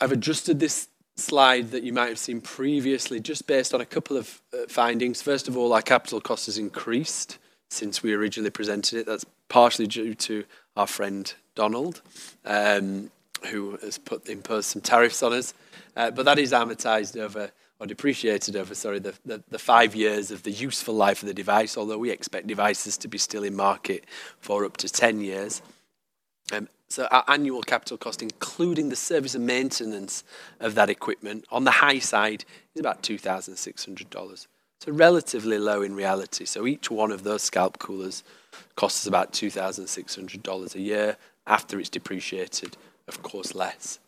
I've adjusted this slide that you might have seen previously just based on a couple of findings. First of all, our capital cost has increased since we originally presented it. That's partially due to our friend Donald, who has put in place some tariffs on us. That is amortized over, or depreciated over, sorry, the five years of the useful life of the device, although we expect devices to be still in market for up to 10 years. Our annual capital cost, including the service and maintenance of that equipment, on the high side is about $2,600. It's relatively low in reality. Each one of those scalp coolers costs about $2,600 a year. After it's depreciated, of course, less.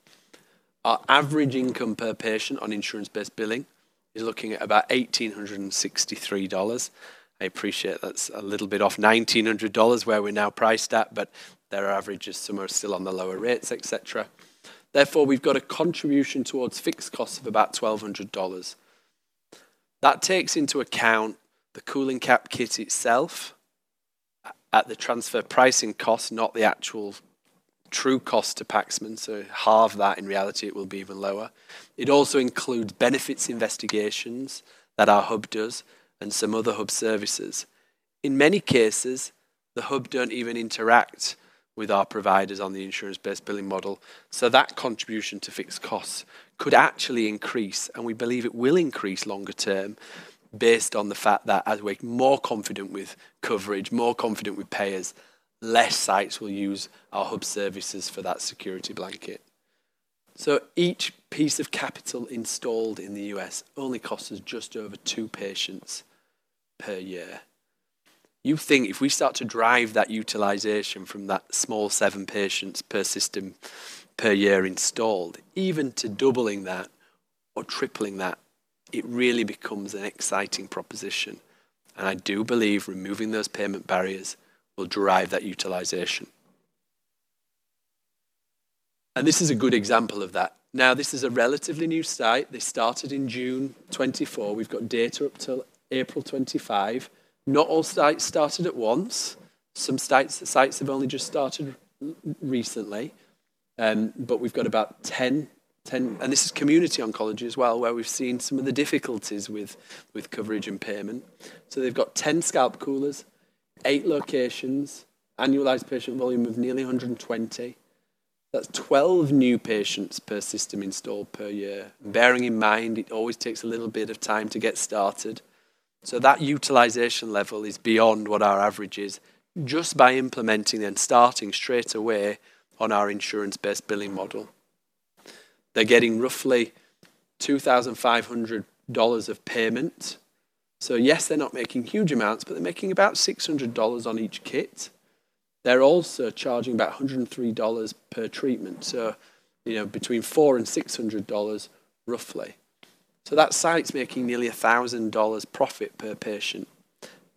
Our average income per patient on insurance-based billing is looking at about $1,863. I appreciate that's a little bit off $1,900 where we're now priced at, but there are averages somewhere still on the lower rates, etc. Therefore, we've got a contribution towards fixed costs of about $1,200. That takes into account the cooling cap kit itself at the transfer pricing cost, not the actual true cost to Paxman. So half that, in reality, it will be even lower. It also includes benefits investigations that our hub does and some other hub services. In many cases, the hub do not even interact with our providers on the insurance-based billing model. So that contribution to fixed costs could actually increase, and we believe it will increase longer term based on the fact that as we're more confident with coverage, more confident with payers, less sites will use our hub services for that security blanket. So each piece of capital installed in the U.S. only costs us just over two patients per year. You think if we start to drive that utilization from that small seven patients per system per year installed, even to doubling that or tripling that, it really becomes an exciting proposition. I do believe removing those payment barriers will drive that utilization. This is a good example of that. Now, this is a relatively new site. They started in June 2024. We've got data up till April 2025. Not all sites started at once. Some sites have only just started recently. We've got about 10, and this is community oncology as well, where we've seen some of the difficulties with coverage and payment. They have 10 scalp coolers, eight locations, annualized patient volume of nearly 120. That's 12 new patients per system installed per year, bearing in mind it always takes a little bit of time to get started. That utilization level is beyond what our average is just by implementing and starting straight away on our insurance-based billing model. They're getting roughly $2,500 of payment. Yes, they're not making huge amounts, but they're making about $600 on each kit. They're also charging about $103 per treatment, so between $400 and $600, roughly. That site's making nearly $1,000 profit per patient.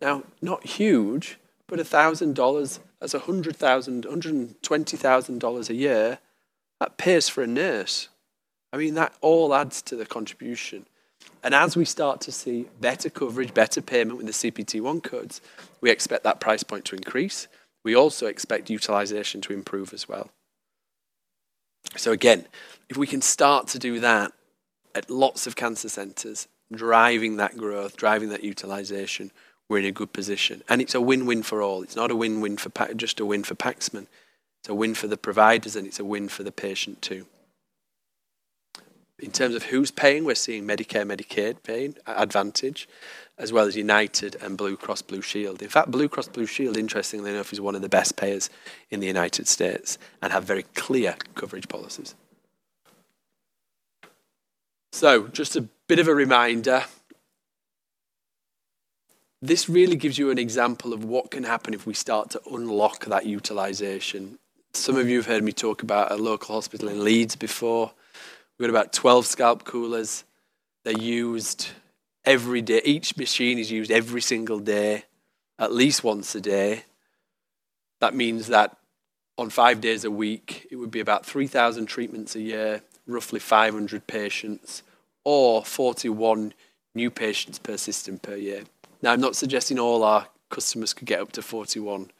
Not huge, but $1,000, that's $120,000 a year. That pays for a nurse. I mean, that all adds to the contribution. As we start to see better coverage, better payment with the CPT-1 codes, we expect that price point to increase. We also expect utilization to improve as well. Again, if we can start to do that at lots of cancer centers, driving that growth, driving that utilization, we're in a good position. It's a win-win for all. It's not a win-win for just a win for Paxman. It's a win for the providers, and it's a win for the patient too. In terms of who's paying, we're seeing Medicare, Medicaid paying advantage, as well as United and Blue Cross Blue Shield. In fact, Blue Cross Blue Shield, interestingly enough, is one of the best payers in the United States and has very clear coverage policies. Just a bit of a reminder. This really gives you an example of what can happen if we start to unlock that utilization. Some of you have heard me talk about a local hospital in Leeds before. We've got about 12 scalp coolers. They're used every day. Each machine is used every single day, at least once a day. That means that on five days a week, it would be about 3,000 treatments a year, roughly 500 patients, or 41 new patients per system per year. Now, I'm not suggesting all our customers could get up to 41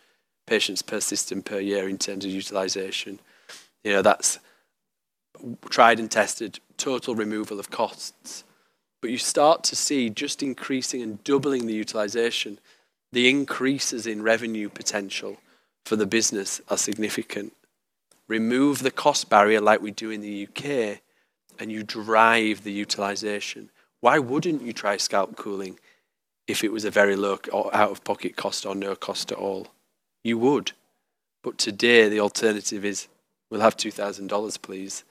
patients per system per year in terms of utilization. That's tried and tested total removal of costs. You start to see just increasing and doubling the utilization, the increases in revenue potential for the business are significant. Remove the cost barrier like we do in the U.K., and you drive the utilization. Why wouldn't you try scalp cooling if it was a very low or out-of-pocket cost or no cost at all? You would. Today, the alternative is, "We'll have $2,000, please.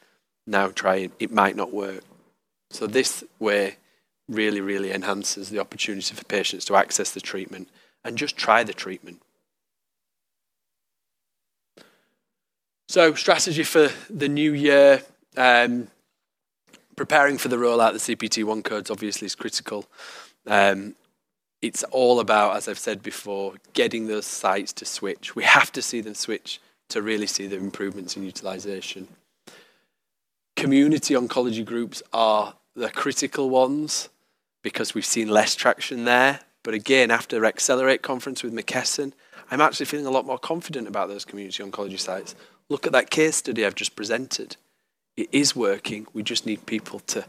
Now try it. It might not work." This way really, really enhances the opportunity for patients to access the treatment and just try the treatment. Strategy for the new year, preparing for the rollout of the CPT-1 codes obviously is critical. It's all about, as I've said before, getting those sites to switch. We have to see them switch to really see the improvements in utilization. Community oncology groups are the critical ones because we've seen less traction there. Again, after the Accelerate conference with McKesson, I'm actually feeling a lot more confident about those community oncology sites. Look at that case study I've just presented. It is working. We just need people to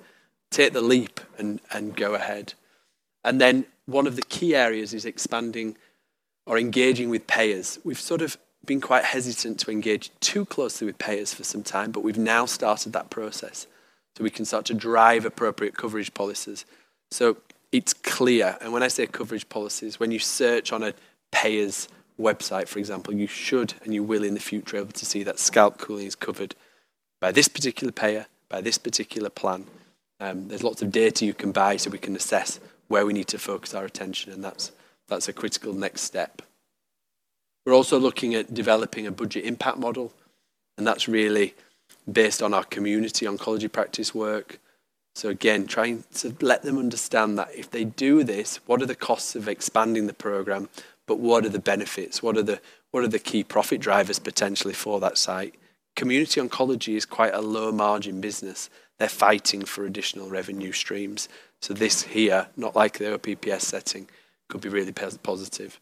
take the leap and go ahead. One of the key areas is expanding or engaging with payers. We've sort of been quite hesitant to engage too closely with payers for some time, but we've now started that process so we can start to drive appropriate coverage policies. It's clear. When I say coverage policies, when you search on a payer's website, for example, you should and you will in the future be able to see that scalp cooling is covered by this particular payer, by this particular plan. There's lots of data you can buy so we can assess where we need to focus our attention, and that's a critical next step. We're also looking at developing a budget impact model, and that's really based on our community oncology practice work. Again, trying to let them understand that if they do this, what are the costs of expanding the program, but what are the benefits? What are the key profit drivers potentially for that site? Community oncology is quite a low-margin business. They're fighting for additional revenue streams. This here, not like the OPPS setting, could be really positive.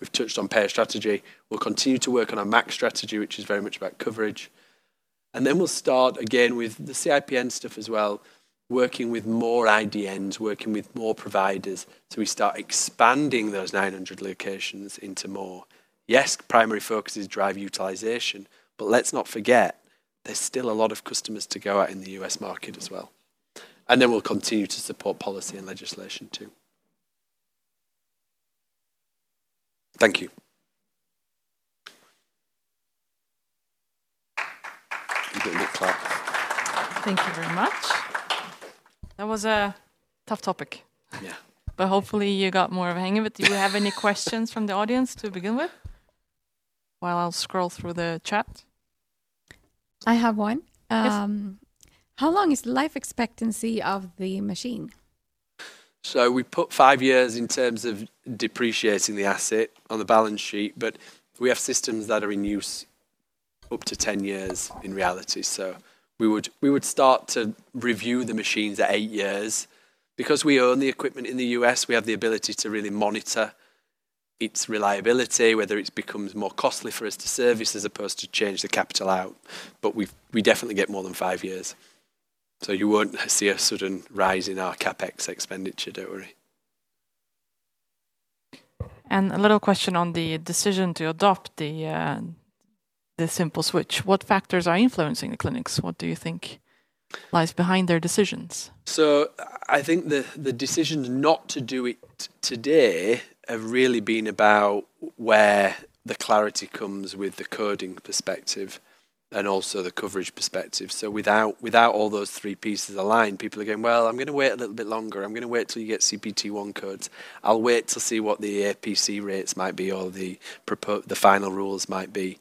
We've touched on payer strategy. We'll continue to work on our max strategy, which is very much about coverage. Then we'll start again with the CIPN stuff as well, working with more IDNs, working with more providers so we start expanding those 900 locations into more. Yes, primary focus is drive utilization, but let's not forget there's still a lot of customers to go out in the U.S. market as well. We'll continue to support policy and legislation too. Thank you. Thank you very much. That was a tough topic. Hopefully, you got more of a hang of it. Do you have any questions from the audience to begin with? While I scroll through the chat. I have one. How long is the life expectancy of the machine? We put five years in terms of depreciating the asset on the balance sheet, but we have systems that are in use up to 10 years in reality. We would start to review the machines at eight years. Because we own the equipment in the U.S., we have the ability to really monitor its reliability, whether it becomes more costly for us to service as opposed to change the capital out. We definitely get more than five years. You will not see a sudden rise in our CapEx expenditure, do not worry. A little question on the decision to adopt the simple switch. What factors are influencing the clinics? What do you think lies behind their decisions? I think the decision not to do it today has really been about where the clarity comes with the coding perspective and also the coverage perspective. Without all those three pieces aligned, people are going, "Well, I'm going to wait a little bit longer. I'm going to wait till you get CPT-1 codes. I'll wait to see what the APC rates might be or the final rules might be."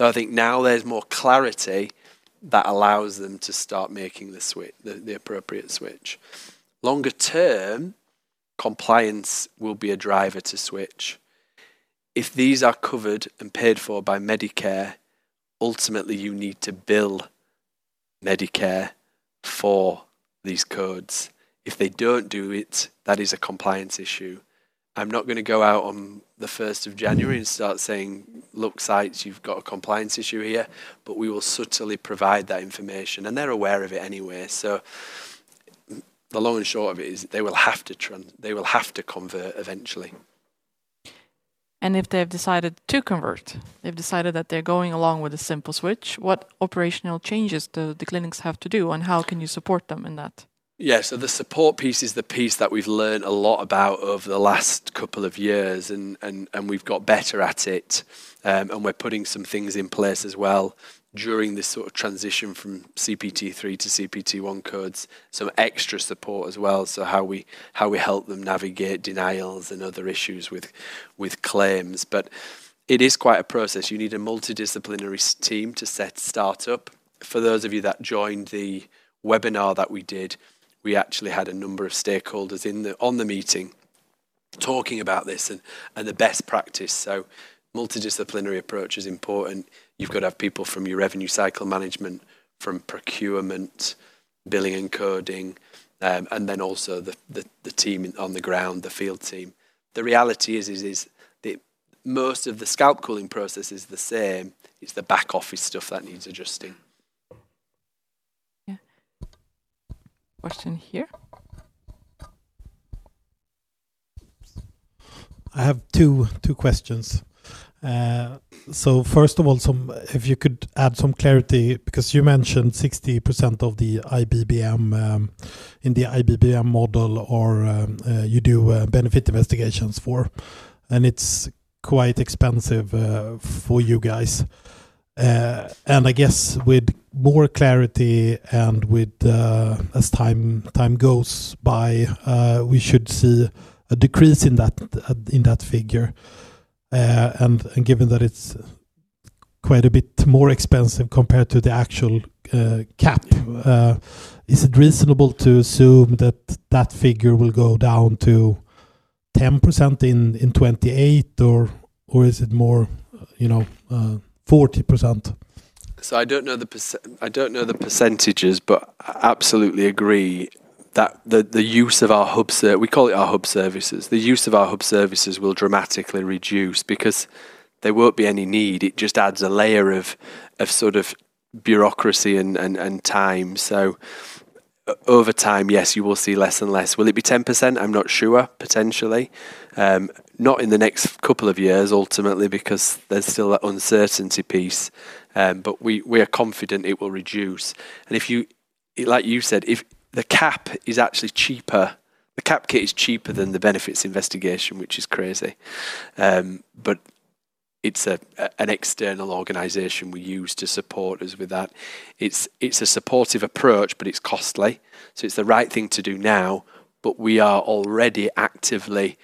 I think now there's more clarity that allows them to start making the appropriate switch. Longer-term, compliance will be a driver to switch. If these are covered and paid for by Medicare, ultimately, you need to bill Medicare for these codes. If they don't do it, that is a compliance issue. I'm not going to go out on the 1st of January and start saying, "Look, sites, you've got a compliance issue here," but we will subtly provide that information. They're aware of it anyway. The long and short of it is they will have to convert eventually. If they've decided to convert, they've decided that they're going along with the simple switch, what operational changes do the clinics have to do, and how can you support them in that? Yeah. The support piece is the piece that we've learned a lot about over the last couple of years, and we've got better at it. We're putting some things in place as well during this sort of transition from CPT-3 to CPT-1 codes, some extra support as well, so how we help them navigate denials and other issues with claims. It is quite a process. You need a multidisciplinary team to set start up. For those of you that joined the webinar that we did, we actually had a number of stakeholders on the meeting talking about this and the best practice. Multidisciplinary approach is important. You've got to have people from your revenue cycle management, from procurement, billing and coding, and then also the team on the ground, the field team. The reality is that most of the scalp cooling process is the same. It's the back office stuff that needs adjusting. Yeah. Question here. I have two questions. First of all, if you could add some clarity, because you mentioned 60% of the IBBM in the IBBM model or you do benefit investigations for, and it's quite expensive for you guys. I guess with more clarity and as time goes by, we should see a decrease in that figure. Given that it's quite a bit more expensive compared to the actual cap, is it reasonable to assume that that figure will go down to 10% in 2028, or is it more 40%? I don't know the percentages, but I absolutely agree that the use of our hubs—we call it our hub services—the use of our hub services will dramatically reduce because there won't be any need. It just adds a layer of sort of bureaucracy and time. Over time, yes, you will see less and less. Will it be 10%? I'm not sure, potentially. Not in the next couple of years, ultimately, because there's still that uncertainty piece. We are confident it will reduce. Like you said, the cap is actually cheaper. The cap kit is cheaper than the benefits investigation, which is crazy. It's an external organization we use to support us with that. It's a supportive approach, but it's costly. It's the right thing to do now, but we are already actively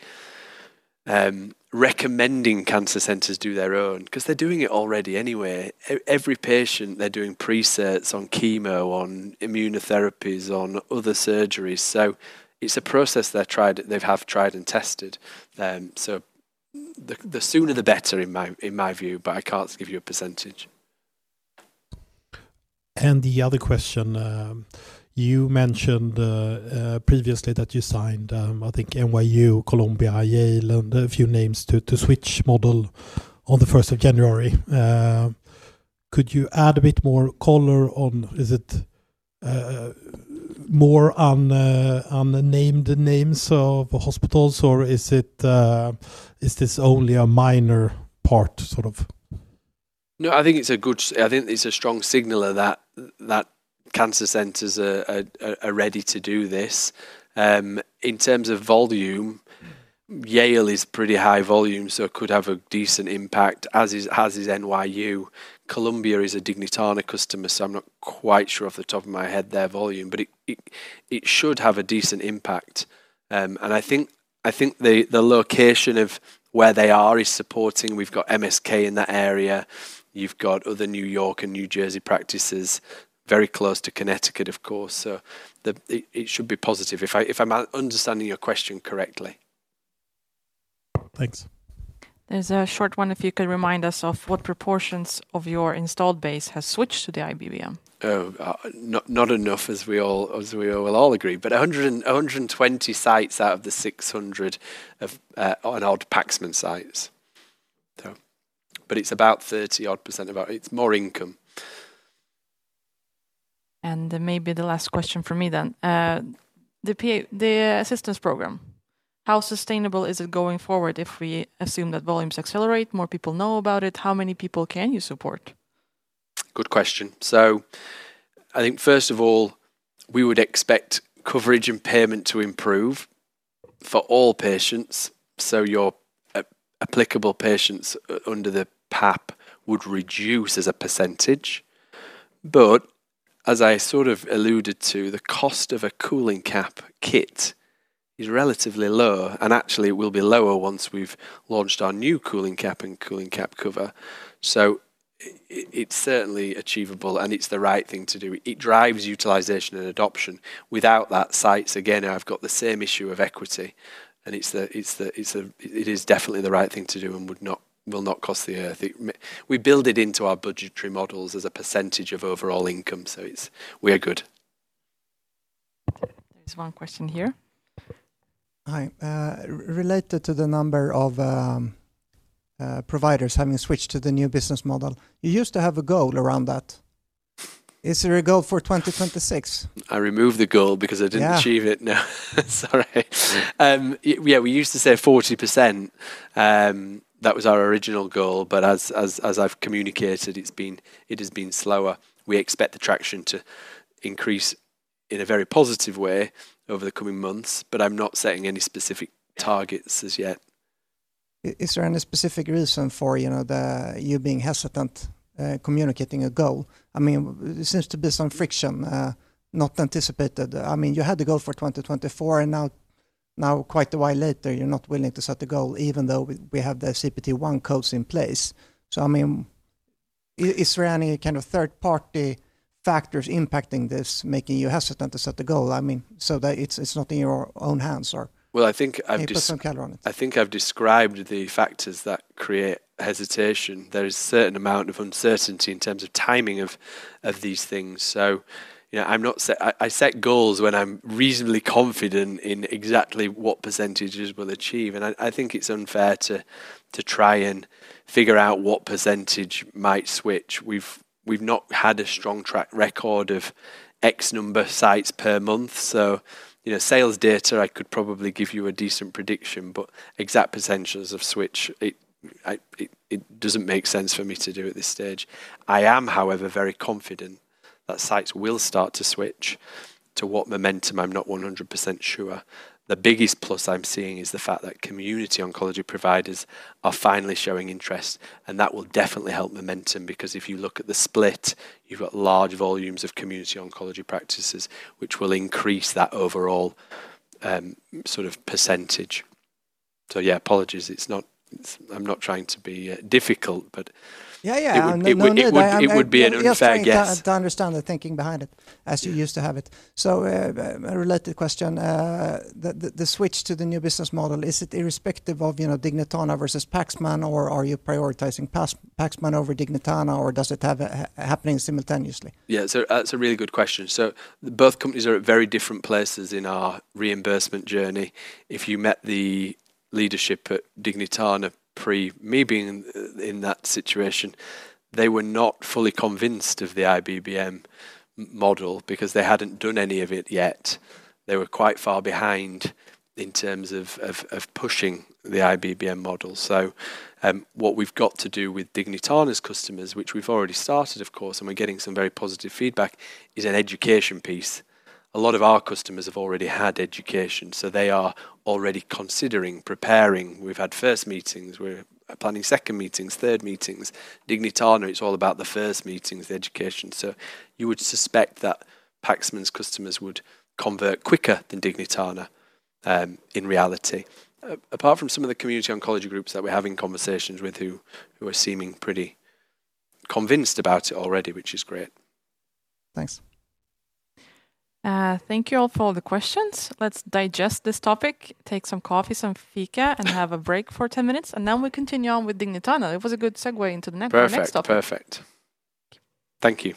recommending cancer centers do their own because they're doing it already anyway. Every patient, they're doing pre-cert on chemo, on immunotherapies, on other surgeries. It is a process they have tried and tested. The sooner, the better, in my view, but I can't give you a percentage. The other question, you mentioned previously that you signed, I think, NYU, Columbia, Yale, and a few names to switch model on the 1st of January. Could you add a bit more color on? Is it more on named names of hospitals, or is this only a minor part sort of? No, I think it's a good—I think it's a strong signal that cancer centers are ready to do this. In terms of volume, Yale is pretty high volume, so it could have a decent impact, as is NYU. Columbia is a Dignitana customer, so I'm not quite sure off the top of my head their volume, but it should have a decent impact. I think the location of where they are is supporting. We've got MSK in that area. You've got other New York and New Jersey practices, very close to Connecticut, of course. It should be positive, if I'm understanding your question correctly. Thanks. There's a short one. If you could remind us of what proportions of your installed base has switched to the IBBM. Not enough, as we will all agree, but 120 sites out of the 600 are Paxman sites. It's about 30-odd percent. It's more income. Maybe the last question for me then. The assistance program, how sustainable is it going forward if we assume that volumes accelerate, more people know about it? How many people can you support? Good question. I think, first of all, we would expect coverage and payment to improve for all patients. Your applicable patients under the PAP would reduce as a percentage. As I sort of alluded to, the cost of a cooling cap kit is relatively low, and actually, it will be lower once we've launched our new cooling cap and cooling cap cover. It is certainly achievable, and it is the right thing to do. It drives utilization and adoption. Without that, sites, again, have got the same issue of equity. It is definitely the right thing to do and will not cost the earth. We build it into our budgetary models as a percentage of overall income, so we are good. There's one question here. Hi. Related to the number of providers having switched to the new business model, you used to have a goal around that. Is there a goal for 2026? I removed the goal because I didn't achieve it. No. Sorry. Yeah, we used to say 40%. That was our original goal. As I've communicated, it has been slower. We expect the traction to increase in a very positive way over the coming months, but I'm not setting any specific targets as yet. Is there any specific reason for you being hesitant communicating a goal? I mean, there seems to be some friction not anticipated. I mean, you had the goal for 2024, and now, quite a while later, you're not willing to set the goal, even though we have the CPT-1 codes in place. I mean, is there any kind of third-party factors impacting this, making you hesitant to set the goal? I mean, so that it's not in your own hands or people can call on it. I think I've described the factors that create hesitation. There is a certain amount of uncertainty in terms of timing of these things. I set goals when I'm reasonably confident in exactly what percentages we'll achieve. I think it's unfair to try and figure out what percentage might switch. We've not had a strong track record of X number of sites per month. Sales data, I could probably give you a decent prediction, but exact percentages of switch, it doesn't make sense for me to do at this stage. I am, however, very confident that sites will start to switch to what momentum. I'm not 100% sure. The biggest plus I'm seeing is the fact that community oncology providers are finally showing interest. That will definitely help momentum because if you look at the split, you've got large volumes of community oncology practices, which will increase that overall sort of percentage. Yeah, apologies. I'm not trying to be difficult, but it would be an unfair guess. I think to understand the thinking behind it, as you used to have it. A related question, the switch to the new business model, is it irrespective of Dignitana versus Paxman, or are you prioritizing Paxman over Dignitana, or does it have happening simultaneously? Yeah, that's a really good question. Both companies are at very different places in our reimbursement journey. If you met the leadership at Dignitana pre me being in that situation, they were not fully convinced of the IBBM model because they hadn't done any of it yet. They were quite far behind in terms of pushing the IBBM model. What we've got to do with Dignitana's customers, which we've already started, of course, and we're getting some very positive feedback, is an education piece. A lot of our customers have already had education, so they are already considering preparing. We've had first meetings. We're planning second meetings, third meetings. Dignitana, it's all about the first meetings, the education. You would suspect that Paxman's customers would convert quicker than Dignitana in reality. Apart from some of the community oncology groups that we're having conversations with who are seeming pretty convinced about it already, which is great. Thanks. Thank you all for the questions. Let's digest this topic, take some coffee, some fika, and have a break for 10 minutes. Then we continue on with Dignitana. It was a good segue into the next topic. Perfect. Perfect. Thank you.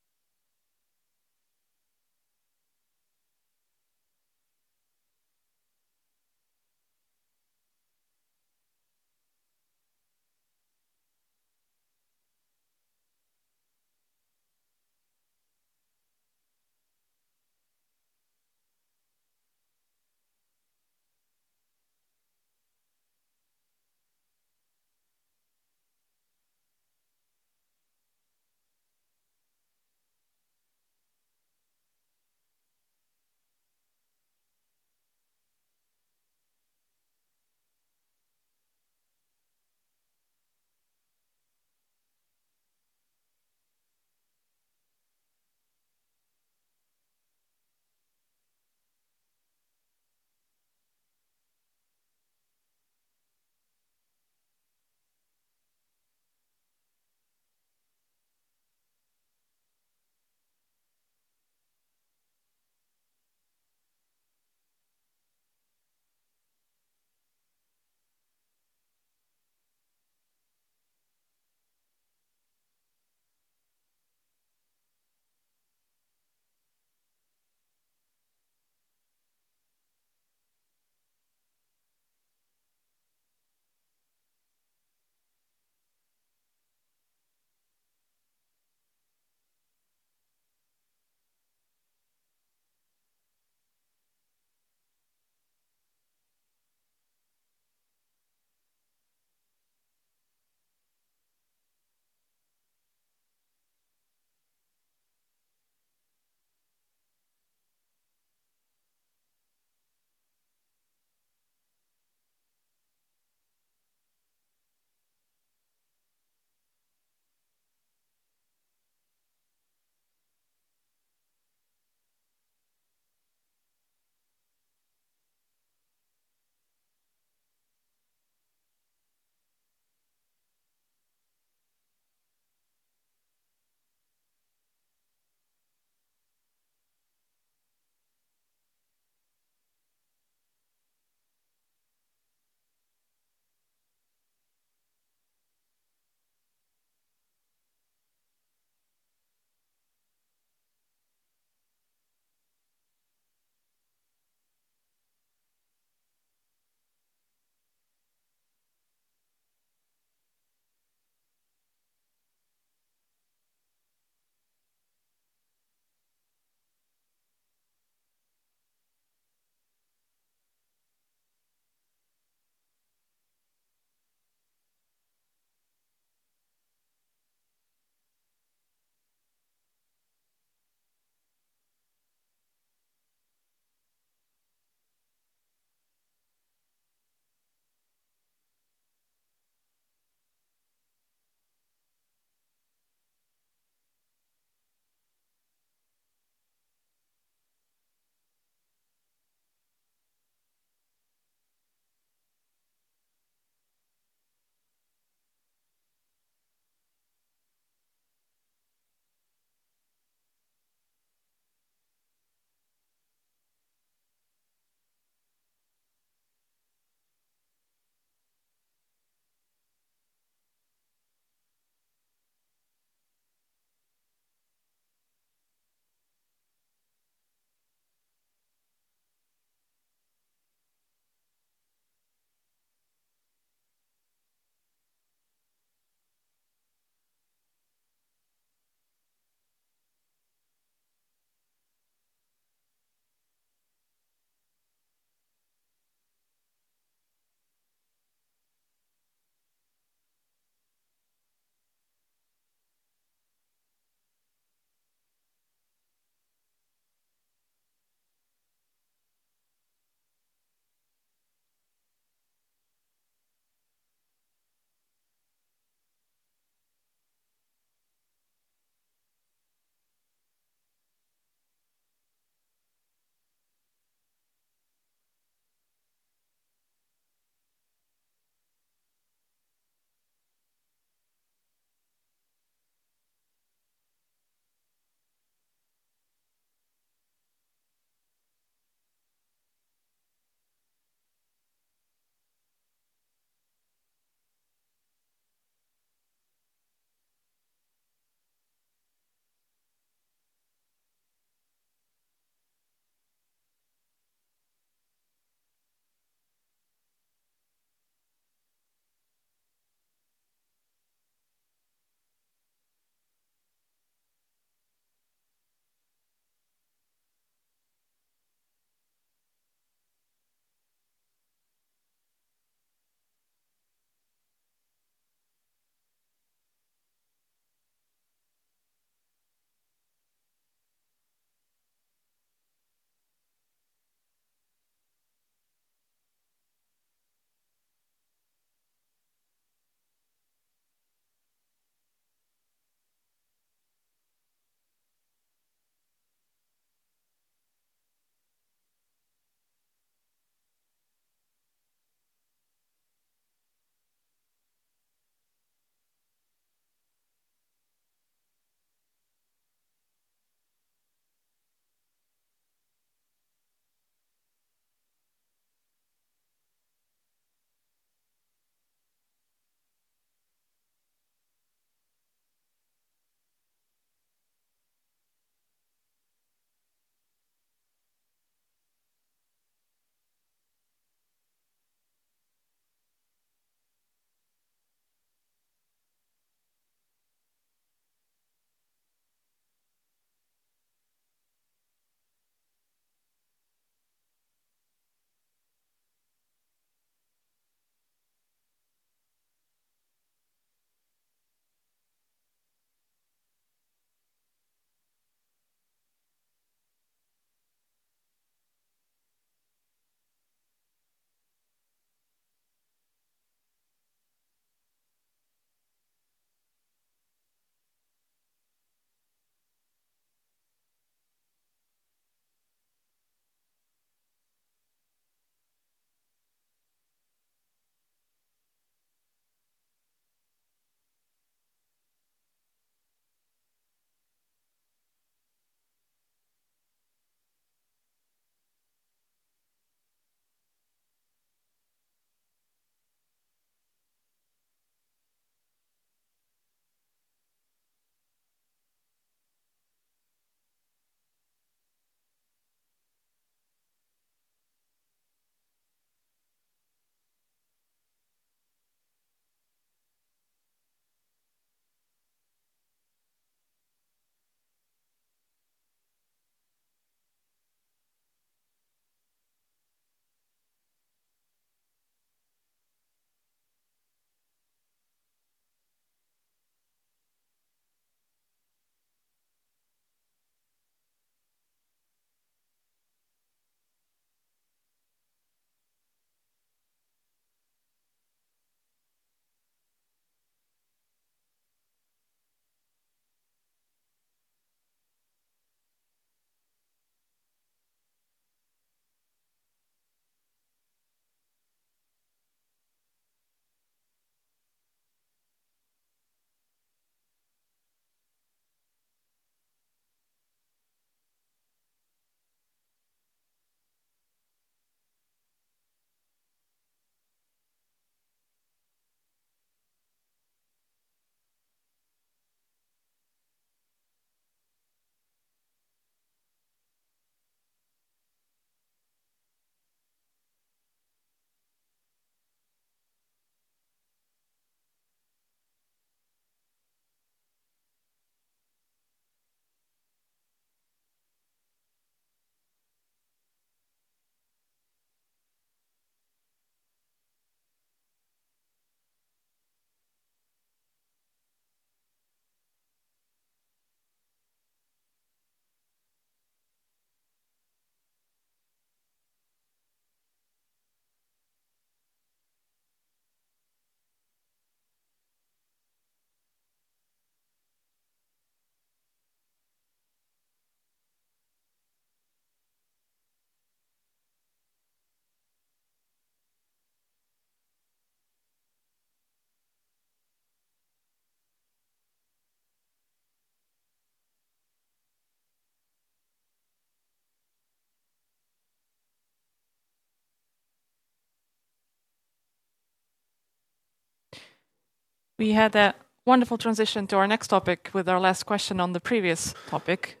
We had a wonderful transition to our next topic with our last question on the previous topic.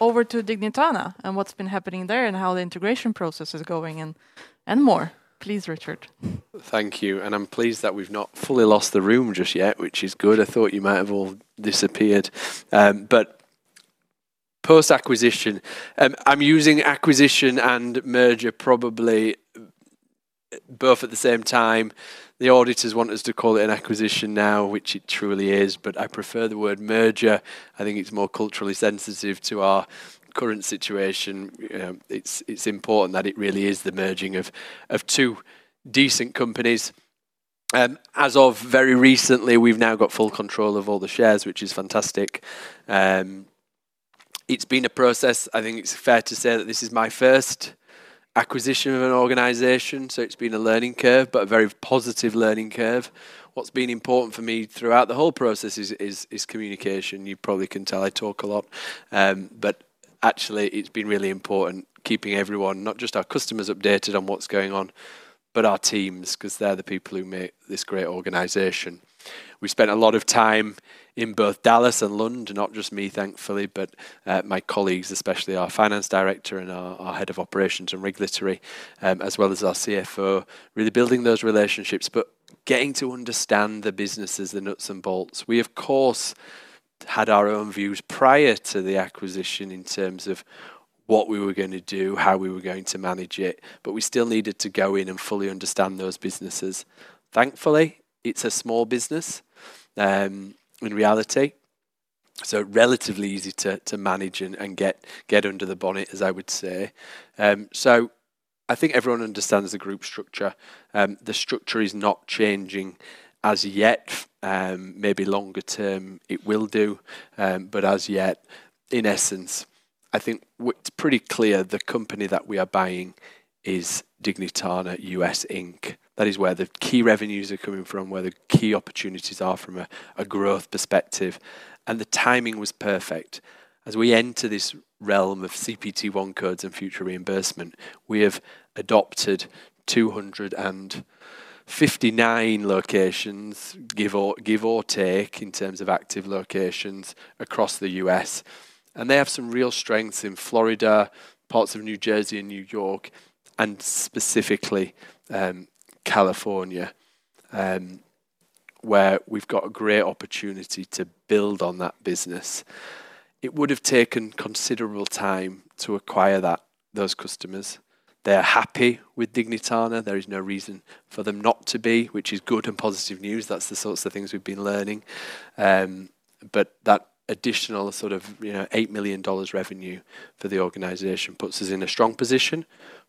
Over to Dignitana and what's been happening there and how the integration process is going and more. Please, Richard. Thank you. I'm pleased that we've not fully lost the room just yet, which is good. I thought you might have all disappeared. Post-acquisition, I'm using acquisition and merger probably both at the same time. The auditors want us to call it an acquisition now, which it truly is, but I prefer the word merger. I think it's more culturally sensitive to our current situation. It's important that it really is the merging of two decent companies. As of very recently, we've now got full control of all the shares, which is fantastic. It's been a process. I think it's fair to say that this is my first acquisition of an organization. It's been a learning curve, but a very positive learning curve. What's been important for me throughout the whole process is communication. You probably can tell I talk a lot. Actually, it's been really important keeping everyone, not just our customers, updated on what's going on, but our teams because they're the people who make this great organization. We spent a lot of time in both Dallas and London, not just me, thankfully, but my colleagues, especially our Finance Director and our Head of Operations and Regulatory, as well as our CFO, really building those relationships, but getting to understand the businesses, the nuts and bolts. We, of course, had our own views prior to the acquisition in terms of what we were going to do, how we were going to manage it, but we still needed to go in and fully understand those businesses. Thankfully, it's a small business in reality, so relatively easy to manage and get under the bonnet, as I would say. I think everyone understands the group structure. The structure is not changing as yet. Maybe longer term, it will do, but as yet, in essence, I think it's pretty clear the company that we are buying is Dignitana U.S.. That is where the key revenues are coming from, where the key opportunities are from a growth perspective. The timing was perfect. As we enter this realm of CPT one codes and future reimbursement, we have adopted 259 locations, give or take, in terms of active locations across the U.S. They have some real strengths in Florida, parts of New Jersey, and New York, and specifically California, where we've got a great opportunity to build on that business. It would have taken considerable time to acquire those customers. They're happy with Dignitana. There is no reason for them not to be, which is good and positive news. That's the sorts of things we've been learning. That additional sort of $8 million revenue for the organization puts us in a strong position,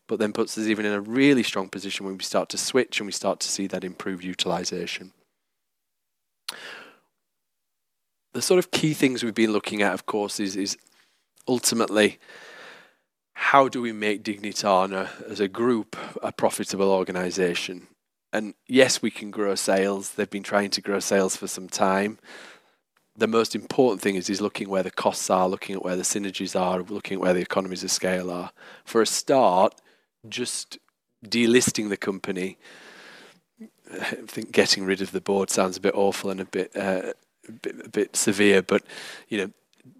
but then puts us even in a really strong position when we start to switch and we start to see that improved utilization. The sort of key things we've been looking at, of course, is ultimately how do we make Dignitana as a group a profitable organization? Yes, we can grow sales. They've been trying to grow sales for some time. The most important thing is looking where the costs are, looking at where the synergies are, looking at where the economies of scale are. For a start, just delisting the company. I think getting rid of the board sounds a bit awful and a bit severe, but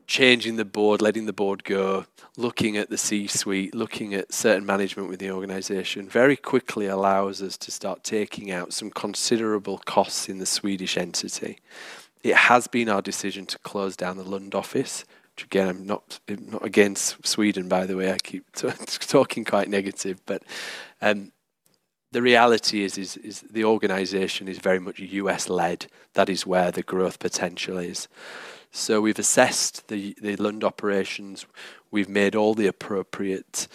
changing the board, letting the board go, looking at the C-suite, looking at certain management with the organization very quickly allows us to start taking out some considerable costs in the Swedish entity. It has been our decision to close down the London office. Again, I'm not against Sweden, by the way. I keep talking quite negative, but the reality is the organization is very much U.S.-led. That is where the growth potential is. We've assessed the London operations. We've made all the appropriate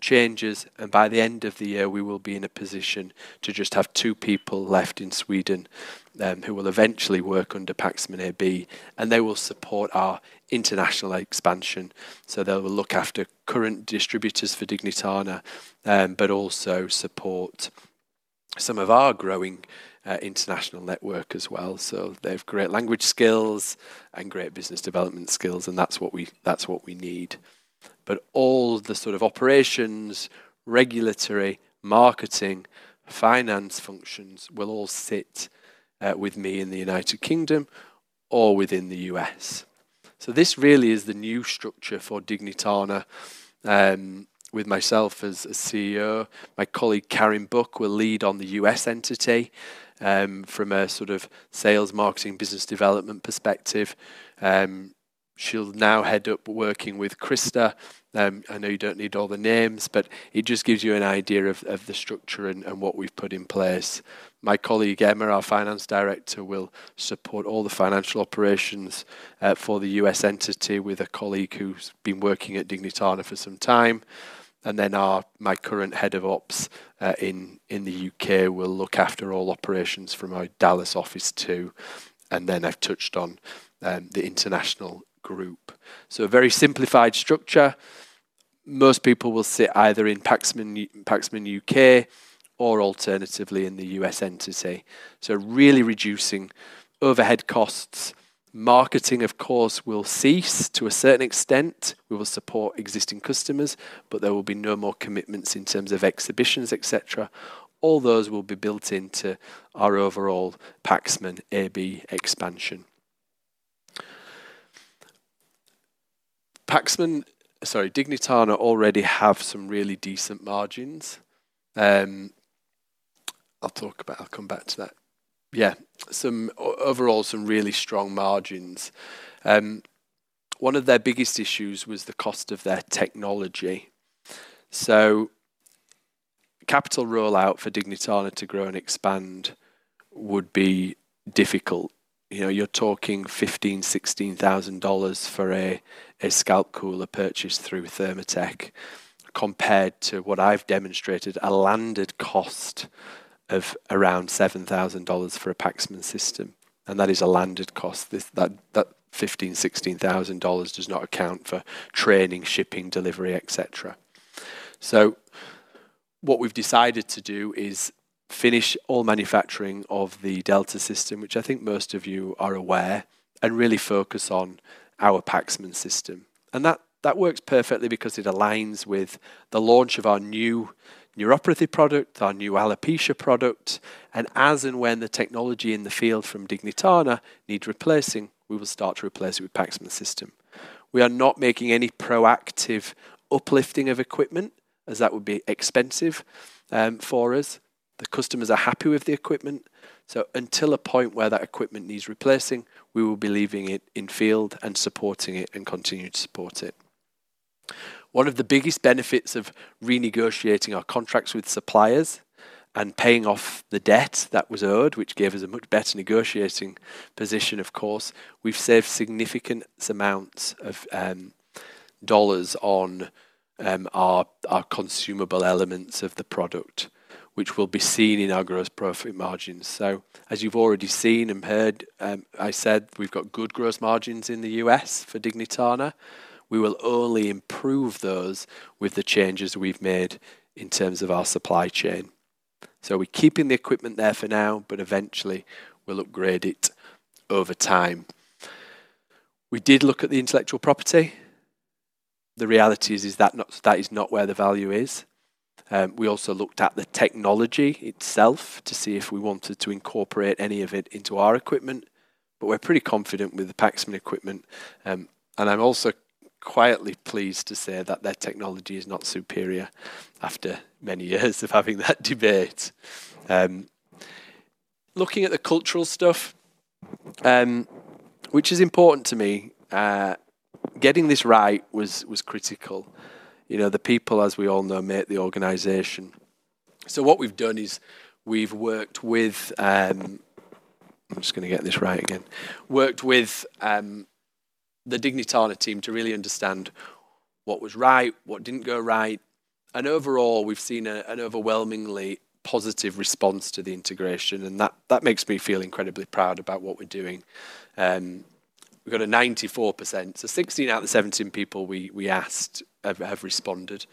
changes. By the end of the year, we will be in a position to just have two people left in Sweden who will eventually work under Paxman AB, and they will support our international expansion. They will look after current distributors for Dignitana, but also support some of our growing international network as well. They have great language skills and great business development skills, and that's what we need. All the sort of operations, regulatory, marketing, finance functions will all sit with me in the United Kingdom or within the U.S.. This really is the new structure for Dignitana with myself as CEO. My colleague, Karen Buck, will lead on the U.S. entity from a sort of sales, marketing, business development perspective. She'll now head up working with Krista. I know you don't need all the names, but it just gives you an idea of the structure and what we've put in place. My colleague, Emma, our Finance Director, will support all the financial operations for the U.S. entity with a colleague who's been working at Dignitana for some time. My current Head of Ops in the U.K. will look after all operations from our Dallas office too. I've touched on the international group. A very simplified structure. Most people will sit either in Paxman U.K. or alternatively in the U.S. entity. Really reducing overhead costs. Marketing, of course, will cease to a certain extent. We will support existing customers, but there will be no more commitments in terms of exhibitions, etc. All those will be built into our overall Paxman AB expansion. Paxman, sorry, Dignitana already have some really decent margins. I'll talk about, I'll come back to that. Yeah, overall, some really strong margins. One of their biggest issues was the cost of their technology. Capital rollout for Dignitana to grow and expand would be difficult. You're talking $15,000-$16,000 for a scalp cooler purchase through ThermoTek compared to what I've demonstrated, a landed cost of around $7,000 for a Paxman system. And that is a landed cost. That $15,000-$16,000 does not account for training, shipping, delivery, etc. What we've decided to do is finish all manufacturing of the Delta system, which I think most of you are aware, and really focus on our Paxman system. That works perfectly because it aligns with the launch of our new neuropathy product, our new alopecia product. As and when the technology in the field from Dignitana needs replacing, we will start to replace it with the Paxman system. We are not making any proactive uplifting of equipment as that would be expensive for us. The customers are happy with the equipment. Until a point where that equipment needs replacing, we will be leaving it in field and supporting it and continue to support it. One of the biggest benefits of renegotiating our contracts with suppliers and paying off the debt that was owed, which gave us a much better negotiating position, of course, is that we have saved significant amounts of dollars on our consumable elements of the product, which will be seen in our gross profit margins. As you've already seen and heard, I said we've got good gross margins in the U.S. for Dignitana. We will only improve those with the changes we've made in terms of our supply chain. We're keeping the equipment there for now, but eventually, we'll upgrade it over time. We did look at the intellectual property. The reality is that is not where the value is. We also looked at the technology itself to see if we wanted to incorporate any of it into our equipment. We're pretty confident with the Paxman equipment. I'm also quietly pleased to say that their technology is not superior after many years of having that debate. Looking at the cultural stuff, which is important to me, getting this right was critical. The people, as we all know, make the organization. What we've done is we've worked with, I'm just going to get this right again, worked with the Dignitana team to really understand what was right, what didn't go right. Overall, we've seen an overwhelmingly positive response to the integration. That makes me feel incredibly proud about what we're doing. We've got a 94%. Sixteen out of the seventeen people we asked have responded.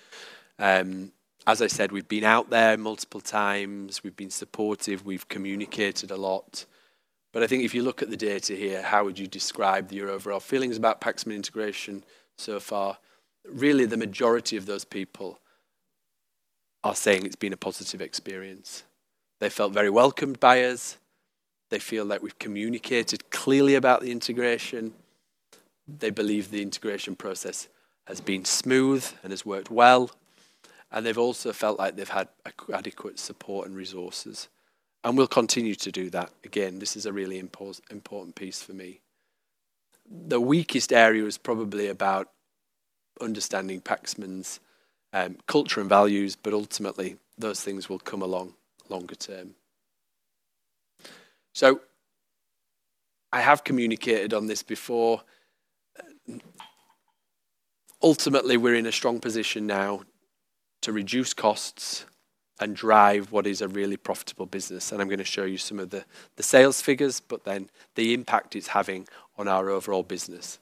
As I said, we've been out there multiple times. We've been supportive. We've communicated a lot. I think if you look at the data here, how would you describe your overall feelings about Paxman integration so far? Really, the majority of those people are saying it's been a positive experience. They felt very welcomed by us. They feel that we've communicated clearly about the integration. They believe the integration process has been smooth and has worked well. They've also felt like they've had adequate support and resources. We'll continue to do that. This is a really important piece for me. The weakest area is probably about understanding Paxman's culture and values, but ultimately, those things will come along longer term. I have communicated on this before. Ultimately, we're in a strong position now to reduce costs and drive what is a really profitable business. I'm going to show you some of the sales figures, but then the impact it's having on our overall business.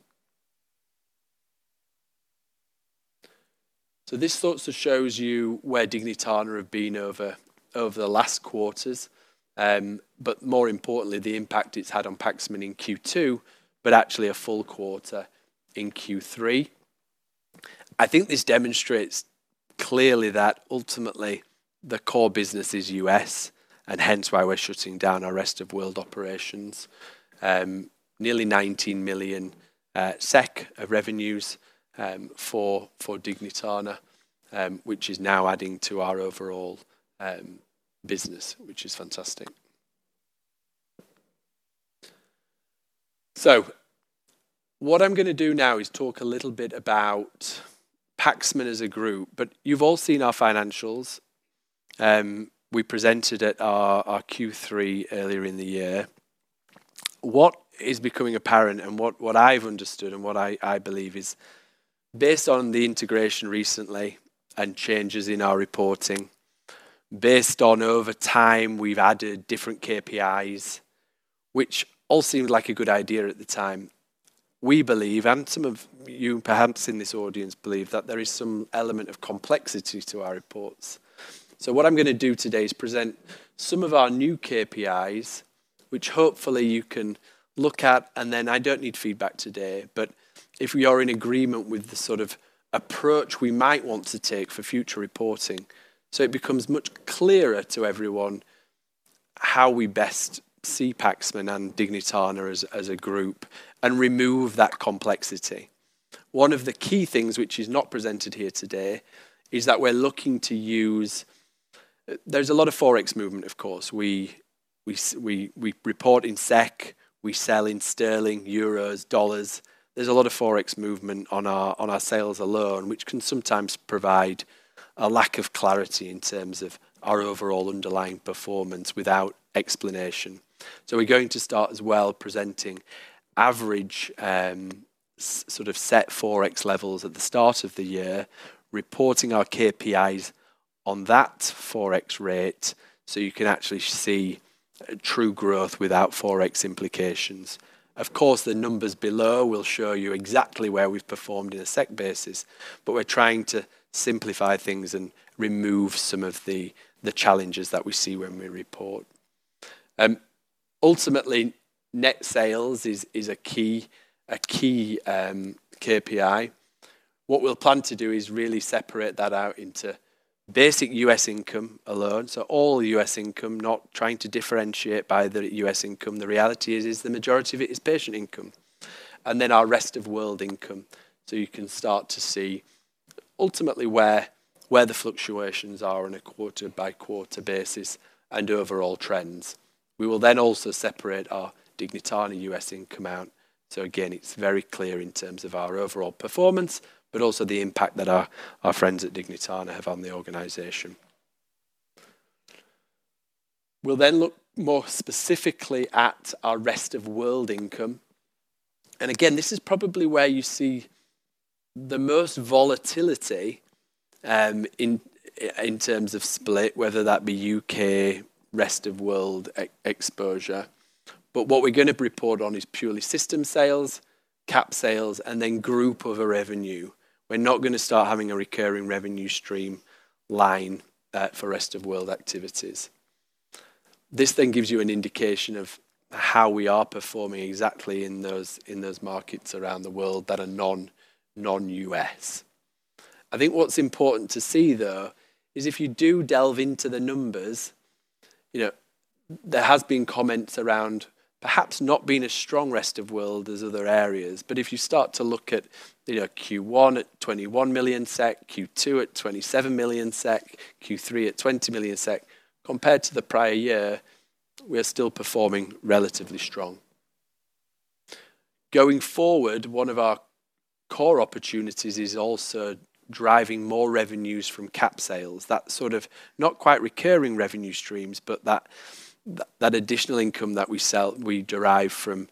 This sort of shows you where Dignitana have been over the last quarters, but more importantly, the impact it's had on Paxman in Q2, but actually a full quarter in Q3. I think this demonstrates clearly that ultimately, the core business is U.S., and hence why we're shutting down our rest of world operations. Nearly 19 million SEK of revenues for Dignitana, which is now adding to our overall business, which is fantastic. What I'm going to do now is talk a little bit about Paxman as a group. You've all seen our financials. We presented at our Q3 earlier in the year. What is becoming apparent and what I've understood and what I believe is based on the integration recently and changes in our reporting, based on over time, we've added different KPIs, which all seemed like a good idea at the time. We believe, and some of you perhaps in this audience believe that there is some element of complexity to our reports. What I'm going to do today is present some of our new KPIs, which hopefully you can look at. I do not need feedback today, but if we are in agreement with the sort of approach we might want to take for future reporting, it becomes much clearer to everyone how we best see Paxman and Dignitana as a group and remove that complexity. One of the key things which is not presented here today is that we are looking to use, there is a lot of Forex movement, of course. We report in SEK. We sell in sterling, euros, dollars. There is a lot of Forex movement on our sales alone, which can sometimes provide a lack of clarity in terms of our overall underlying performance without explanation. We are going to start as well presenting average sort of set Forex levels at the start of the year, reporting our KPIs on that Forex rate so you can actually see true growth without Forex implications. Of course, the numbers below will show you exactly where we've performed in a SEC basis, but we're trying to simplify things and remove some of the challenges that we see when we report. Ultimately, net sales is a key KPI. What we'll plan to do is really separate that out into basic U.S. income alone. So all U.S. income, not trying to differentiate by the U.S. income. The reality is the majority of it is patient income. And then our rest of world income. You can start to see ultimately where the fluctuations are on a quarter-by-quarter basis and overall trends. We will then also separate our Dignitana U.S. income out. So again, it's very clear in terms of our overall performance, but also the impact that our friends at Dignitana have on the organization. We'll then look more specifically at our rest of world income. This is probably where you see the most volatility in terms of split, whether that be U.K., rest of world exposure. What we're going to report on is purely system sales, cap sales, and then group revenue. We're not going to start having a recurring revenue stream line for rest of world activities. This then gives you an indication of how we are performing exactly in those markets around the world that are non-U.S. I think what's important to see, though, is if you do delve into the numbers, there have been comments around perhaps not being as strong rest of world as other areas. If you start to look at Q1 at 21 million SEK, Q2 at 27 million SEK, Q3 at 20 million SEK, compared to the prior year, we're still performing relatively strong. Going forward, one of our core opportunities is also driving more revenues from cap sales. That sort of not quite recurring revenue streams, but that additional income that we derive from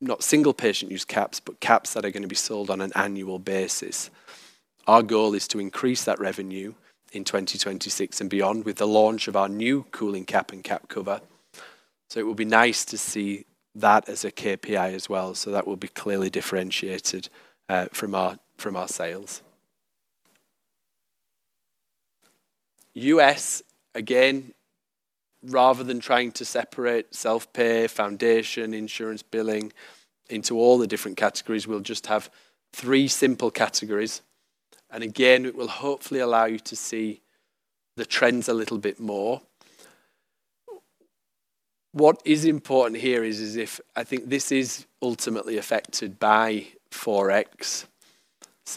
not single patient use caps, but caps that are going to be sold on an annual basis. Our goal is to increase that revenue in 2026 and beyond with the launch of our new cooling cap and cap cover. It will be nice to see that as a KPI as well. That will be clearly differentiated from our sales. U.S., again, rather than trying to separate self-pay, foundation, insurance, billing into all the different categories, we'll just have three simple categories. It will hopefully allow you to see the trends a little bit more. What is important here is if I think this is ultimately affected by Forex.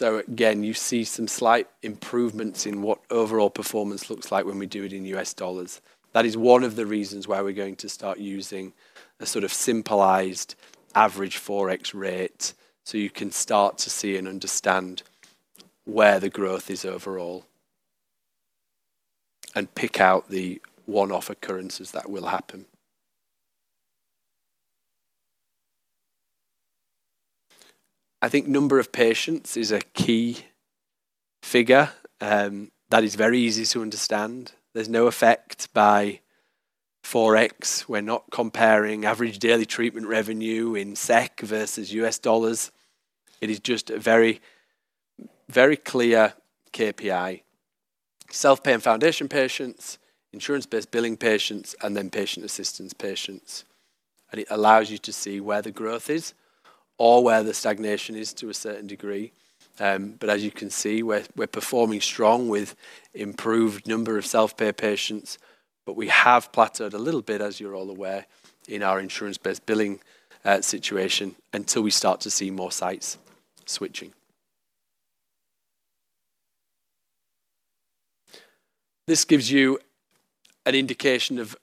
Again, you see some slight improvements in what overall performance looks like when we do it in U.S. dollars. That is one of the reasons why we're going to start using a sort of simplified average Forex rate. You can start to see and understand where the growth is overall and pick out the one-off occurrences that will happen. I think number of patients is a key figure. That is very easy to understand. There's no effect by Forex. We're not comparing average daily treatment revenue in SEK versus U.S. dollars. It is just a very clear KPI: self-pay and foundation patients, insurance-based billing patients, and then patient assistance patients. It allows you to see where the growth is or where the stagnation is to a certain degree. As you can see, we're performing strong with improved number of self-pay patients. We have plateaued a little bit, as you're all aware, in our insurance-based billing situation until we start to see more sites switching. This gives you an indication of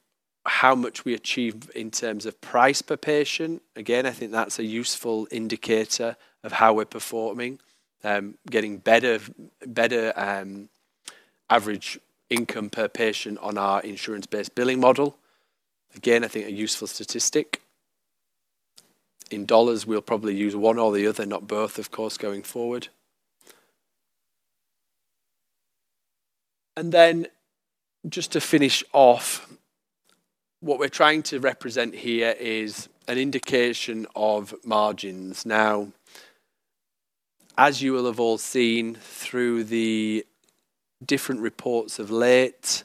how much we achieve in terms of price per patient. Again, I think that's a useful indicator of how we're performing, getting better average income per patient on our insurance-based billing model. Again, I think a useful statistic. In dollars, we'll probably use one or the other, not both, of course, going forward. Just to finish off, what we're trying to represent here is an indication of margins. Now, as you will have all seen through the different reports of late,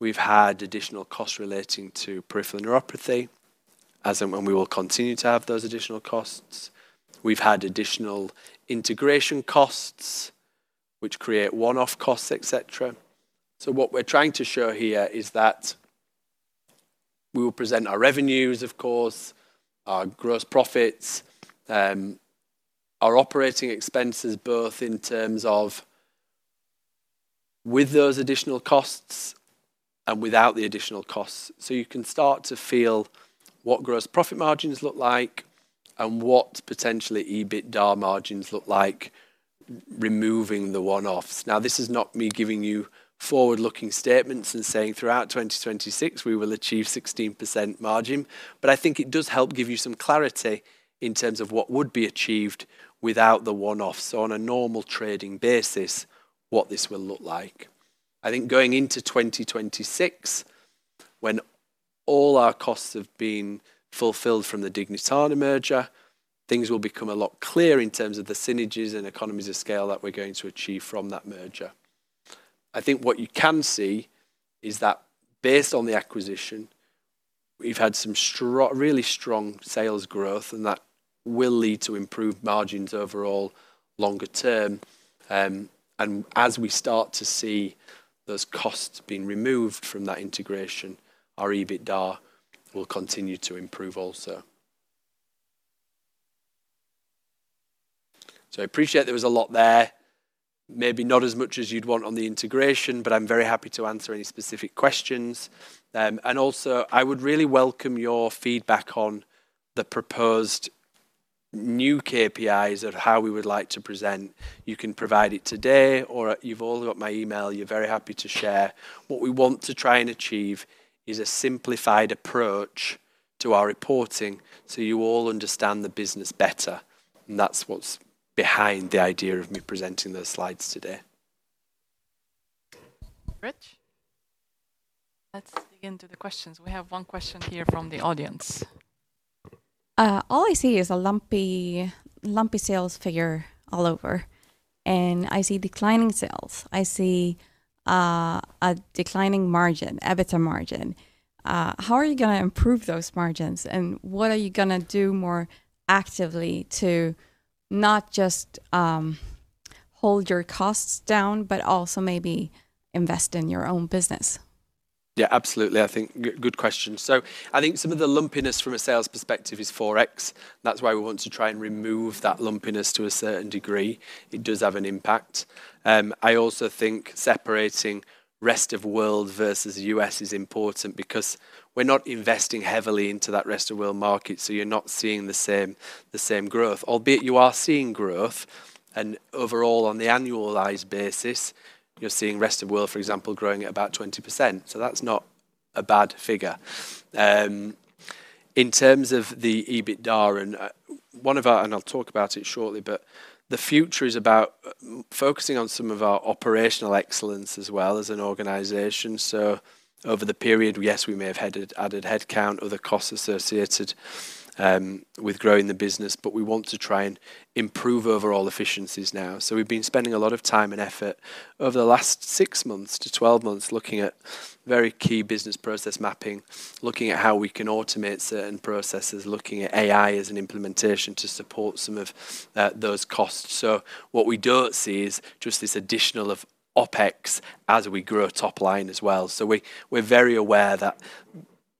we've had additional costs relating to peripheral neuropathy, as in when we will continue to have those additional costs. We've had additional integration costs, which create one-off costs, etc. What we're trying to show here is that we will present our revenues, of course, our gross profits, our operating expenses, both in terms of with those additional costs and without the additional costs. You can start to feel what gross profit margins look like and what potentially EBITDA margins look like removing the one-offs. Now, this is not me giving you forward-looking statements and saying throughout 2026, we will achieve 16% margin. I think it does help give you some clarity in terms of what would be achieved without the one-offs on a normal trading basis, what this will look like. I think going into 2026, when all our costs have been fulfilled from the Dignitana merger, things will become a lot clearer in terms of the synergies and economies of scale that we're going to achieve from that merger. I think what you can see is that based on the acquisition, we've had some really strong sales growth, and that will lead to improved margins overall longer term. As we start to see those costs being removed from that integration, our EBITDA will continue to improve also. I appreciate there was a lot there, maybe not as much as you'd want on the integration, but I'm very happy to answer any specific questions. I would really welcome your feedback on the proposed new KPIs of how we would like to present. You can provide it today, or you've all got my email. You're very happy to share. What we want to try and achieve is a simplified approach to our reporting so you all understand the business better. That's what's behind the idea of me presenting those slides today. Rich? Let's dig into the questions. We have one question here from the audience. All I see is a lumpy sales figure all over. I see declining sales. I see a declining margin, EBITDA margin. How are you going to improve those margins? What are you going to do more actively to not just hold your costs down, but also maybe invest in your own business? Yeah, absolutely. I think good question. I think some of the lumpiness from a sales perspective is Forex. That's why we want to try and remove that lumpiness to a certain degree. It does have an impact. I also think separating rest of world versus U.S. is important because we're not investing heavily into that rest of world market. You're not seeing the same growth, albeit you are seeing growth. Overall, on the annualized basis, you're seeing rest of world, for example, growing at about 20%. That's not a bad figure. In terms of the EBITDA, and I'll talk about it shortly, the future is about focusing on some of our operational excellence as well as an organization. Over the period, yes, we may have added headcount, other costs associated with growing the business, but we want to try and improve overall efficiencies now. We've been spending a lot of time and effort over the last six months to twelve months looking at very key business process mapping, looking at how we can automate certain processes, looking at AI as an implementation to support some of those costs. What we don't see is just this additional of OpEx as we grow top line as well. We're very aware that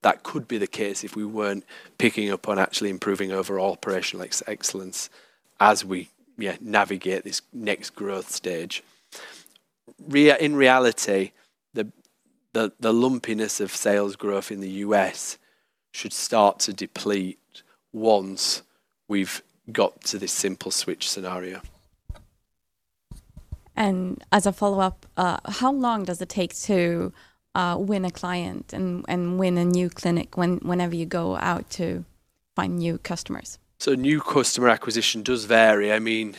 that could be the case if we weren't picking up on actually improving overall operational excellence as we navigate this next growth stage. In reality, the lumpiness of sales growth in the U.S. should start to deplete once we've got to this simple switch scenario. As a follow-up, how long does it take to win a client and win a new clinic whenever you go out to find new customers? New customer acquisition does vary. I mean,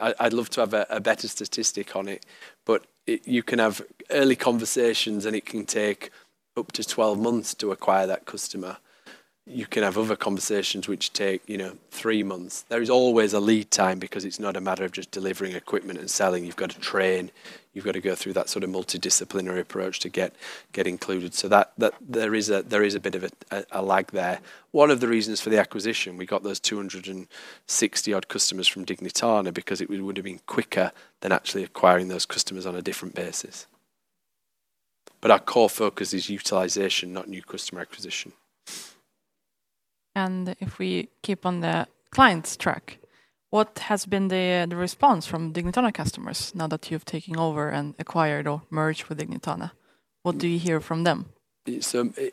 I'd love to have a better statistic on it, but you can have early conversations, and it can take up to twelve months to acquire that customer. You can have other conversations which take three months. There is always a lead time because it's not a matter of just delivering equipment and selling. You've got to train. You've got to go through that sort of multidisciplinary approach to get included. There is a bit of a lag there. One of the reasons for the acquisition, we got those 260-odd customers from Dignitana because it would have been quicker than actually acquiring those customers on a different basis. Our core focus is utilization, not new customer acquisition. If we keep on the clients' track, what has been the response from Dignitana customers now that you've taken over and acquired or merged with Dignitana? What do you hear from them?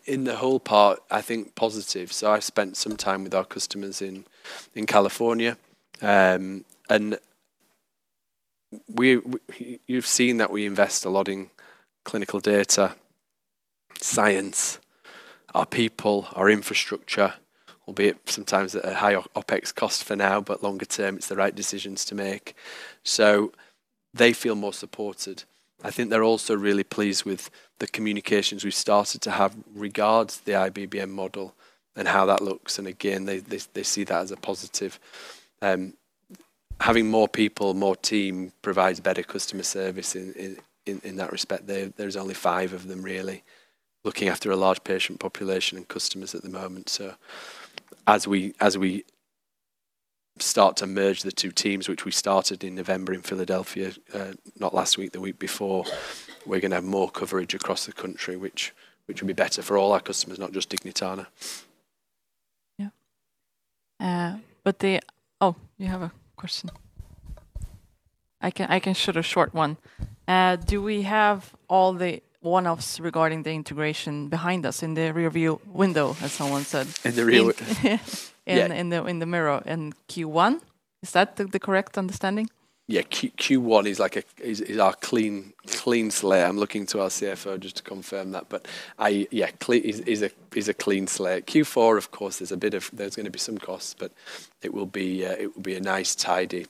In the whole part, I think positive. I've spent some time with our customers in California. You've seen that we invest a lot in clinical data, science, our people, our infrastructure, albeit sometimes at a high OpEx cost for now, but longer term, it's the right decisions to make. They feel more supported. I think they're also really pleased with the communications we've started to have regards to the IBBM model and how that looks. Again, they see that as a positive. Having more people, more team provides better customer service in that respect. There's only five of them, really, looking after a large patient population and customers at the moment. As we start to merge the two teams, which we started in November in Philadelphia, not last week, the week before, we're going to have more coverage across the country, which will be better for all our customers, not just Dignitana. Yeah. Oh, you have a question. I can shoot a short one. Do we have all the one-offs regarding the integration behind us in the rearview window, as someone said? In the rear? Yeah, in the mirror in Q1. Is that the correct understanding? Yeah, Q1 is our clean slide. I'm looking to our CFO just to confirm that. Yeah, it is a clean slide. Q4, of course, there's a bit of—there's going to be some costs, but it will be a nice tidy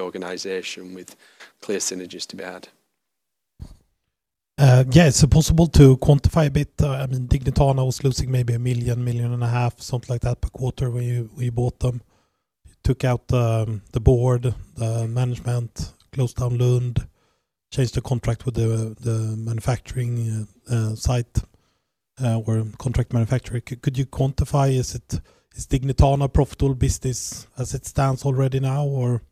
organization with clear synergies to be had. Yeah, it's impossible to quantify a bit. I mean, Dignitana was losing maybe $1 million-$1.5 million, something like that per quarter when you bought them. Took out the board, the management, closed down Lund, changed the contract with the manufacturing site or contract manufacturer. Could you quantify? Is Dignitana a profitable business as it stands already now, or?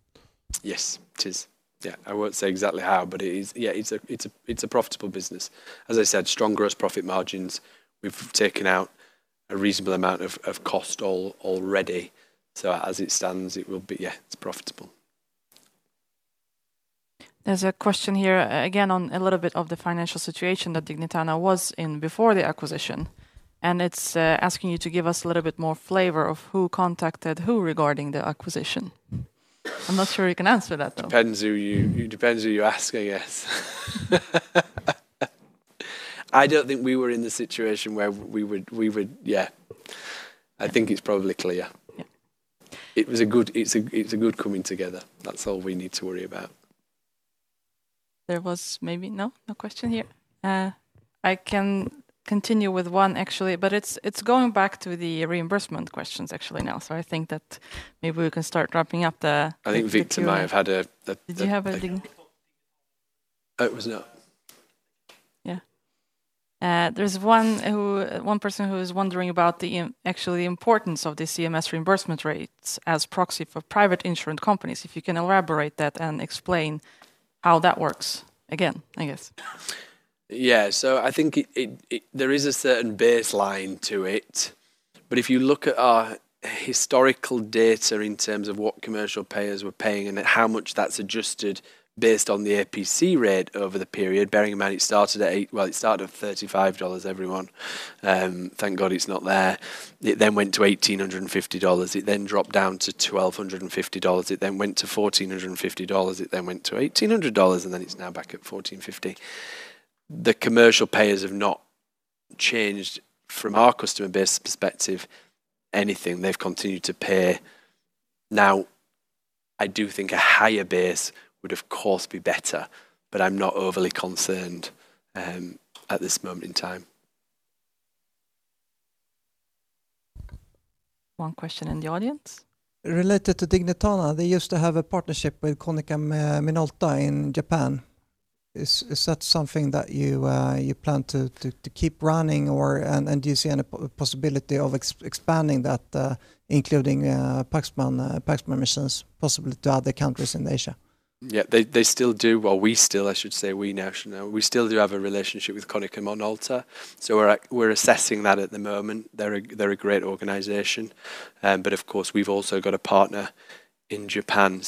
Yes, it is. Yeah, I won't say exactly how, but yeah, it's a profitable business. As I said, strong gross profit margins. We've taken out a reasonable amount of cost already. As it stands, it will be—yeah, it's profitable. There's a question here again on a little bit of the financial situation that Dignitana was in before the acquisition. It's asking you to give us a little bit more flavor of who contacted who regarding the acquisition. I'm not sure you can answer that, though. It depends who you ask, I guess. I don't think we were in the situation where we would—yeah, I think it's probably clear. It was a good—it's a good coming together. That's all we need to worry about. There was maybe—no, no question here. I can continue with one, actually, but it's going back to the reimbursement questions, actually, now. I think that maybe we can start wrapping up the— I think Victor might have had a— did you have a— it was not. Yeah. There's one person who is wondering about the actual importance of the CMS reimbursement rates as proxy for private insurance companies. If you can elaborate that and explain how that works again, I guess. Yeah, so I think there is a certain baseline to it. If you look at our historical data in terms of what commercial payers were paying and how much that's adjusted based on the APC rate over the period, bearing in mind it started at—well, it started at $35, everyone. Thank God it's not there. It then went to $1,850. It then dropped down to $1,250. It then went to $1,450. It then went to $1,800, and then it's now back at $1,450. The commercial payers have not changed from our customer base perspective anything. They've continued to pay. Now, I do think a higher base would, of course, be better, but I'm not overly concerned at this moment in time. One question in the audience. Related to Dignitana, they used to have a partnership with Konica Minolta in Japan. Is that something that you plan to keep running, and do you see any possibility of expanding that, including Paxman machines, possibly to other countries in Asia? Yeah, they still do—well, we still, I should say, we now—we still do have a relationship with Konica Minolta. So we're assessing that at the moment. They're a great organization. Of course, we've also got a partner in Japan.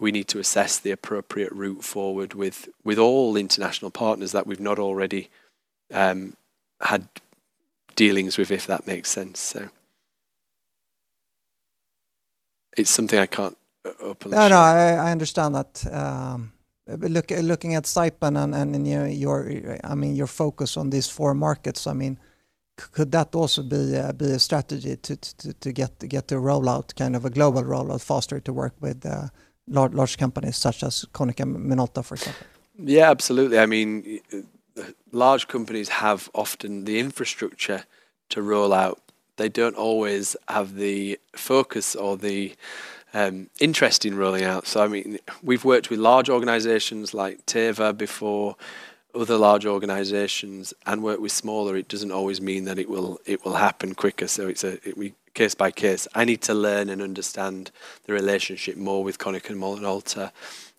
We need to assess the appropriate route forward with all international partners that we've not already had dealings with, if that makes sense. It's something I can't openly say. No, no, I understand that. Looking at Saipan, and I mean, your focus on these four markets, I mean, could that also be a strategy to get a rollout, kind of a global rollout faster to work with large companies such as Konica Minolta, for example? Yeah, absolutely. I mean, large companies have often the infrastructure to roll out. They don't always have the focus or the interest in rolling out. I mean, we've worked with large organizations like Teva before, other large organizations, and worked with smaller. It doesn't always mean that it will happen quicker. It is a case by case. I need to learn and understand the relationship more with Konica Minolta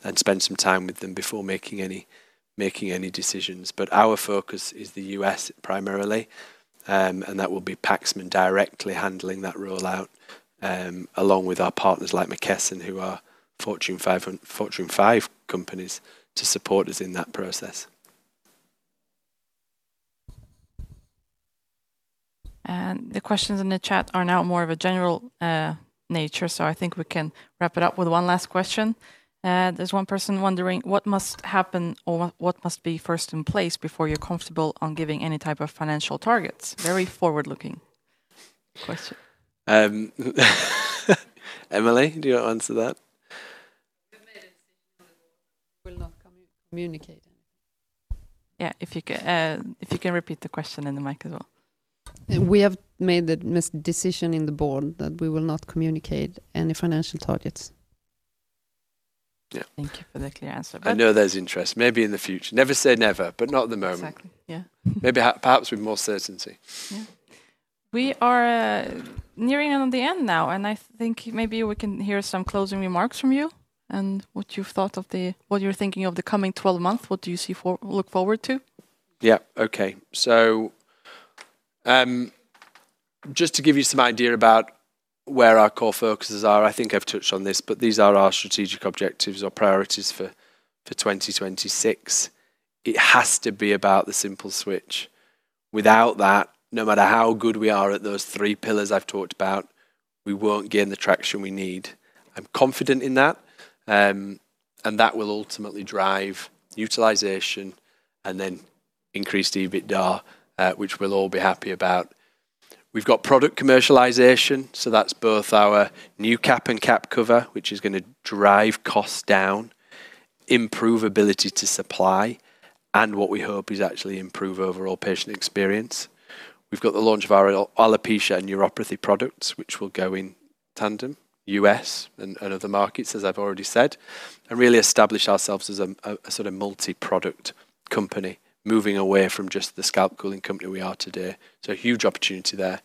and spend some time with them before making any decisions. Our focus is the U.S. primarily, and that will be Paxman directly handling that rollout, along with our partners like McKesson, who are Fortune 5 companies, to support us in that process. The questions in the chat are now more of a general nature, so I think we can wrap it up with one last question. There is one person wondering, what must happen or what must be first in place before you are comfortable on giving any type of financial targets? Very forward-looking question. Emeile, do you want to answer that? We will not communicate anything. Yeah, if you can repeat the question in the mic as well. We have made the decision in the board that we will not communicate any financial targets. Yeah. Thank you for the clear answer. I know there is interest. Maybe in the future. Never say never, but not at the moment. Exactly. Yeah. Maybe perhaps with more certainty. Yeah. We are nearing the end now, and I think maybe we can hear some closing remarks from you and what you've thought of the—what you're thinking of the coming twelve months. What do you look forward to? Yeah, okay. Just to give you some idea about where our core focuses are, I think I've touched on this, but these are our strategic objectives or priorities for 2026. It has to be about the simple switch. Without that, no matter how good we are at those three pillars I've talked about, we won't gain the traction we need. I'm confident in that, and that will ultimately drive utilization and then increase EBITDA, which we'll all be happy about. We've got product commercialization, so that's both our new cap and cap cover, which is going to drive costs down, improve ability to supply, and what we hope is actually improve overall patient experience. We've got the launch of our alopecia and neuropathy products, which will go in tandem, U.S. and other markets, as I've already said, and really establish ourselves as a sort of multi-product company, moving away from just the scalp cooling company we are today. A huge opportunity there.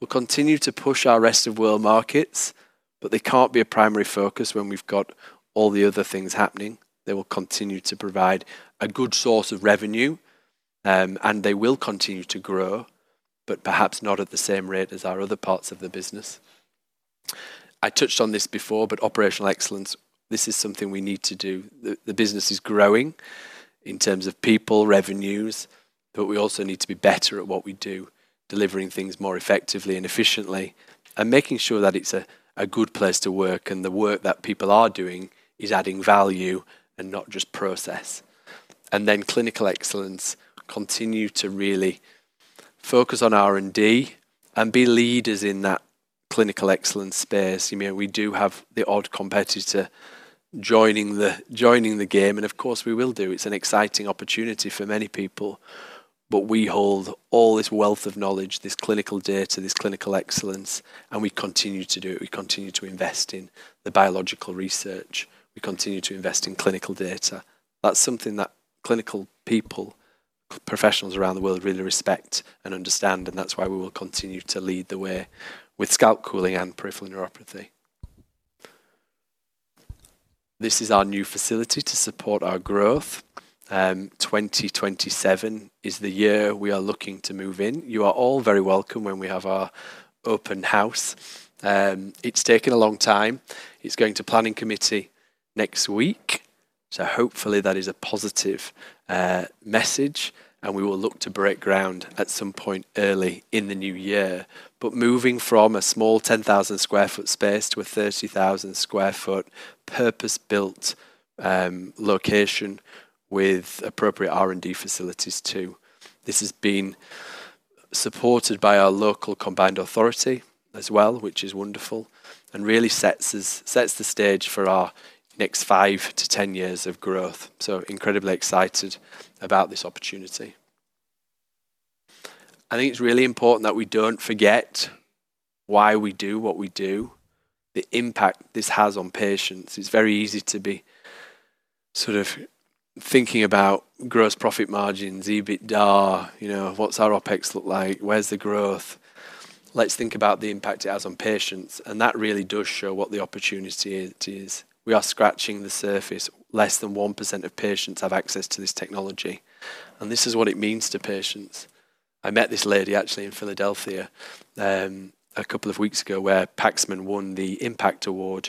We'll continue to push our rest of world markets, but they can't be a primary focus when we've got all the other things happening. They will continue to provide a good source of revenue, and they will continue to grow, but perhaps not at the same rate as our other parts of the business. I touched on this before, but operational excellence, this is something we need to do. The business is growing in terms of people, revenues, but we also need to be better at what we do, delivering things more effectively and efficiently, and making sure that it's a good place to work and the work that people are doing is adding value and not just process. Then clinical excellence, continue to really focus on R&D and be leaders in that clinical excellence space. We do have the odd competitor joining the game, and of course, we will do. It's an exciting opportunity for many people, but we hold all this wealth of knowledge, this clinical data, this clinical excellence, and we continue to do it. We continue to invest in the biological research. We continue to invest in clinical data. That's something that clinical people, professionals around the world really respect and understand, and that's why we will continue to lead the way with scalp cooling and peripheral neuropathy. This is our new facility to support our growth. 2027 is the year we are looking to move in. You are all very welcome when we have our open house. It's taken a long time. It's going to planning committee next week. Hopefully, that is a positive message, and we will look to break ground at some point early in the new year. Moving from a small 10,000 sq ft space to a 30,000 sq ft purpose-built location with appropriate R&D facilities too. This has been supported by our local combined authority as well, which is wonderful, and really sets the stage for our next five to 10 years of growth. Incredibly excited about this opportunity. I think it's really important that we don't forget why we do what we do, the impact this has on patients. It's very easy to be sort of thinking about gross profit margins, EBITDA, what's our OpEx look like, where's the growth? Let's think about the impact it has on patients. That really does show what the opportunity is. We are scratching the surface. Less than 1% of patients have access to this technology. This is what it means to patients. I met this lady, actually, in Philadelphia a couple of weeks ago where Paxman won the Impact Award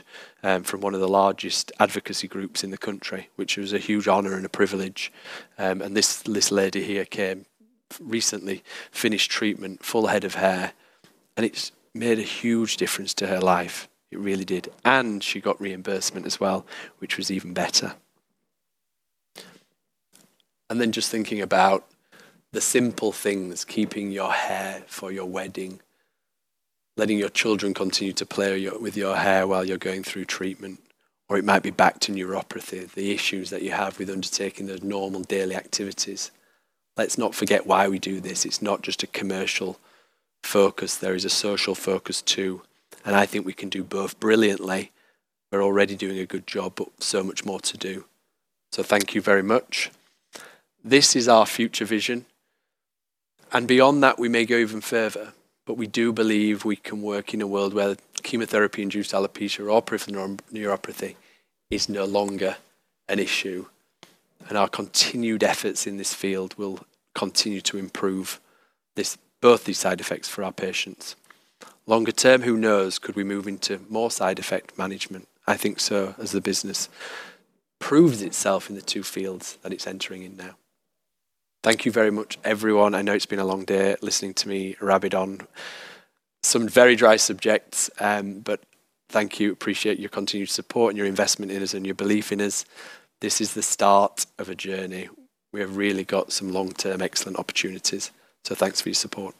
from one of the largest advocacy groups in the country, which was a huge honor and a privilege. This lady here came recently, finished treatment, full head of hair, and it's made a huge difference to her life. It really did. She got reimbursement as well, which was even better. Just thinking about the simple things, keeping your hair for your wedding, letting your children continue to play with your hair while you're going through treatment, or it might be back to neuropathy, the issues that you have with undertaking those normal daily activities. Let's not forget why we do this. It's not just a commercial focus. There is a social focus too. I think we can do both brilliantly. We're already doing a good job, but so much more to do. Thank you very much. This is our future vision. Beyond that, we may go even further, but we do believe we can work in a world where chemotherapy-induced alopecia or peripheral neuropathy is no longer an issue. Our continued efforts in this field will continue to improve both these side effects for our patients. Longer term, who knows? Could we move into more side effect management? I think so, as the business proves itself in the two fields that it's entering in now. Thank you very much, everyone. I know it's been a long day listening to me rabid on some very dry subjects, but thank you. Appreciate your continued support and your investment in us and your belief in us. This is the start of a journey. We have really got some long-term excellent opportunities. Thanks for your support.